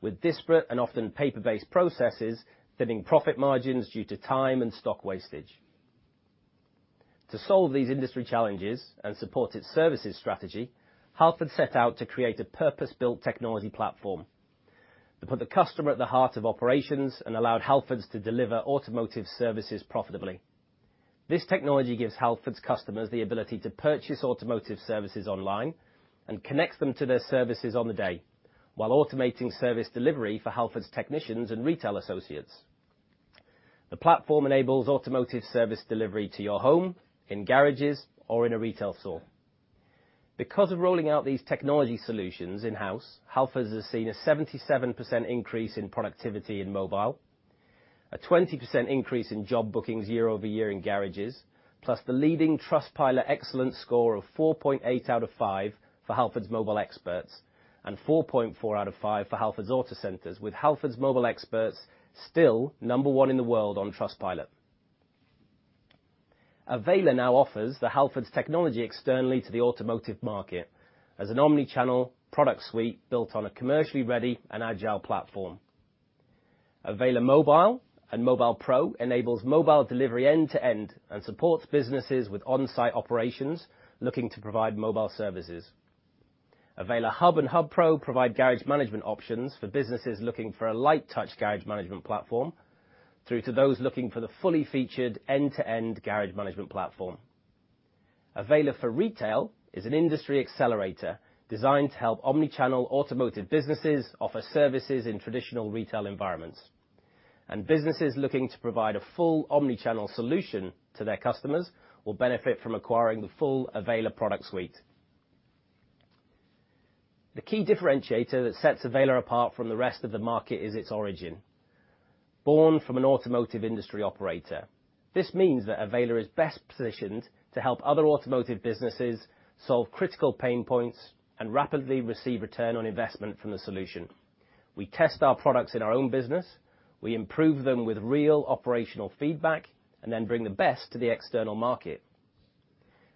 with disparate and often paper-based processes thinning profit margins due to time and stock wastage. To solve these industry challenges and support its services strategy, Halfords set out to create a purpose-built technology platform to put the customer at the heart of operations and allowed Halfords to deliver automotive services profitably. This technology gives Halfords customers the ability to purchase automotive services online and connects them to their services on the day, while automating service delivery for Halfords technicians and retail associates. The platform enables automotive service delivery to your home, in garages, or in a retail store. Because of rolling out these technology solutions in-house, Halfords has seen a 77% increase in productivity in mobile, a 20% increase in job bookings year-over-year in garages, plus the leading Trustpilot excellent score of 4.8 out of five for Halfords Mobile Experts, and 4.4 out of five for Halfords Autocentres, with Halfords Mobile Experts still number one in the world on Trustpilot. Avayler now offers the Halfords technology externally to the automotive market as an omni-channel product suite built on a commercially ready and agile platform. Avayler Mobile and Mobile Pro enables mobile delivery end to end and supports businesses with on-site operations looking to provide mobile services. Avayler Hub and Hub Pro provide garage management options for businesses looking for a light touch garage management platform through to those looking for the fully featured end-to-end garage management platform. Avayler for Retail is an industry accelerator designed to help omni-channel automotive businesses offer services in traditional retail environments. Businesses looking to provide a full omni-channel solution to their customers will benefit from acquiring the full Avayler product suite. The key differentiator that sets Avayler apart from the rest of the market is its origin, born from an automotive industry operator. This means that Avayler is best positioned to help other automotive businesses solve critical pain points and rapidly receive return on investment from the solution. We test our products in our own business, we improve them with real operational feedback, and then bring the best to the external market.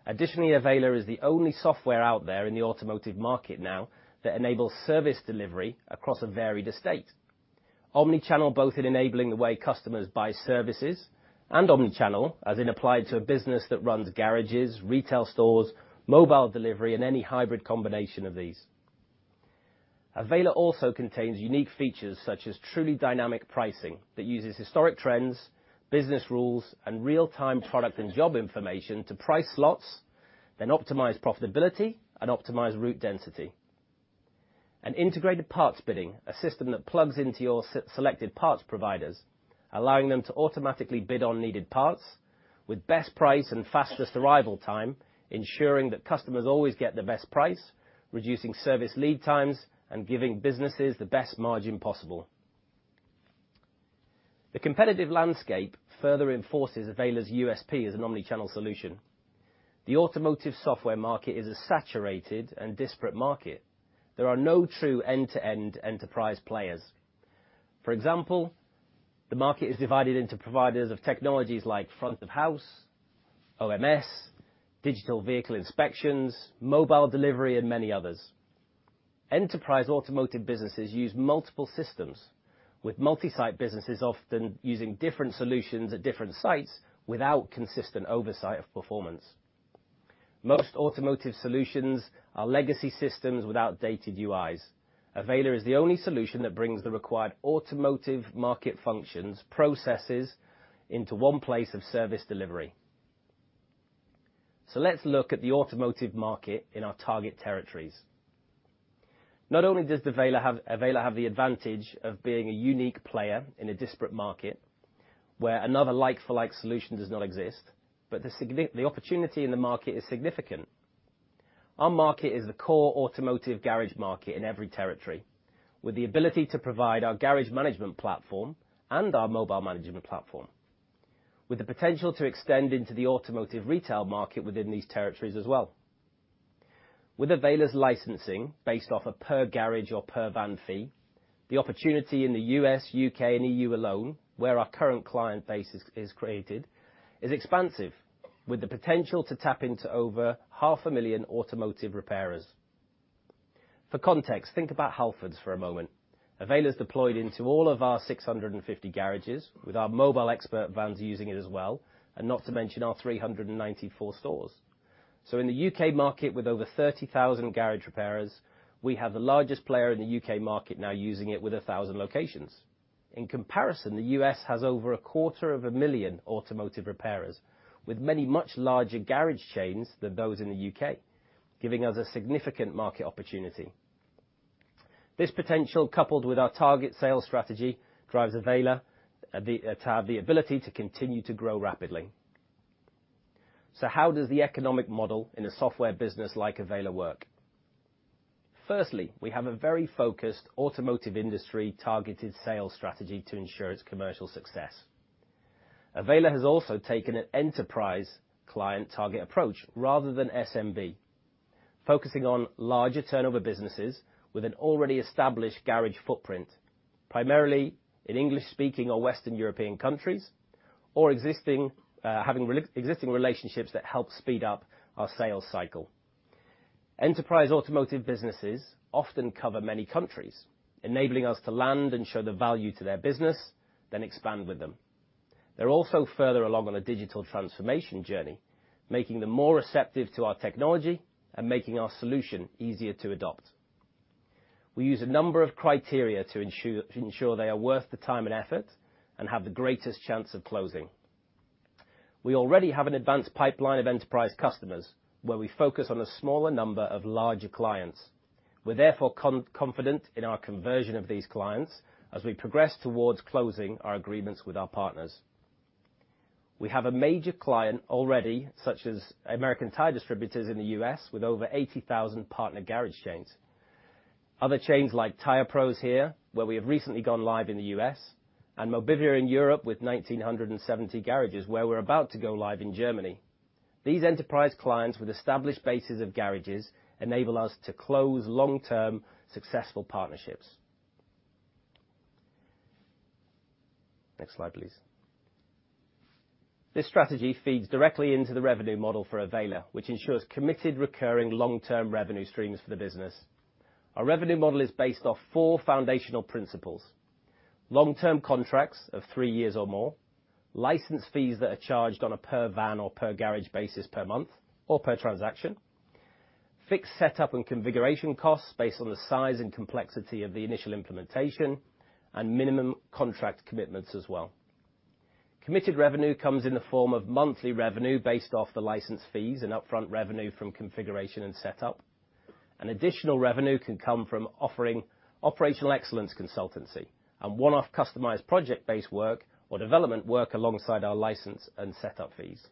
Additionally, Avayler is the only software out there in the automotive market now that enables service delivery across a varied estate. Omni-channel, both in enabling the way customers buy services and omni-channel, as in applied to a business that runs garages, retail stores, mobile delivery, and any hybrid combination of these. Avayler also contains unique features such as truly dynamic pricing that uses historic trends, business rules, and real-time product and job information to price slots, then optimize profitability and optimize route density. An integrated parts bidding, a system that plugs into your selected parts providers, allowing them to automatically bid on needed parts with best price and fastest arrival time, ensuring that customers always get the best price, reducing service lead times, and giving businesses the best margin possible. The competitive landscape further enforces Avayler's USP as an omni-channel solution. The automotive software market is a saturated and disparate market. There are no true end-to-end enterprise players. For example, the market is divided into providers of technologies like front of house, OMS, digital vehicle inspections, mobile delivery, and many others. Enterprise automotive businesses use multiple systems, with multi-site businesses often using different solutions at different sites without consistent oversight of performance. Most automotive solutions are legacy systems with outdated UIs. Avayler is the only solution that brings the required automotive market functions, processes into one place of service delivery. Let's look at the automotive market in our target territories. Not only does the Avayler have the advantage of being a unique player in a disparate market where another like for like solution does not exist, but the opportunity in the market is significant. Our market is the core automotive garage market in every territory, with the ability to provide our garage management platform and our mobile management platform, with the potential to extend into the automotive retail market within these territories as well. With Avayler's licensing, based off a per garage or per van fee, the opportunity in the U.S., U.K., and EU alone, where our current client base is expansive, with the potential to tap into over 500,000 automotive repairers. For context, think about Halfords for a moment. Avayler's deployed into all of our 650 garages with our mobile expert vans using it as well, and not to mention our 394 stores. In the U.K. market, with over 30,000 garage repairers, we have the largest player in the U.K. market now using it with 1,000 locations. In comparison, the U.S. has over a quarter of a million automotive repairers, with many much larger garage chains than those in the U.K., giving us a significant market opportunity. This potential, coupled with our target sales strategy, drives Avayler, the, to have the ability to continue to grow rapidly. How does the economic model in a software business like Avayler work? Firstly, we have a very focused automotive industry-targeted sales strategy to ensure its commercial success. Avayler has also taken an enterprise client target approach rather than SMB, focusing on larger turnover businesses with an already established garage footprint, primarily in English-speaking or Western European countries, or existing relationships that help speed up our sales cycle. Enterprise automotive businesses often cover many countries, enabling us to land and show the value to their business, then expand with them. They're also further along on a digital transformation journey, making them more receptive to our technology and making our solution easier to adopt. We use a number of criteria to ensure they are worth the time and effort, and have the greatest chance of closing. We already have an advanced pipeline of enterprise customers where we focus on a smaller number of larger clients. We're therefore confident in our conversion of these clients as we progress towards closing our agreements with our partners. We have a major client already, such as American Tire Distributors in the U.S. with over 80,000 partner garage chains. Other chains like Tire Pros here, where we have recently gone live in the U.S., and Mobivia in Europe with 1,970 garages, where we're about to go live in Germany. These enterprise clients with established bases of garages enable us to close long-term, successful partnerships. Next slide, please. This strategy feeds directly into the revenue model for Avayler, which ensures committed, recurring long-term revenue streams for the business. Our revenue model is based off four foundational principles: long-term contracts of three years or more, license fees that are charged on a per-van or per-garage basis per month or per transaction, fixed setup and configuration costs based on the size and complexity of the initial implementation, and minimum contract commitments as well. Committed revenue comes in the form of monthly revenue based off the license fees and upfront revenue from configuration and setup. An additional revenue can come from offering operational excellence consultancy and one-off customized project-based work or development work alongside our license and setup fees.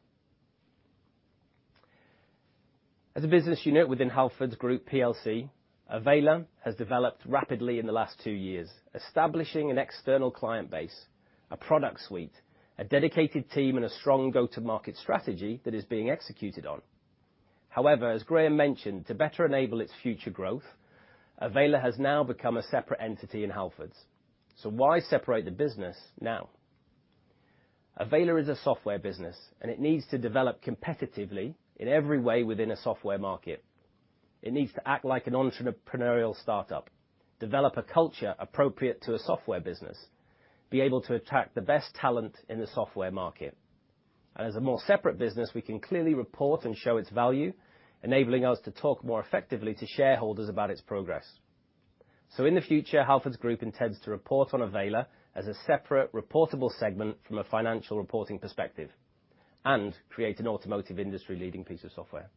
As a business unit within Halfords Group plc, Avayler has developed rapidly in the last two years, establishing an external client base, a product suite, a dedicated team, and a strong go-to-market strategy that is being executed on. However, as Graham mentioned, to better enable its future growth, Avayler has now become a separate entity in Halfords. Why separate the business now? Avayler is a software business and it needs to develop competitively in every way within a software market. It needs to act like an entrepreneurial startup, develop a culture appropriate to a software business, be able to attract the best talent in the software market. As a more separate business, we can clearly report and show its value, enabling us to talk more effectively to shareholders about its progress. In the future, Halfords Group intends to report on Avayler as a separate reportable segment from a financial reporting perspective, and create an automotive industry leading piece of software.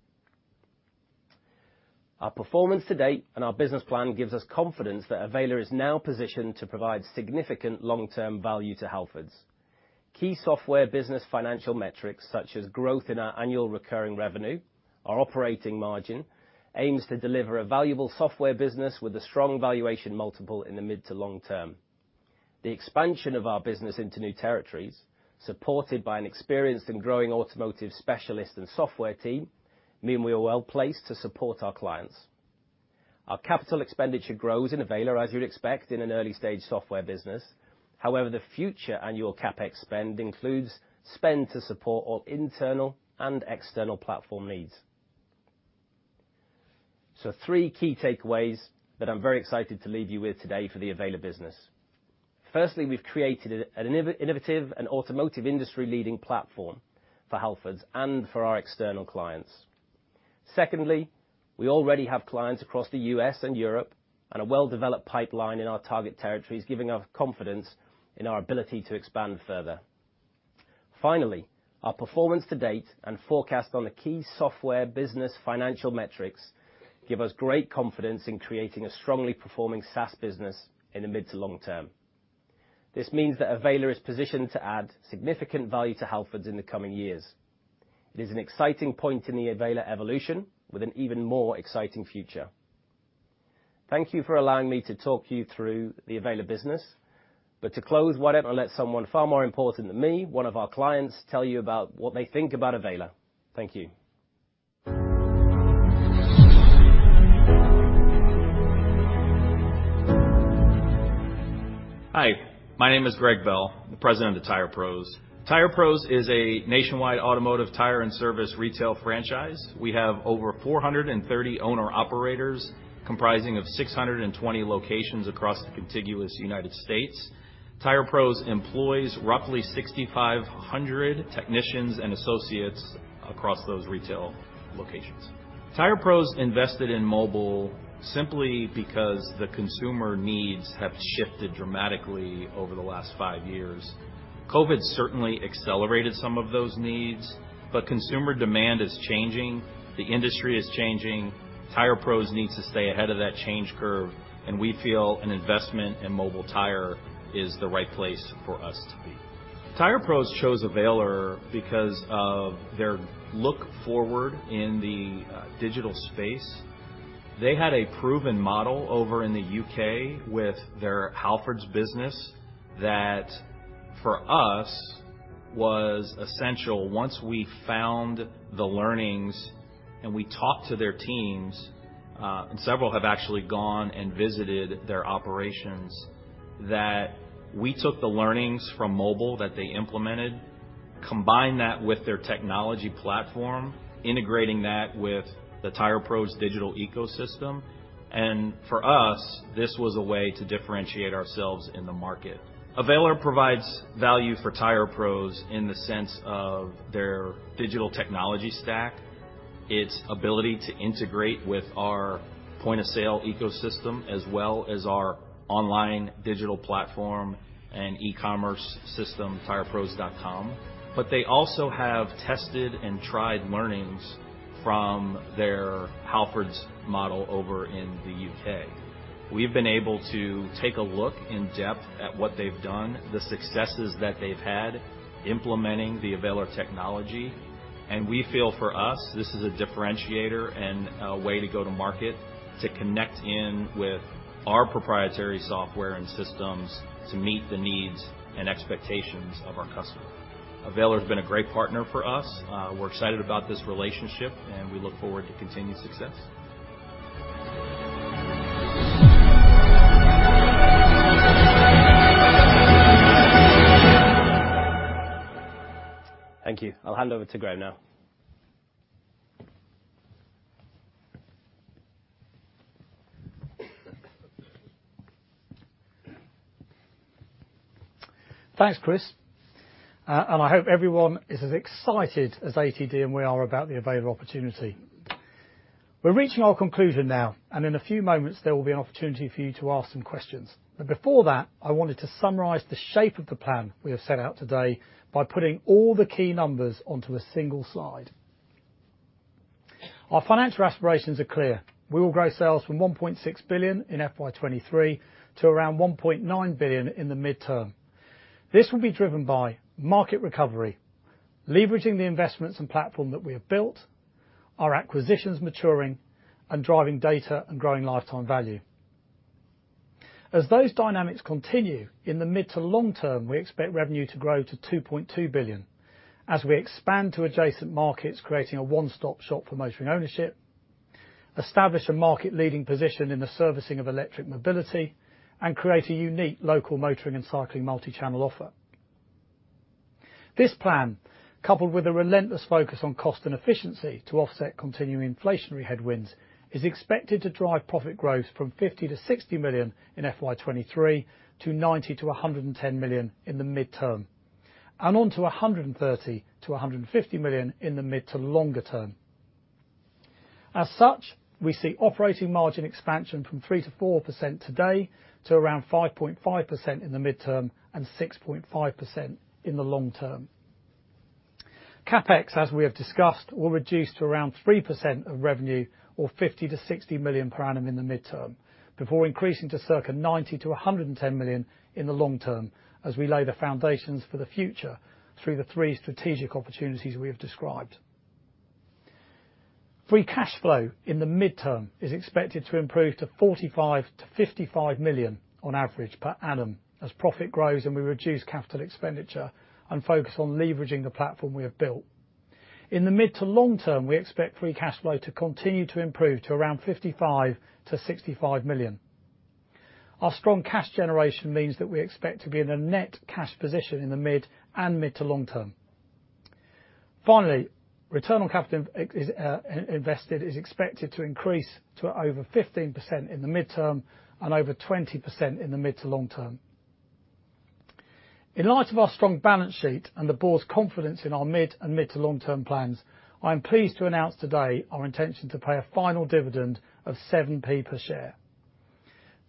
Our performance to date and our business plan gives us confidence that Avayler is now positioned to provide significant long-term value to Halfords. Key software business financial metrics, such as growth in our annual recurring revenue, our operating margin, aims to deliver a valuable software business with a strong valuation multiple in the mid to long term. The expansion of our business into new territories, supported by an experienced and growing automotive specialist and software team, mean we are well placed to support our clients. Our capital expenditure grows in Avayler, as you'd expect in an early-stage software business. The future annual CapEx spend includes spend to support all internal and external platform needs. Three key takeaways that I'm very excited to leave you with today for the Avayler business. Firstly, we've created an innovative and automotive industry leading platform for Halfords and for our external clients. Secondly, we already have clients across the U.S. and Europe and a well-developed pipeline in our target territories, giving us confidence in our ability to expand further. Finally, our performance to date and forecast on the key software business financial metrics give us great confidence in creating a strongly performing SaaS business in the mid to long term. This means that Avayler is positioned to add significant value to Halfords in the coming years. It is an exciting point in the Avayler evolution with an even more exciting future. Thank you for allowing me to talk you through the Avayler business. To close, why don't I let someone far more important than me, one of our clients, tell you about what they think about Avayler. Thank you. Hi, my name is Greg Bell, the President of Tire Pros. Tire Pros is a nationwide automotive tire and service retail franchise. We have over 430 owner-operators comprising of 620 locations across the contiguous United States. Tire Pros employs roughly 6,500 technicians and associates across those retail locations. Tire Pros invested in mobile simply because the consumer needs have shifted dramatically over the last five years. COVID certainly accelerated some of those needs. Consumer demand is changing. The industry is changing. Tire Pros needs to stay ahead of that change curve. We feel an investment in mobile tire is the right place for us to be. Tire Pros chose Avayler because of their look forward in the digital space. They had a proven model over in the U.K. with their Halfords business that, for us, was essential. Once we found the learnings and we talked to their teams, and several have actually gone and visited their operations, that we took the learnings from mobile that they implemented, combined that with their technology platform, integrating that with the Tire Pros digital ecosystem. For us, this was a way to differentiate ourselves in the market. Avayler provides value for Tire Pros in the sense of their digital technology stack, its ability to integrate with our point of sale ecosystem, as well as our online digital platform and e-commerce system, tirepros.com. They also have tested and tried learnings from their Halfords model over in the U.K. We've been able to take a look in depth at what they've done, the successes that they've had implementing the Avayler technology. We feel for us, this is a differentiator and a way to go to market, to connect in with our proprietary software and systems to meet the needs and expectations of our customer. Avayler has been a great partner for us. We're excited about this relationship, and we look forward to continued success. Thank you. I'll hand over to Graham now. Thanks, Chris. I hope everyone is as excited as ATD and we are about the Avayler opportunity. We're reaching our conclusion now, in a few moments there will be an opportunity for you to ask some questions. Before that, I wanted to summarize the shape of the plan we have set out today by putting all the key numbers onto a single slide. Our financial aspirations are clear. We will grow sales from 1.6 billion in FY 2023 to around 1.9 billion in the midterm. This will be driven by market recovery, leveraging the investments and platform that we have built, our acquisitions maturing, and driving data and growing lifetime value. As those dynamics continue in the mid to long term, we expect revenue to grow to 2.2 billion as we expand to adjacent markets, creating a one-stop shop for motoring ownership, establish a market-leading position in the servicing of electric mobility, and create a unique local motoring and cycling multichannel offer. This plan, coupled with a relentless focus on cost and efficiency to offset continuing inflationary headwinds, is expected to drive profit growth from 50 million-60 million in FY 2023 to 90 million-110 million in the midterm, and on to 130 million-150 million in the mid to longer term. As such, we see operating margin expansion from 3%-4% today to around 5.5% in the midterm and 6.5% in the long term. CapEx, as we have discussed, will reduce to around 3% of revenue or 50 million-60 million per annum in the midterm before increasing to circa 90 million-110 million in the long term as we lay the foundations for the future through the three strategic opportunities we have described. Free cash flow in the midterm is expected to improve to 45 million-55 million on average per annum as profit grows and we reduce capital expenditure and focus on leveraging the platform we have built. In the mid to long term, we expect free cash flow to continue to improve to around 55 million-65 million. Our strong cash generation means that we expect to be in a net cash position in the mid and mid to long term. Finally, return on capital invested is expected to increase to over 15% in the midterm and over 20% in the mid to long term. In light of our strong balance sheet and the board's confidence in our mid and mid to long term plans, I am pleased to announce today our intention to pay a final dividend of 0.07 per share.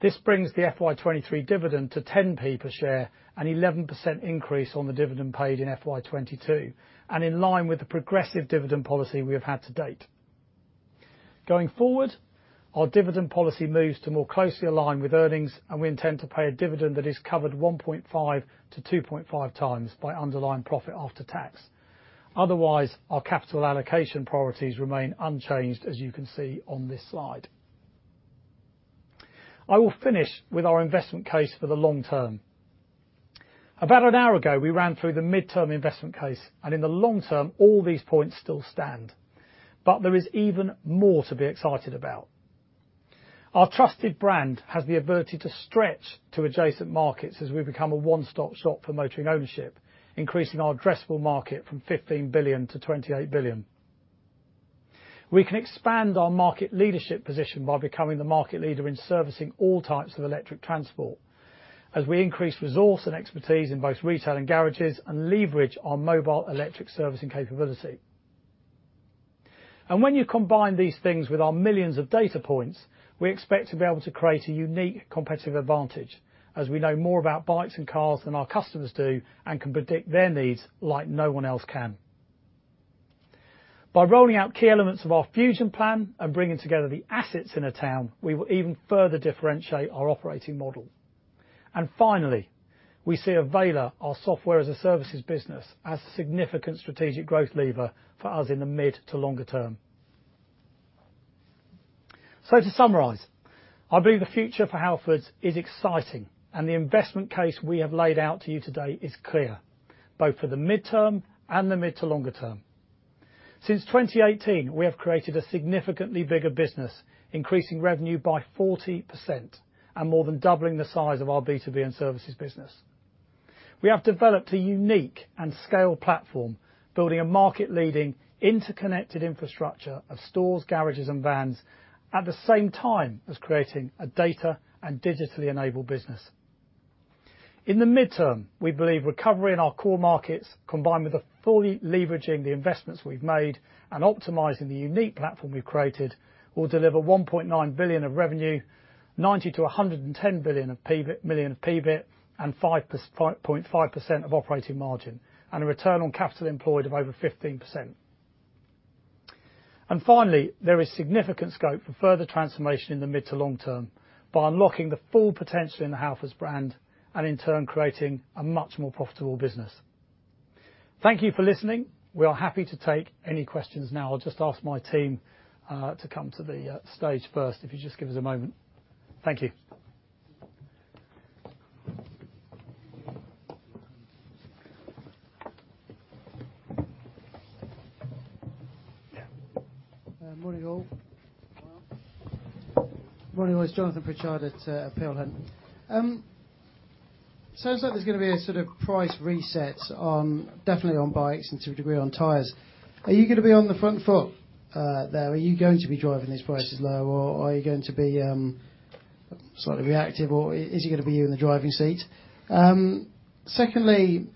This brings the FY 2023 dividend to 0.10 per share, an 11% increase on the dividend paid in FY 2022, and in line with the progressive dividend policy we have had to date. Going forward, our dividend policy moves to more closely align with earnings, and we intend to pay a dividend that is covered 1.5x to 2.5x by underlying profit after tax. Otherwise, our capital allocation priorities remain unchanged, as you can see on this slide. I will finish with our investment case for the long term. About an hour ago, we ran through the midterm investment case, and in the long term, all these points still stand, but there is even more to be excited about. Our trusted brand has the ability to stretch to adjacent markets as we become a one-stop shop for motoring ownership, increasing our addressable market from 15 billion-28 billion. We can expand our market leadership position by becoming the market leader in servicing all types of electric transport as we increase resource and expertise in both retail and garages and leverage our mobile electric servicing capability. When you combine these things with our millions of data points, we expect to be able to create a unique competitive advantage as we know more about bikes and cars than our customers do and can predict their needs like no one else can. By rolling out key elements of our Fusion plan and bringing together the assets in a town, we will even further differentiate our operating model. Finally, we see Avayler, our SaaS business, as a significant strategic growth lever for us in the mid to longer term. To summarize, I believe the future for Halfords is exciting, and the investment case we have laid out to you today is clear, both for the mid-term and the mid to longer term. Since 2018, we have created a significantly bigger business, increasing revenue by 40% and more than doubling the size of our B2B and services business. We have developed a unique and scaled platform, building a market-leading, interconnected infrastructure of stores, garages, and vans at the same time as creating a data and digitally enabled business. In the mid-term, we believe recovery in our core markets, combined with the fully leveraging the investments we've made and optimizing the unique platform we've created, will deliver 1.9 billion of revenue, 90 million-110 million of PBIT, and 5.5% of operating margin and a return on capital employed of over 15%. Finally, there is significant scope for further transformation in the mid to long term by unlocking the full potential in the Halfords brand and in turn creating a much more profitable business. Thank you for listening. We are happy to take any questions now. I'll just ask my team to come to the stage first, if you just give us a moment. Thank you. Morning, all. Morning, all. It's Jonathan Pritchard at Peel Hunt. Sounds like there's gonna be a sort of price reset on, definitely on bikes and to a degree on tires. Are you gonna be on the front foot there? Are you going to be driving these prices low, or are you going to be slightly reactive, or is it gonna be you in the driving seat? Secondly,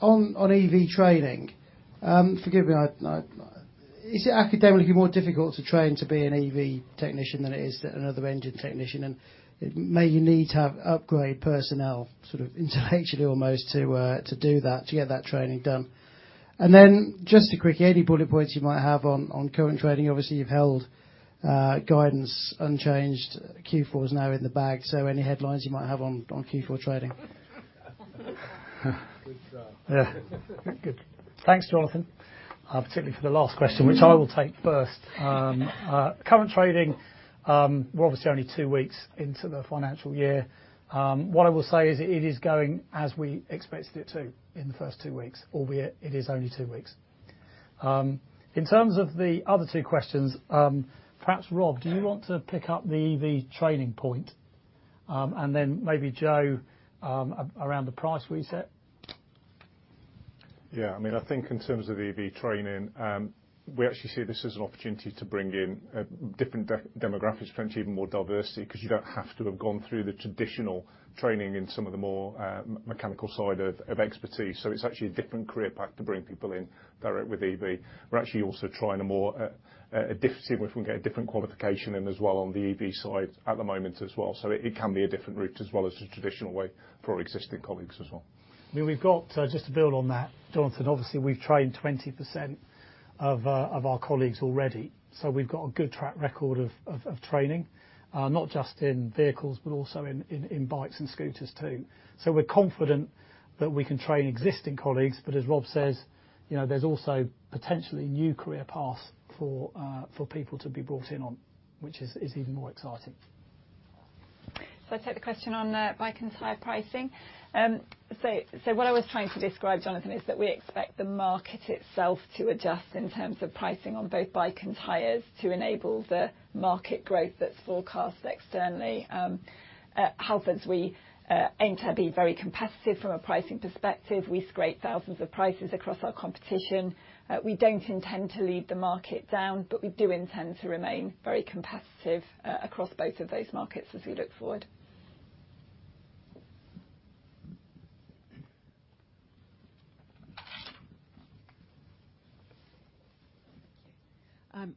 on EV training, forgive me, Is it academically more difficult to train to be an EV technician than it is another engine technician? It may you need to have upgrade personnel sort of intellectually almost to do that, to get that training done. Just a quick, any bullet points you might have on current trading. Obviously, you've held guidance unchanged. Q4 is now in the bag. Any headlines you might have on Q4 trading? Good start. Yeah. Good. Thanks, Jonathan, particularly for the last question, which I will take first. Current trading, we're obviously only two weeks into the financial year. What I will say is it is going as we expected it to in the first two weeks, albeit it is only two weeks. In terms of the other two questions, perhaps, Rob, do you want to pick up the EV training point? Then maybe Jo, around the price reset. Yeah. I mean, I think in terms of EV training, we actually see this as an opportunity to bring in different demographics, potentially even more diversity, 'cause you don't have to have gone through the traditional training in some of the more mechanical side of expertise. It's actually a different career path to bring people in direct with EV. We're actually also trying a more, see if we can get a different qualification in as well on the EV side at the moment as well. It, it can be a different route as well as the traditional way for our existing colleagues as well. I mean, we've got just to build on that, Jonathan, obviously we've trained 20% of our colleagues already. We've got a good track record of training not just in vehicles, but also in bikes and scooters too. We're confident that we can train existing colleagues, but as Rob says, you know, there's also potentially new career paths for people to be brought in on, which is even more exciting. I take the question on bike and tire pricing. What I was trying to describe, Jonathan, is that we expect the market itself to adjust in terms of pricing on both bike and tires to enable the market growth that's forecast externally. At Halfords, we aim to be very competitive from a pricing perspective. We scrape thousands of prices across our competition. We don't intend to lead the market down, but we do intend to remain very competitive across both of those markets as we look forward.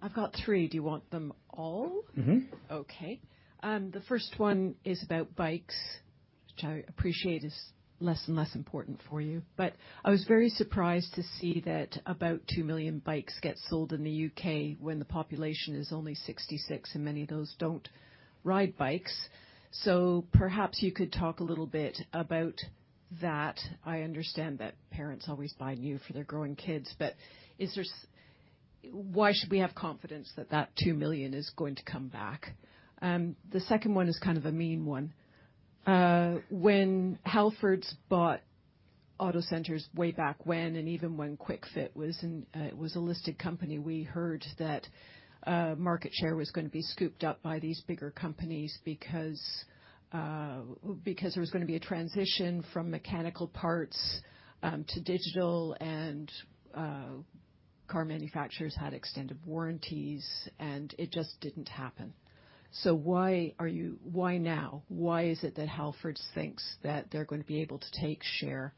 I've got three. Do you want them all? Mm-hmm. Okay. The first one is about bikes, which I appreciate is less and less important for you. I was very surprised to see that about 2 million bikes get sold in the U.K. when the population is only 66, and many of those don't ride bikes. Perhaps you could talk a little bit about that. I understand that parents always buy new for their growing kids. Is there Why should we have confidence that that 2 million is going to come back? The second one is kind of a mean one. When Halfords bought Autocentres way back when and even when Kwik Fit was a listed company, we heard that market share was gonna be scooped up by these bigger companies because there was gonna be a transition from mechanical parts to digital and car manufacturers had extended warranties, and it just didn't happen. Why now? Why is it that Halfords thinks that they're gonna be able to take share?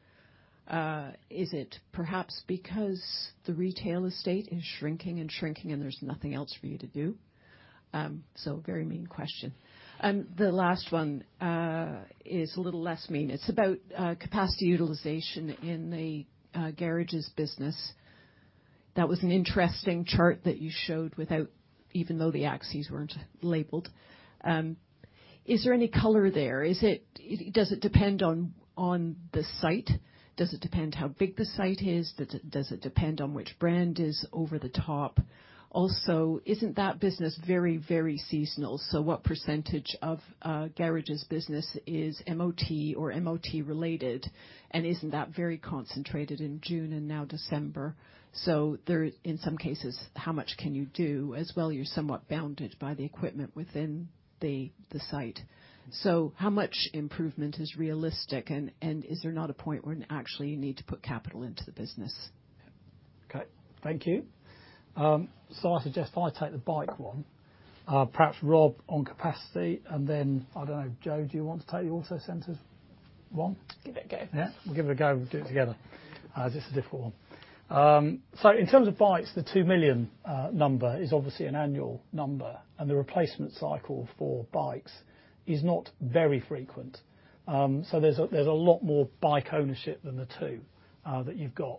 Is it perhaps because the retail estate is shrinking and shrinking and there's nothing else for you to do? Very mean question. The last one is a little less mean. It's about capacity utilization in the garages business. That was an interesting chart that you showed without, even though the axes weren't labeled. Is there any color there? Is it, does it depend on the site? Does it depend how big the site is? Does it depend on which brand is over the top? Isn't that business very, very seasonal? What percentage of garages business is MOT or MOT related? Isn't that very concentrated in June and now December? There, in some cases, how much can you do, as well you're somewhat bounded by the equipment within the site. How much improvement is realistic? Is there not a point where actually you need to put capital into the business? Okay. Thank you. I suggest I take the bike one, perhaps Rob on capacity, and then, I don't know, Jo, do you want to take the Autocentres one? Give it a go. Yeah. We'll give it a go. We'll do it together. This is a difficult one. In terms of bikes, the 2 million number is obviously an annual number, and the replacement cycle for bikes is not very frequent. There's a lot more bike ownership than the two that you've got.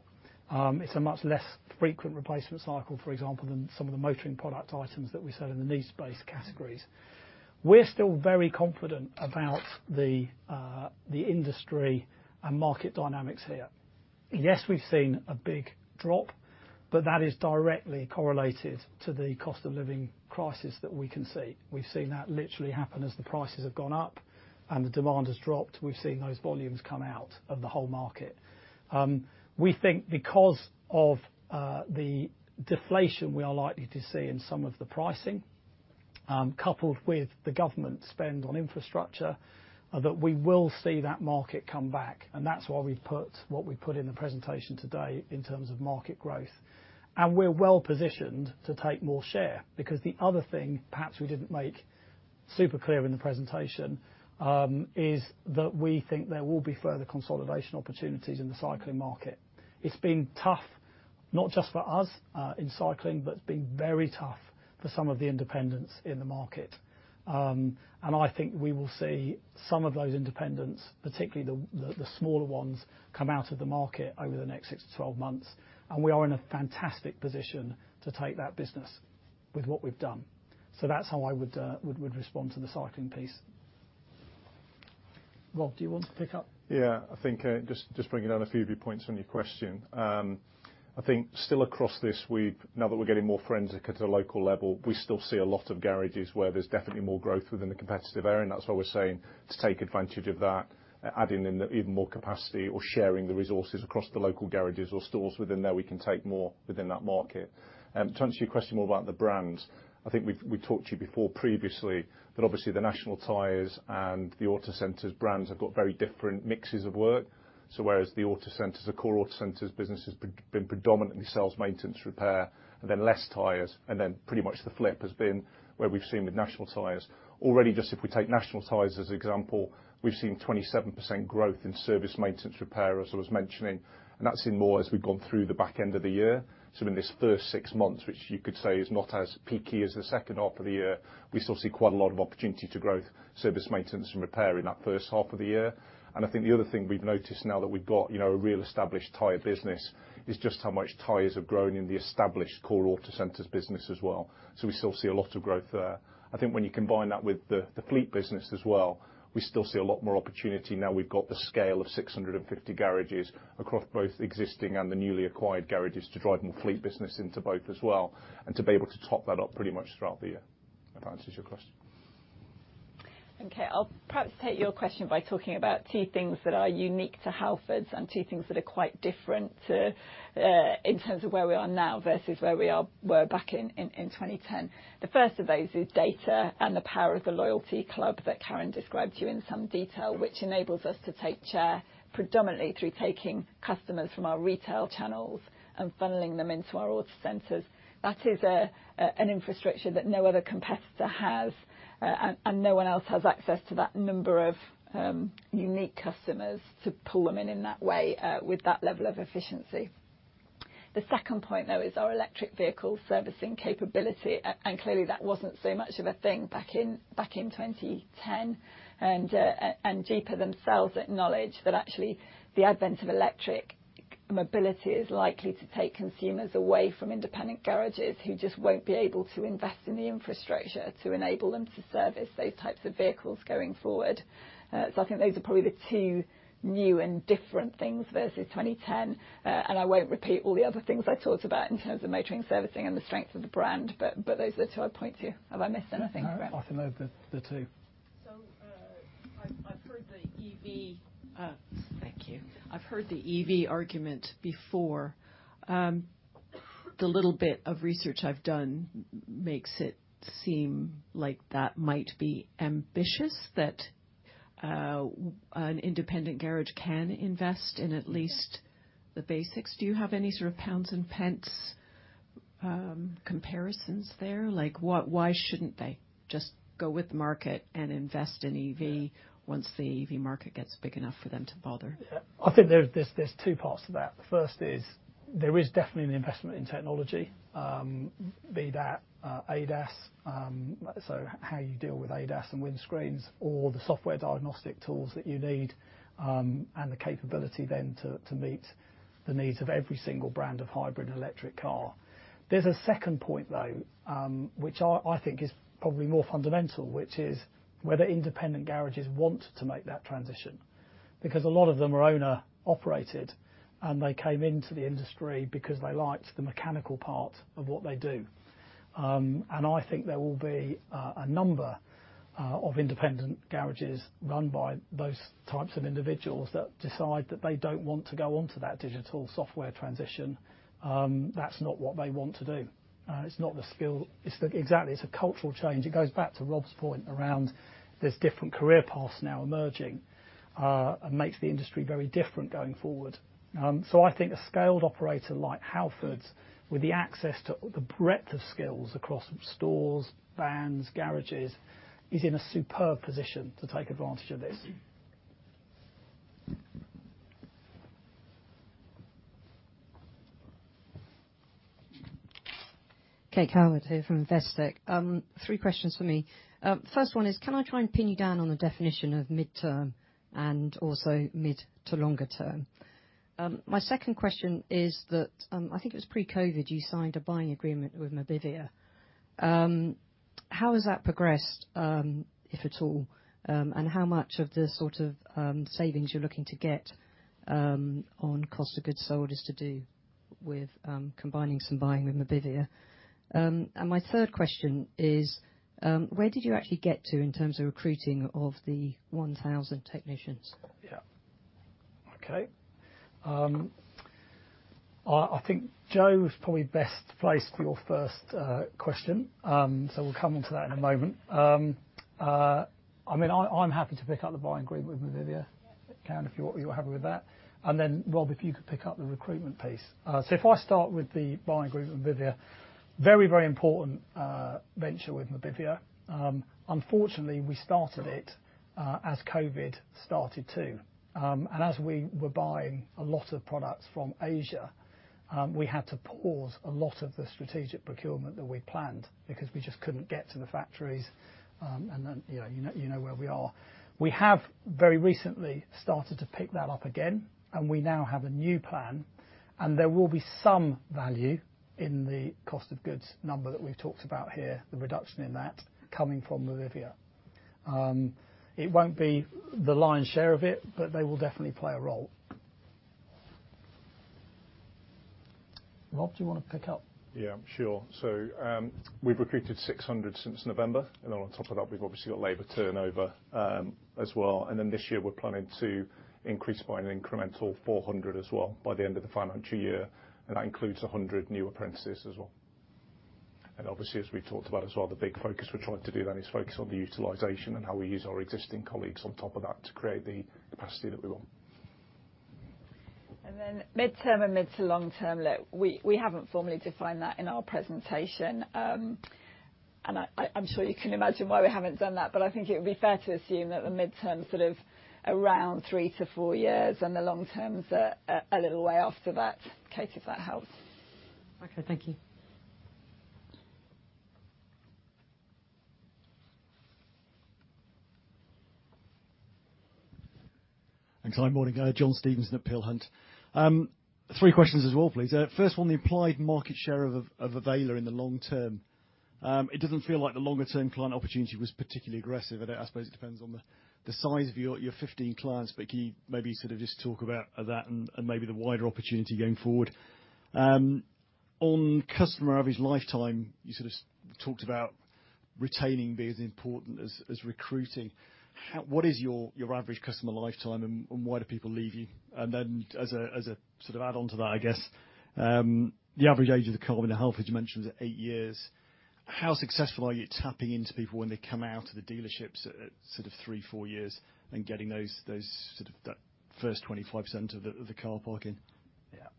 It's a much less frequent replacement cycle, for example, than some of the motoring product items that we sell in the niche-based categories. We're still very confident about the industry and market dynamics here. Yes, we've seen a big drop, but that is directly correlated to the cost of living crisis that we can see. We've seen that literally happen as the prices have gone up and the demand has dropped. We've seen those volumes come out of the whole market. We think because of the deflation we are likely to see in some of the pricing, coupled with the government spend on infrastructure, that we will see that market come back. That's why we put what we put in the presentation today in terms of market growth. We're well-positioned to take more share because the other thing, perhaps we didn't make super clear in the presentation, is that we think there will be further consolidation opportunities in the cycling market. It's been tough, not just for us, in cycling, but it's been very tough for some of the independents in the market. I think we will see some of those independents, particularly the smaller ones, come out of the market over the next six, 12 months. We are in a fantastic position to take that business with what we've done. That's how I would respond to the cycling piece. Rob, do you want to pick up? I think, just bringing down a few of your points from your question. I think still across this, now that we're getting more forensic at a local level, we still see a lot of garages where there's definitely more growth within the competitive area, and that's why we're saying to take advantage of that, adding in even more capacity or sharing the resources across the local garages or stores within there, we can take more within that market. To answer your question more about the brands, I think we talked to you before previously that obviously the National Tyres and the Autocentres brands have got very different mixes of work. Whereas the Autocentres, the core Autocentres business has been predominantly sales, maintenance, repair, and then less tyres, and then pretty much the flip has been where we've seen with National Tyres. Just if we take National Tyres as an example, we've seen 27% growth in service maintenance repair, as I was mentioning. That's seen more as we've gone through the back end of the year. In this first six months, which you could say is not as peaky as the second half of the year, we still see quite a lot of opportunity to grow service maintenance and repair in that first half of the year. I think the other thing we've noticed now that we've got, you know, a real established tire business is just how much tires have grown in the established core Autocentres business as well. We still see a lot of growth there. I think when you combine that with the fleet business as well, we still see a lot more opportunity now we've got the scale of 650 garages across both existing and the newly acquired garages to drive more fleet business into both as well, and to be able to top that up pretty much throughout the year. I hope that answers your question. I'll perhaps take your question by talking about two things that are unique to Halfords and two things that are quite different in terms of where we are now versus where we were back in 2010. The first of those is data and the power of the loyalty club that Karen described to you in some detail, which enables us to take share predominantly through taking customers from our retail channels and funneling them into our Autocentres. That is an infrastructure that no other competitor has and no one else has access to that number of unique customers to pull them in in that way with that level of efficiency. The second point is our electric vehicle servicing capability, and clearly, that wasn't so much of a thing back in 2010. GiPA themselves acknowledge that actually the advent of electric mobility is likely to take consumers away from independent garages who just won't be able to invest in the infrastructure to enable them to service those types of vehicles going forward. I think those are probably the two new and different things versus 2010. I won't repeat all the other things I talked about in terms of motoring servicing and the strength of the brand, but those are two I'd point to. Have I missed anything, Graham? No. I think they're two. I've heard the EV. Thank you. I've heard the EV argument before. The little bit of research I've done makes it seem like that might be ambitious that an independent garage can invest in at least the basics. Do you have any sort of pounds and pence comparisons there? Like, why shouldn't they just go with the market and invest in EV once the EV market gets big enough for them to bother? Yeah. I think there's two parts to that. The first is there is definitely an investment in technology, be that ADAS, so how you deal with ADAS and windscreens or the software diagnostic tools that you need, and the capability then to meet the needs of every single brand of hybrid and electric car. There's a second point, though, which I think is probably more fundamental, which is whether independent garages want to make that transition. A lot of them are owner-operated, and they came into the industry because they liked the mechanical part of what they do. I think there will be a number of independent garages run by those types of individuals that decide that they don't want to go on to that digital software transition. That's not what they want to do. Exactly. It's a cultural change. It goes back to Rob's point around there's different career paths now emerging, and makes the industry very different going forward. I think a scaled operator like Halfords, with the access to the breadth of skills across stores, vans, garages, is in a superb position to take advantage of this. Kate Calvert here from Investec. Three questions from me. First one is, can I try and pin you down on the definition of midterm and also mid to longer term? My second question is that, I think it was pre-COVID you signed a buying agreement with Mobivia. How has that progressed, if at all, and how much of the sort of savings you're looking to get on cost of goods sold is to do with combining some buying with Mobivia? My third question is, where did you actually get to in terms of recruiting of the 1,000 technicians? Yeah. Okay. I think Jo is probably best placed for your first question. We'll come onto that in a moment. I mean, I'm happy to pick up the buying agreement with Mobivia. Yeah. Karen, if you're happy with that. Rob, if you could pick up the recruitment piece. If I start with the buying agreement with Mobivia, very, very important venture with Mobivia. Unfortunately, we started it as COVID started too. As we were buying a lot of products from Asia, we had to pause a lot of the strategic procurement that we planned because we just couldn't get to the factories, you know, you know where we are. We have very recently started to pick that up again, and we now have a new plan, and there will be some value in the cost of goods number that we've talked about here, the reduction in that coming from Mobivia. It won't be the lion's share of it, they will definitely play a role. Rob, do you wanna pick up? Yeah, sure. We've recruited 600 since November, and then on top of that, we've obviously got labor turnover as well. This year, we're planning to increase by an incremental 400 as well by the end of the financial year, and that includes 100 new apprentices as well. Obviously, as we talked about as well, the big focus we're trying to do then is focus on the utilization and how we use our existing colleagues on top of that to create the capacity that we want. Midterm and mid to long term, look, we haven't formally defined that in our presentation. I'm sure you can imagine why we haven't done that. I think it would be fair to assume that the midterm's sort of around three to four years and the long term's a little way after that, Kate, if that helps. Okay, thank you. Thanks. Hi, morning. John Stevenson at Peel Hunt. Three questions as well, please. First one, the applied market share of Avayler in the long term. It doesn't feel like the longer term client opportunity was particularly aggressive. I suppose it depends on the size of your 15 clients, but can you maybe sort of just talk about that and maybe the wider opportunity going forward? On customer average lifetime, you sort of talked about retaining being as important as recruiting. What is your average customer lifetime and why do people leave you? Then as a, as a sort of add-on to that, I guess, the average age of the car in the Halfords you mentioned is eight years. How successful are you at tapping into people when they come out of the dealerships at sort of three, four years and getting those sort of, that first 25% of the car park in? Yeah.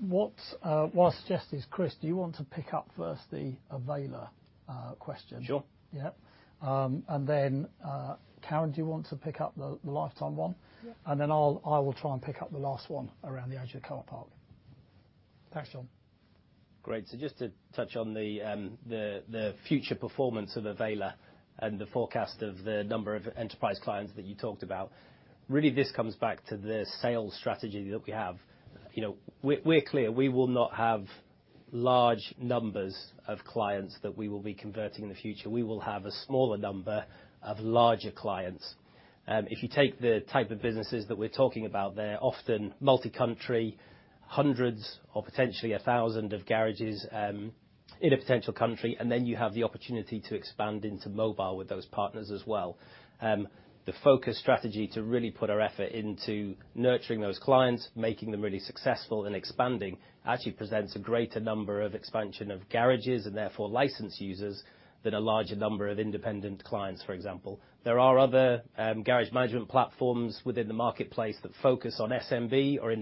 What I suggest is, Chris, do you want to pick up first the Avayler question? Sure. Yeah. Then, Karen, do you want to pick up the lifetime one? Yeah. I will try and pick up the last one around the age of the car park. Great. Just to touch on the future performance of Avayler and the forecast of the number of enterprise clients that you talked about, really this comes back to the sales strategy that we have. You know, we're clear, we will not have large numbers of clients that we will be converting in the future. We will have a smaller number of larger clients. If you take the type of businesses that we're talking about, they're often multi-country, hundreds or potentially 1,000 of garages in a potential country, and then you have the opportunity to expand into mobile with those partners as well. The focus strategy to really put our effort into nurturing those clients, making them really successful and expanding, actually presents a greater number of expansion of garages and therefore license users than a larger number of independent clients, for example. There are other garage management platforms within the marketplace that focus on SMB or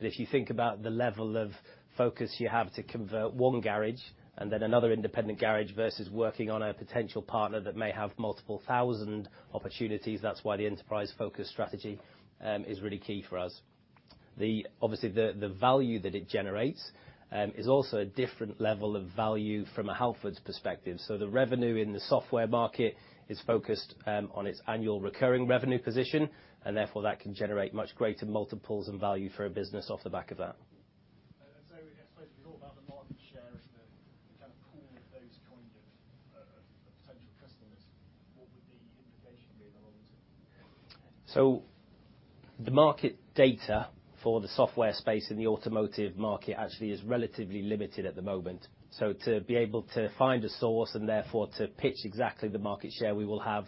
independents. If you think about the level of focus you have to convert one garage and then another independent garage versus working on a potential partner that may have multiple 1,000 opportunities, that's why the enterprise focus strategy is really key for us. Obviously, the value that it generates is also a different level of value from a Halfords perspective. The revenue in the software market is focused on its annual recurring revenue position, and therefore that can generate much greater multiples and value for a business off the back of that. I suppose if you thought about the market share as the kind of pool of those kind of potential customers, what would the implication be in the long term? The market data for the software space in the automotive market actually is relatively limited at the moment. To be able to find a source and therefore to pitch exactly the market share we will have,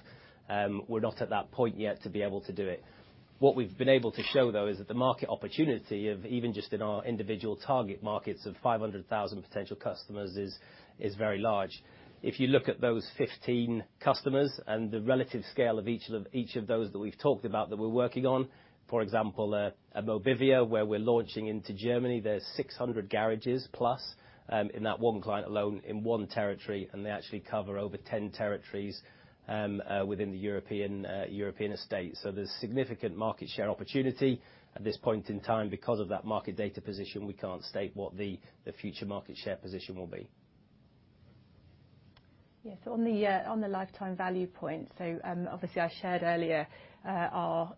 we're not at that point yet to be able to do it. What we've been able to show, though, is that the market opportunity of even just in our individual target markets of 500,000 potential customers is very large. If you look at those 15 customers and the relative scale of each of those that we've talked about that we're working on. For example, at Mobivia, where we're launching into Germany, there's 600 garages plus in that one client alone in one territory, and they actually cover over 10 territories within the European European estate. There's significant market share opportunity. At this point in time, because of that market data position, we can't state what the future market share position will be. Yes, on the on the lifetime value point. Obviously I shared earlier our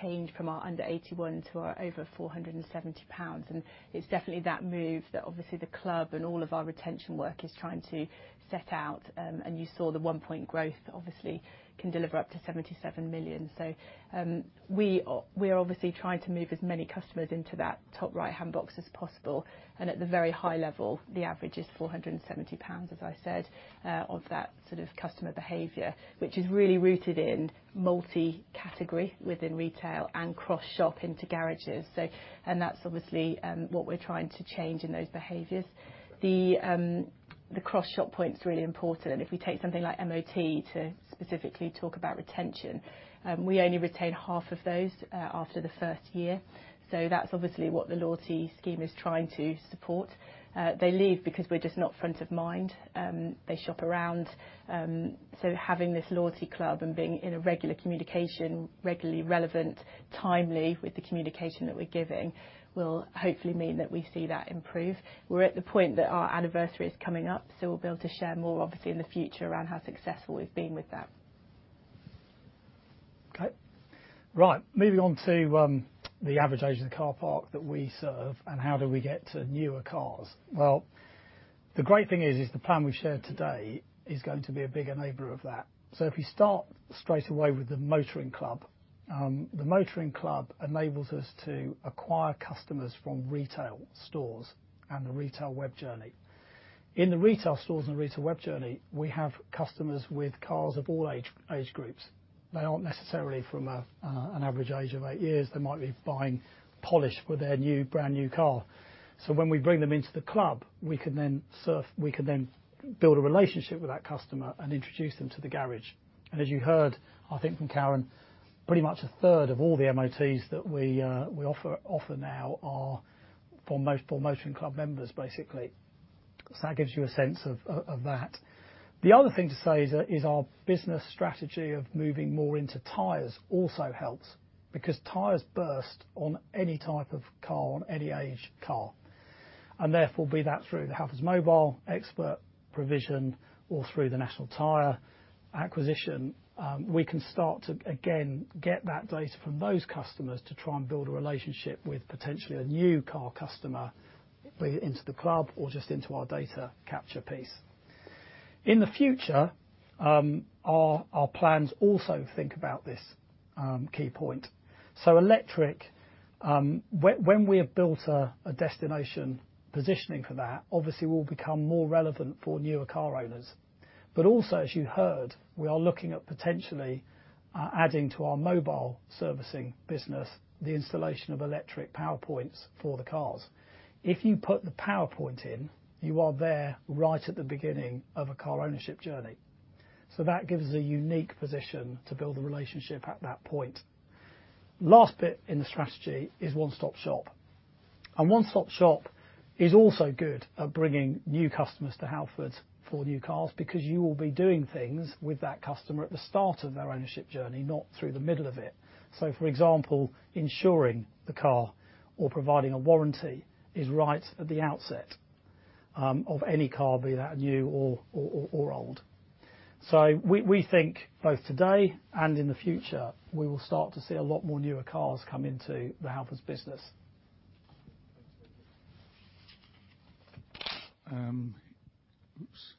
change from our under 81 to our over 470 pounds, and it's definitely that move that obviously the club and all of our retention work is trying to set out, and you saw the 1 point growth obviously can deliver up to 77 million. We are obviously trying to move as many customers into that top right-hand box as possible, and at the very high level, the average is 470 pounds, as I said, of that sort of customer behavior, which is really rooted in multi-category within retail and cross-shop into garages. That's obviously what we're trying to change in those behaviors. The cross-shop point is really important. If we take something like MOT to specifically talk about retention, we only retain half of those after the first year. That's obviously what the loyalty scheme is trying to support. They leave because we're just not front of mind. They shop around. Having this loyalty club and being in a regular communication, regularly relevant, timely with the communication that we're giving, will hopefully mean that we see that improve. We're at the point that our anniversary is coming up, we'll be able to share more obviously in the future around how successful we've been with that. Okay. Moving on to the average age of the car park that we serve and how do we get to newer cars. The great thing is the plan we've shared today is going to be a big enabler of that. If we start straight away with the Motoring Club, the Motoring Club enables us to acquire customers from retail stores and the retail web journey. In the retail stores and retail web journey, we have customers with cars of all age groups. They aren't necessarily from a, an average age of eight years. They might be buying polish for their new, brand-new car. When we bring them into the club, we can then build a relationship with that customer and introduce them to the garage. As you heard, I think from Karen, pretty much a third of all the MOTs that we offer now are for Motoring Club members, basically. That gives you a sense of that. The other thing to say is our business strategy of moving more into tires also helps because tires burst on any type of car, on any age car. Therefore, be that through the Halfords Mobile Expert provision, or through the national tire acquisition, we can start to again get that data from those customers to try and build a relationship with potentially a new car customer, be it into the club or just into our data capture piece. In the future, our plans also think about this key point. Electric, when we have built a destination positioning for that, obviously we'll become more relevant for newer car owners. Also, as you heard, we are looking at potentially adding to our mobile servicing business, the installation of electric power points for the cars. If you put the power point in, you are there right at the beginning of a car ownership journey. That gives us a unique position to build a relationship at that point. Last bit in the strategy is one-stop shop. One-stop shop is also good at bringing new customers to Halfords for new cars, because you will be doing things with that customer at the start of their ownership journey, not through the middle of it. For example, insuring the car or providing a warranty is right at the outset of any car, be that new or old. We think both today and in the future, we will start to see a lot more newer cars come into the Halfords business. Oops.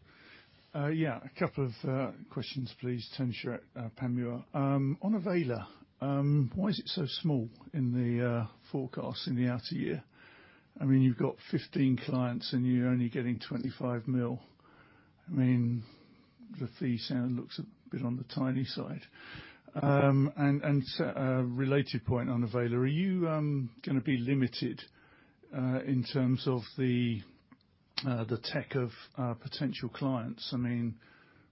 Yeah, a couple of questions, please. Tony Shiret, Panmure. On Avayler, why is it so small in the forecast in the outer year? I mean, you've got 15 clients and you're only getting 25 million. I mean, the fee sound looks a bit on the tiny side. A related point on Avayler, are you gonna be limited in terms of the tech of potential clients? I mean,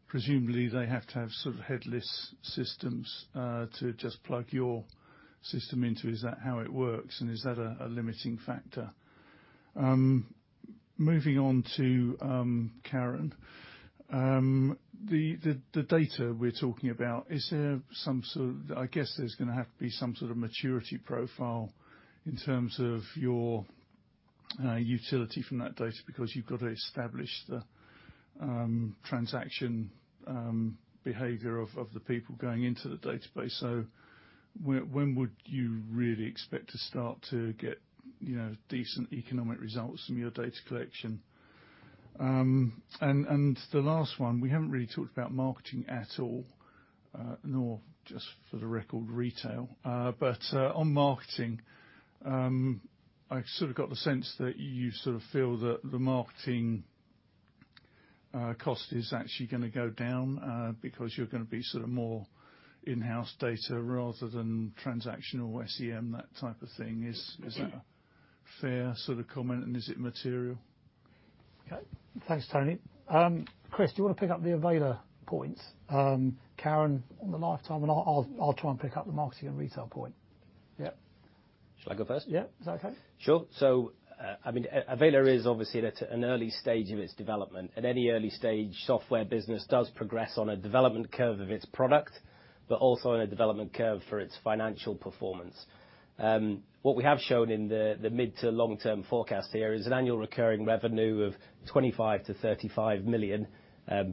presumably, they have to have sort of headless systems to just plug your system into. Is that how it works, and is that a limiting factor? Moving on to Karen. The data we're talking about, is there some sort of maturity profile in terms of your utility from that data, because you've got to establish the transaction behavior of the people going into the database. When would you really expect to start to get, you know, decent economic results from your data collection? The last one, we haven't really talked about marketing at all, nor just for the record, retail. On marketing, I've sort of got the sense that you sort of feel that the marketing cost is actually gonna go down, because you're gonna be sort of more in-house data rather than transactional SEM, that type of thing. Is that a fair sort of comment, and is it material? Okay. Thanks, Tony. Chris, do you wanna pick up the Avayler points, Karen, on the lifetime, and I'll try and pick up the marketing and retail point. Yeah. Shall I go first? Yeah. Is that okay? Sure. I mean, Avayler is obviously at an early stage of its development. At any early stage, software business does progress on a development curve of its product, but also on a development curve for its financial performance. What we have shown in the mid to long-term forecast here is an annual recurring revenue of 25 million-35 million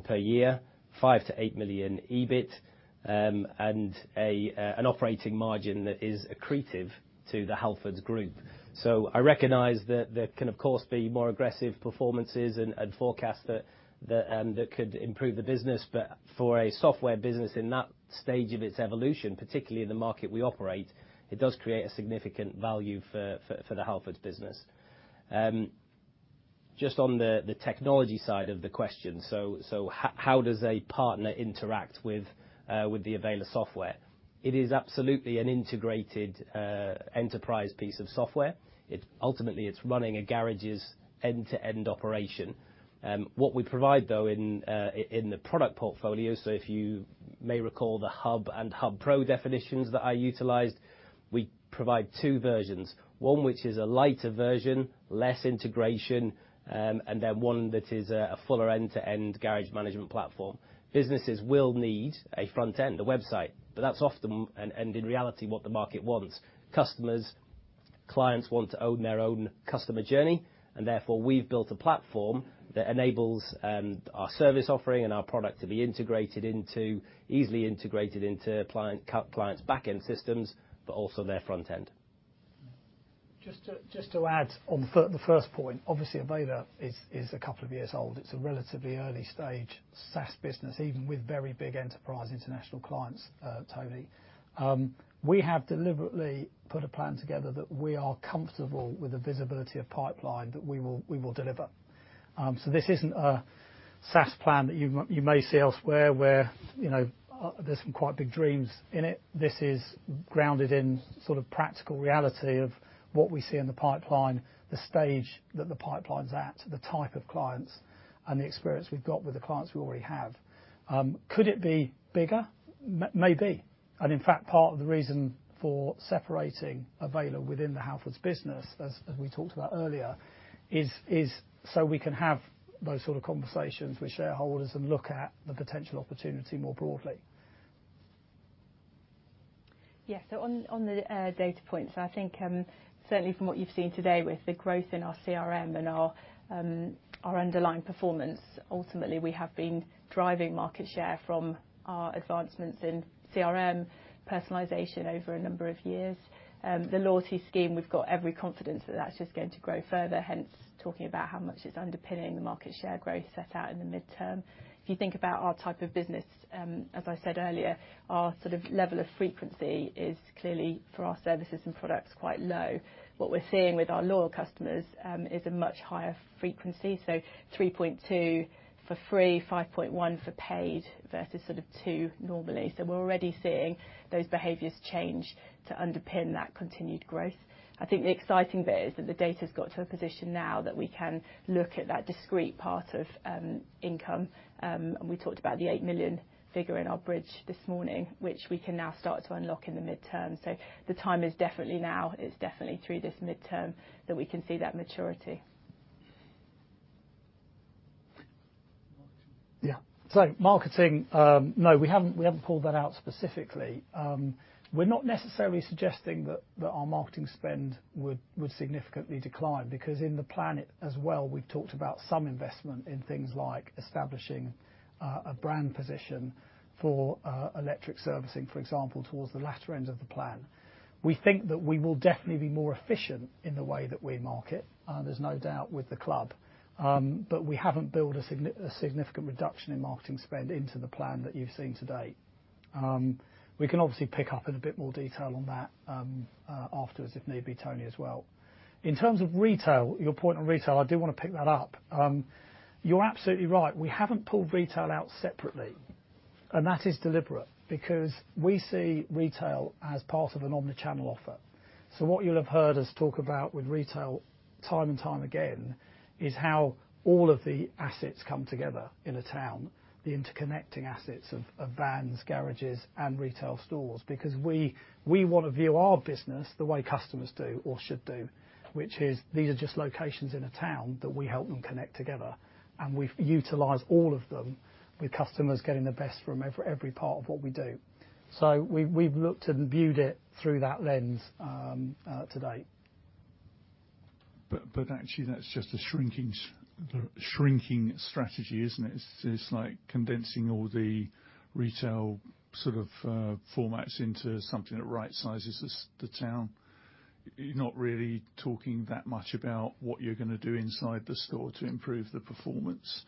per year, 5 million-8 million EBIT, and an operating margin that is accretive to the Halfords Group. I recognize that there can, of course, be more aggressive performances and forecasts and that could improve the business, but for a software business in that stage of its evolution, particularly in the market we operate, it does create a significant value for the Halfords business. Just on the technology side of the question. How does a partner interact with the Avayler software? It is absolutely an integrated enterprise piece of software. Ultimately, it's running a garage's end-to-end operation. What we provide, though, in the product portfolio, so if you may recall the Hub and Hub Pro definitions that I utilized, we provide two versions, one which is a lighter version, less integration, and then one that is a fuller end-to-end garage management platform. Businesses will need a front end, a website, but that's often, and in reality, what the market wants. Customers, clients want to own their own customer journey, and therefore we've built a platform that enables our service offering and our product to be integrated into, easily integrated into client's back-end systems, but also their front end. Just to add on the first point, Avayler is a couple of years old. It's a relatively early-stage SaaS business, even with very big enterprise international clients, Tony. We have deliberately put a plan together that we are comfortable with the visibility of pipeline that we will deliver. This isn't a SaaS plan that you may see elsewhere where, you know, there's some quite big dreams in it. This is grounded in sort of practical reality of what we see in the pipeline, the stage that the pipeline's at, the type of clients, and the experience we've got with the clients we already have. Could it be bigger? Maybe. In fact, part of the reason for separating Avayler within the Halfords business, as we talked about earlier, is so we can have those sort of conversations with shareholders and look at the potential opportunity more broadly. On, on the data points, I think, certainly from what you've seen today with the growth in our CRM and our underlying performance, ultimately we have been driving market share from our advancements in CRM personalization over a number of years. The loyalty scheme, we've got every confidence that that's just going to grow further, hence talking about how much it's underpinning the market share growth set out in the midterm. If you think about our type of business, as I said earlier, our sort of level of frequency is clearly, for our services and products, quite low. What we're seeing with our loyal customers, is a much higher frequency, so 3.2 for free, 5.1 for paid, versus sort of two normally. We're already seeing those behaviors change to underpin that continued growth. I think the exciting bit is that the data's got to a position now that we can look at that discrete part of income. We talked about the 8 million figure in our bridge this morning, which we can now start to unlock in the midterm. The time is definitely now. It's definitely through this midterm that we can see that maturity. Yeah. Marketing, no, we haven't, we haven't pulled that out specifically. We're not necessarily suggesting that our marketing spend would significantly decline because in the plan as well, we've talked about some investment in things like establishing a brand position for electric servicing, for example, towards the latter end of the plan. We think that we will definitely be more efficient in the way that we market, there's no doubt with the club. We haven't built a significant reduction in marketing spend into the plan that you've seen today. We can obviously pick up in a bit more detail on that afterwards if need be, Tony, as well. In terms of retail, your point on retail, I do wanna pick that up. You're absolutely right. We haven't pulled retail out separately, and that is deliberate because we see retail as part of an omni-channel offer. What you'll have heard us talk about with retail time and time again is how all of the assets come together in a town, the interconnecting assets of vans, garages, and retail stores. We wanna view our business the way customers do or should do, which is these are just locations in a town that we help them connect together, and we utilize all of them with customers getting the best from every part of what we do. We've looked and viewed it through that lens to date. Actually, that's just a shrinking strategy, isn't it? It's like condensing all the retail sort of formats into something that right sizes the town. You're not really talking that much about what you're gonna do inside the store to improve the performance.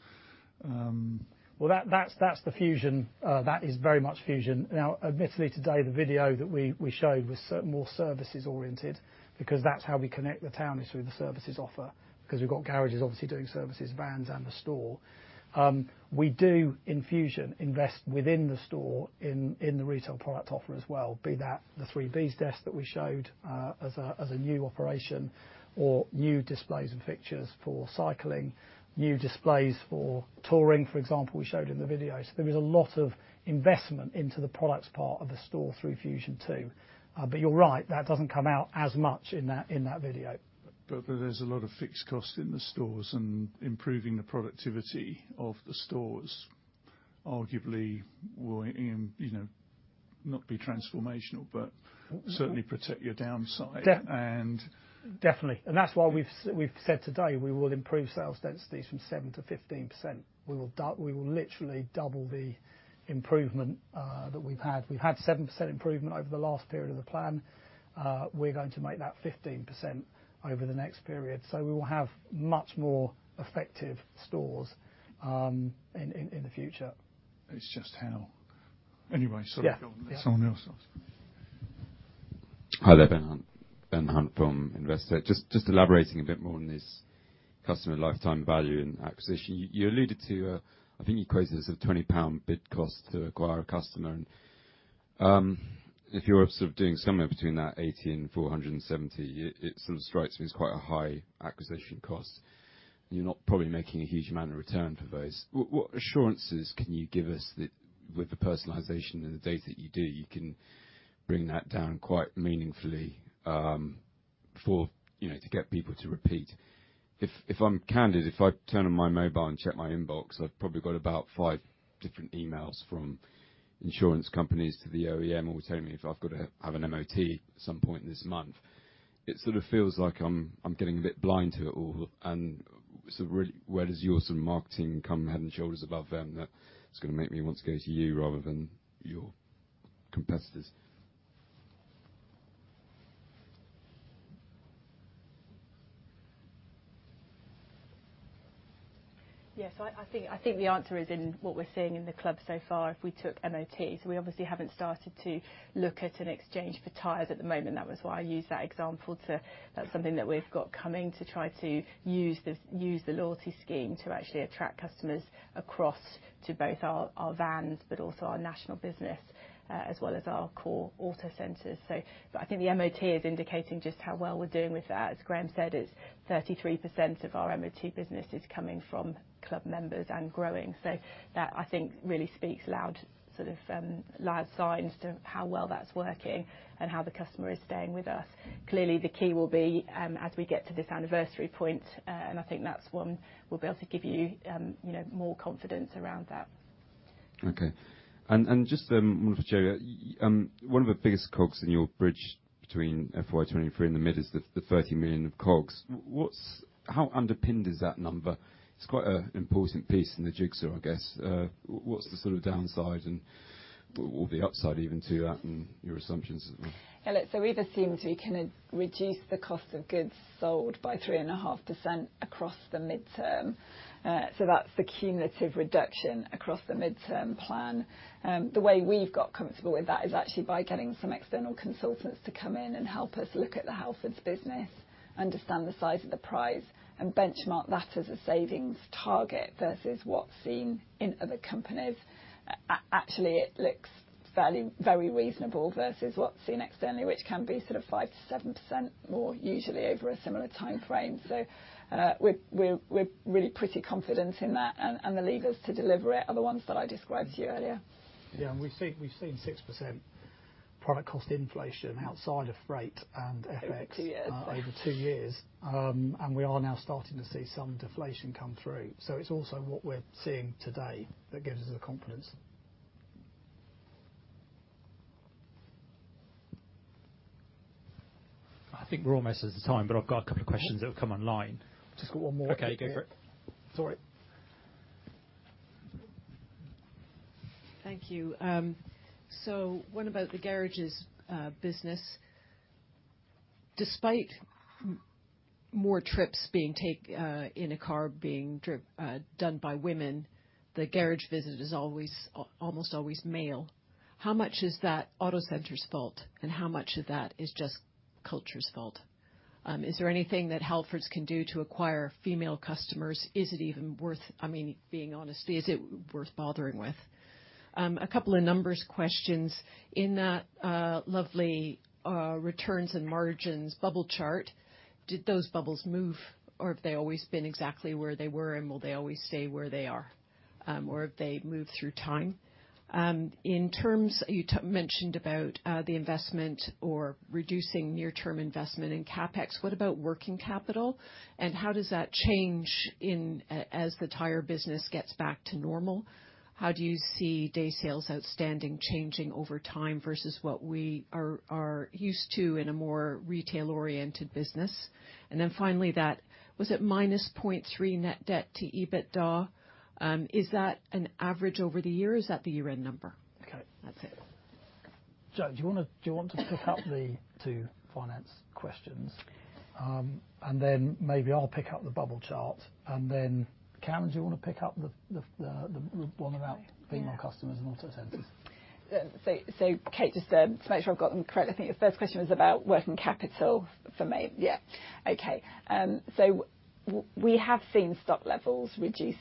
Well, that's the Fusion. That is very much Fusion. Admittedly today, the video that we showed was more services oriented because that's how we connect the town is through the services offer, 'cause we've got garages obviously doing services, vans and the store. We do in Fusion invest within the store in the retail product offer as well, be that the three Bs test that we showed as a new operation or new displays and fixtures for cycling, new displays for touring, for example, we showed in the video. There is a lot of investment into the products part of the store through Fusion too. You're right, that doesn't come out as much in that video. There's a lot of fixed costs in the stores and improving the productivity of the stores arguably will, you know, not be transformational, but certainly protect your downside. Def- And- Definitely. That's why we've said today we will improve sales densities from 7%-15%. We will literally double the improvement that we've had. We've had 7% improvement over the last period of the plan. We're going to make that 15% over the next period, we will have much more effective stores in the future. It's just how. Anyway, sorry, Phil. Yeah. Someone else. Hi there. Ben Hunt, Ben Hunt from Investec. Just elaborating a bit more on this customer lifetime value and acquisition. You alluded to, I think you quoted a sort of 20 pound bid cost to acquire a customer and, if you're sort of doing somewhere between that 80 and 470, it sort of strikes me as quite a high acquisition cost, and you're not probably making a huge amount of return for those. What assurances can you give us that with the personalization and the data you do, you can bring that down quite meaningfully, for, you know, to get people to repeat? If I'm candid, if I turn on my mobile and check my inbox, I've probably got about five different emails from insurance companies to the OEM all telling me if I've got to have an MOT at some point this month. It sort of feels like I'm getting a bit blind to it all, and sort of where does your sort of marketing come head and shoulders above them that it's gonna make me want to go to you rather than your competitors? Yes. I think the answer is in what we're seeing in the club so far, if we took MOTs. We obviously haven't started to look at an exchange for tires at the moment. That was why I used that example, that's something that we've got coming to try to use this, use the loyalty scheme to actually attract customers across to both our vans, but also our national business, as well as our core Autocentres. I think the MOT is indicating just how well we're doing with that. As Graham said, it's 33% of our MOT business is coming from club members and growing. That I think really speaks loud signs to how well that's working and how the customer is staying with us. Clearly, the key will be, as we get to this anniversary point. I think that's when we'll be able to give you know, more confidence around that. Okay. Just one for Jo. One of the biggest COGS in your bridge between FY 2023 and the mid is the 30 million of COGS. How underpinned is that number? It's quite a important piece in the jigsaw, I guess. What's the sort of downside and, or the upside even to that and your assumptions? We've assumed we can reduce the cost of goods sold by 3.5% across the midterm. That's the cumulative reduction across the midterm plan. The way we've got comfortable with that is actually by getting some external consultants to come in and help us look at the health of the business, understand the size of the prize, and benchmark that as a savings target versus what's seen in other companies. Actually, it looks fairly, very reasonable versus what's seen externally, which can be sort of 5%-7% more usually over a similar time frame. We're really pretty confident in that, and the levers to deliver it are the ones that I described to you earlier. Yeah. We've seen 6% product cost inflation outside of freight and FX- Over two years. Over two years, we are now starting to see some deflation come through. It's also what we're seeing today that gives us the confidence. I think we're almost at the time, but I've got a couple of questions that have come online. Just got one more. Okay, go for it. Sorry. Thank you. What about the garages business? Despite more trips being done in a car by women, the garage visit is always, almost always male. How much is that Autocentre's fault, and how much of that is just culture's fault? Is there anything that Halfords can do to acquire female customers? Is it even worth? I mean, being honest, is it worth bothering with? A couple of numbers questions. In that lovely returns and margins bubble chart, did those bubbles move, or have they always been exactly where they were, and will they always stay where they are? Or have they moved through time? You mentioned about the investment or reducing near-term investment in CapEx. What about working capital, and how does that change as the tire business gets back to normal? How do you see day sales outstanding changing over time versus what we are used to in a more retail-oriented business? Finally that, was it -0.3 net debt to EBITDA? Is that an average over the year or is that the year-end number? Okay. That's it. Jo, do you want to pick up the two finance questions? Maybe I'll pick up the bubble chart, Karen, do you want to pick up the one about female customers and Autocentres? Kate, just to make sure I've got them correct. I think your first question was about working capital for me. Yeah. Okay. We have seen stock levels reduce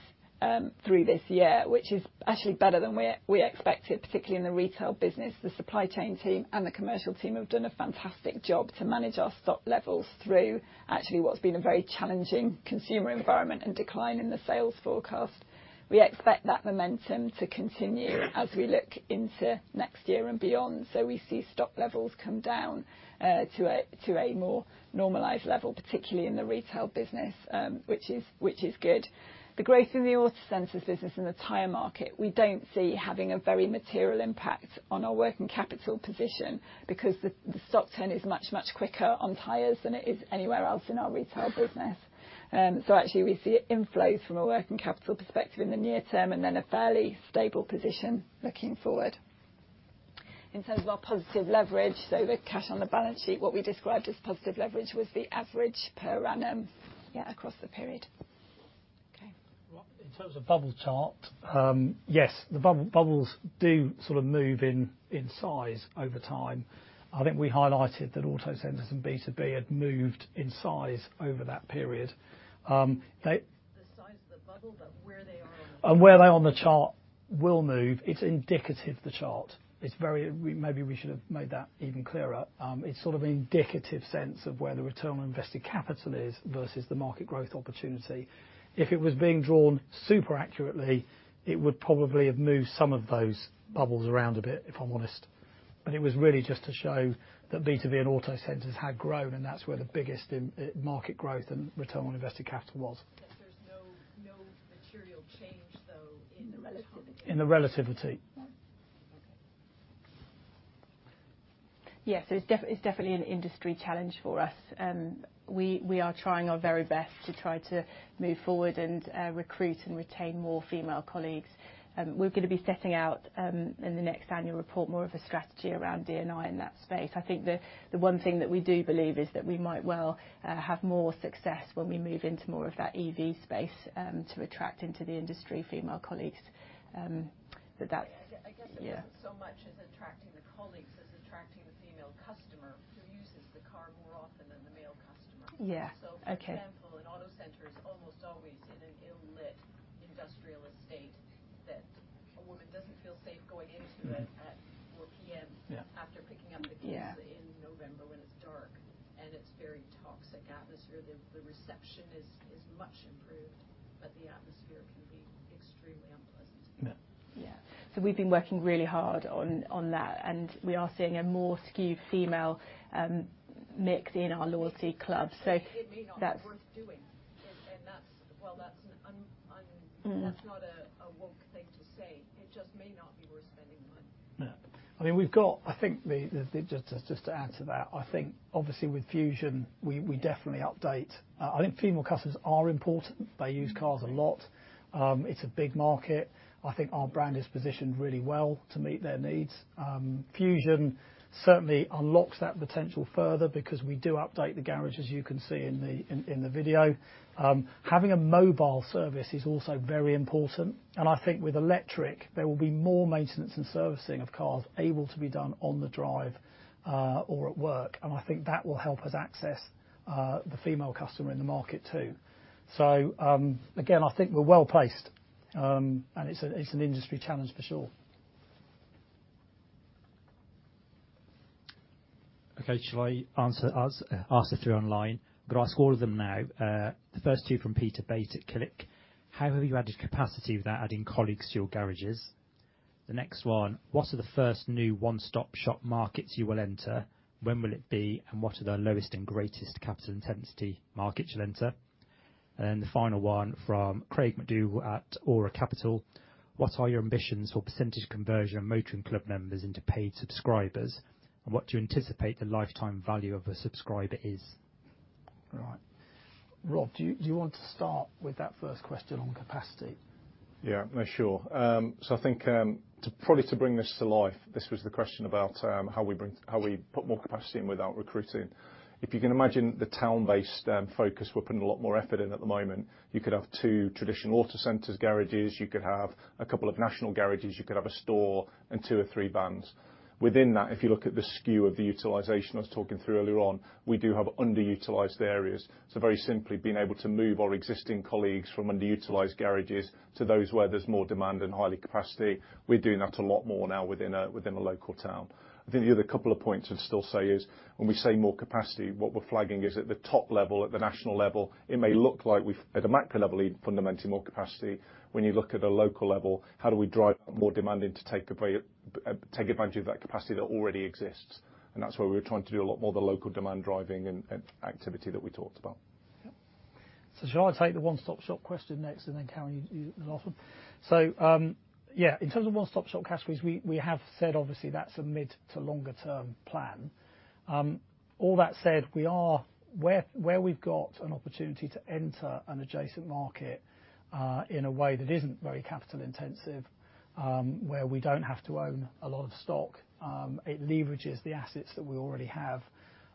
through this year, which is actually better than we expected, particularly in the retail business. The supply chain team and the commercial team have done a fantastic job to manage our stock levels through actually what's been a very challenging consumer environment and decline in the sales forecast. We expect that momentum to continue as we look into next year and beyond. We see stock levels come down to a more normalized level, particularly in the retail business, which is good. The growth in the Autocentres business and the tire market, we don't see having a very material impact on our working capital position because the stock turn is much, much quicker on tires than it is anywhere else in our retail business. Actually we see inflows from a working capital perspective in the near term and then a fairly stable position looking forward. In terms of our positive leverage, so the cash on the balance sheet, what we described as positive leverage was the average per annum, yeah, across the period. Okay. Well, in terms of bubble chart, yes, the bubbles do sort of move in size over time. I think we highlighted that Autocentres and B2B had moved in size over that period. The size of the bubble, but where they are on the chart. Where they are on the chart will move. It's indicative, the chart. It's very. Maybe we should have made that even clearer. It's sort of an indicative sense of where the return on invested capital is versus the market growth opportunity. If it was being drawn super accurately, it would probably have moved some of those bubbles around a bit, if I'm honest. It was really just to show that B2B and Autocentres had grown, and that's where the biggest market growth and return on invested capital was. There's no material change, though, in the relativity? In the relativity. Yes. Okay. Yes, it's definitely an industry challenge for us, and we are trying our very best to try to move forward and recruit and retain more female colleagues. We're gonna be setting out in the next annual report more of a strategy around D&I in that space. I think the one thing that we do believe is that we might well, have more success when we move into more of that EV space, to attract into the industry female colleagues. I guess it wasn't so much as attracting the colleagues as attracting the female customer who uses the car more often than the male customer. Yeah. Okay. For example, an Autocentre is almost always in an ill-lit industrial estate that a woman doesn't feel safe going into it at 4:00 P.M. Yeah. After picking up the kids. Yeah. In November when it's dark and it's very toxic atmosphere. The reception is much improved, but the atmosphere can be extremely unpleasant. Yeah. Yeah. We've been working really hard on that, and we are seeing a more skewed female, mix in our loyalty club. It may not be worth doing. that's, while that's an. Mm-hmm. That's not a woke thing to say, it just may not be worth spending money. Yeah. I mean, I think just to add to that, I think obviously with Fusion, we definitely update. I think female customers are important. They use cars a lot. It's a big market. I think our brand is positioned really well to meet their needs. Fusion certainly unlocks that potential further because we do update the garage, as you can see in the video. Having a mobile service is also very important, and I think with electric, there will be more maintenance and servicing of cars able to be done on the drive or at work. I think that will help us access the female customer in the market too. Again, I think we're well-placed, and it's an industry challenge for sure. Okay. Shall I answer, ask the three online? Could I ask all of them now? The first two from Peter Batey at Killik. How have you added capacity without adding colleagues to your garages? The next one: What are the first new one-stop shop markets you will enter? When will it be, what are the lowest and greatest capital intensity markets you'll enter? The final one from Craig McDue at Aura Capital. What are your ambitions for % conversion of motoring club members into paid subscribers? What do you anticipate the lifetime value of a subscriber is? Rob, do you want to start with that first question on capacity? Yeah. No, sure. I think, to probably to bring this to life, this was the question about, how we put more capacity in without recruiting. If you can imagine the town-based focus we're putting a lot more effort in at the moment, you could have two traditional autocenters, garages, you could have a couple of National garages, you could have a store, and two or three vans. Within that, if you look at the skew of the utilization I was talking through earlier on, we do have underutilized areas. Very simply, being able to move our existing colleagues from underutilized garages to those where there's more demand and higher capacity, we're doing that a lot more now within a, within a local town. I think the other couple of points I'd still say is, when we say more capacity, what we're flagging is at the top level, at the national level, it may look like we've, at a macro level, need fundamentally more capacity. When you look at a local level, how do we drive more demand in to take advantage of that capacity that already exists? That's why we were trying to do a lot more of the local demand driving and activity that we talked about. Yeah. Shall I take the one-stop shop question next and then, Karen, you the last one? Yeah, in terms of one-stop shop categories, we have said obviously that's a mid to longer term plan. All that said, where we've got an opportunity to enter an adjacent market, in a way that isn't very capital intensive, where we don't have to own a lot of stock, it leverages the assets that we already have.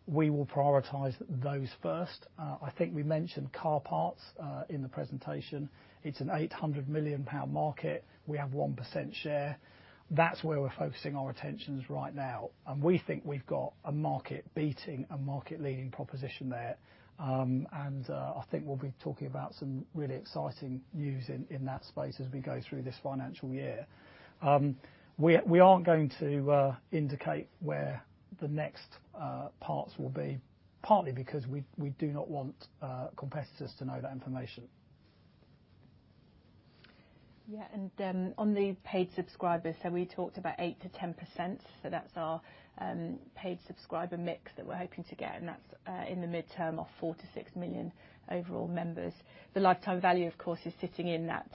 We will prioritize those first. I think we mentioned car parts in the presentation. It's a 800 million pound market. We have 1% share. That's where we're focusing our attentions right now. We think we've got a market beating, a market leading proposition there. I think we'll be talking about some really exciting news in that space as we go through this financial year. We aren't going to indicate where the next parts will be, partly because we do not want competitors to know that information. Yeah. On the paid subscribers, we talked about 8%-10%. That's our paid subscriber mix that we're hoping to get, and that's in the mid-term of 4 million-6 million overall members. The lifetime value, of course, is sitting in that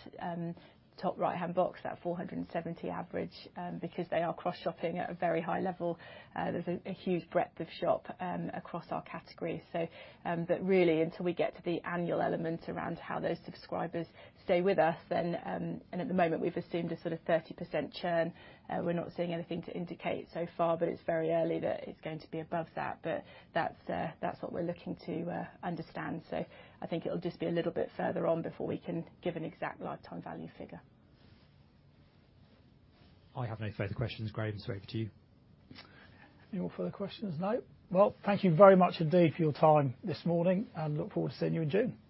top right-hand box, that 470 average, because they are cross-shopping at a very high level. There's a huge breadth of shop across our categories. But really until we get to the annual element around how those subscribers stay with us, then... At the moment, we've assumed a sort of 30% churn. We're not seeing anything to indicate so far, but it's very early that it's going to be above that. But that's what we're looking to understand. I think it'll just be a little bit further on before we can give an exact lifetime value figure. I have no further questions. Graham, it's over to you. Any more further questions? No. Well, thank you very much indeed for your time this morning and look forward to seeing you in June.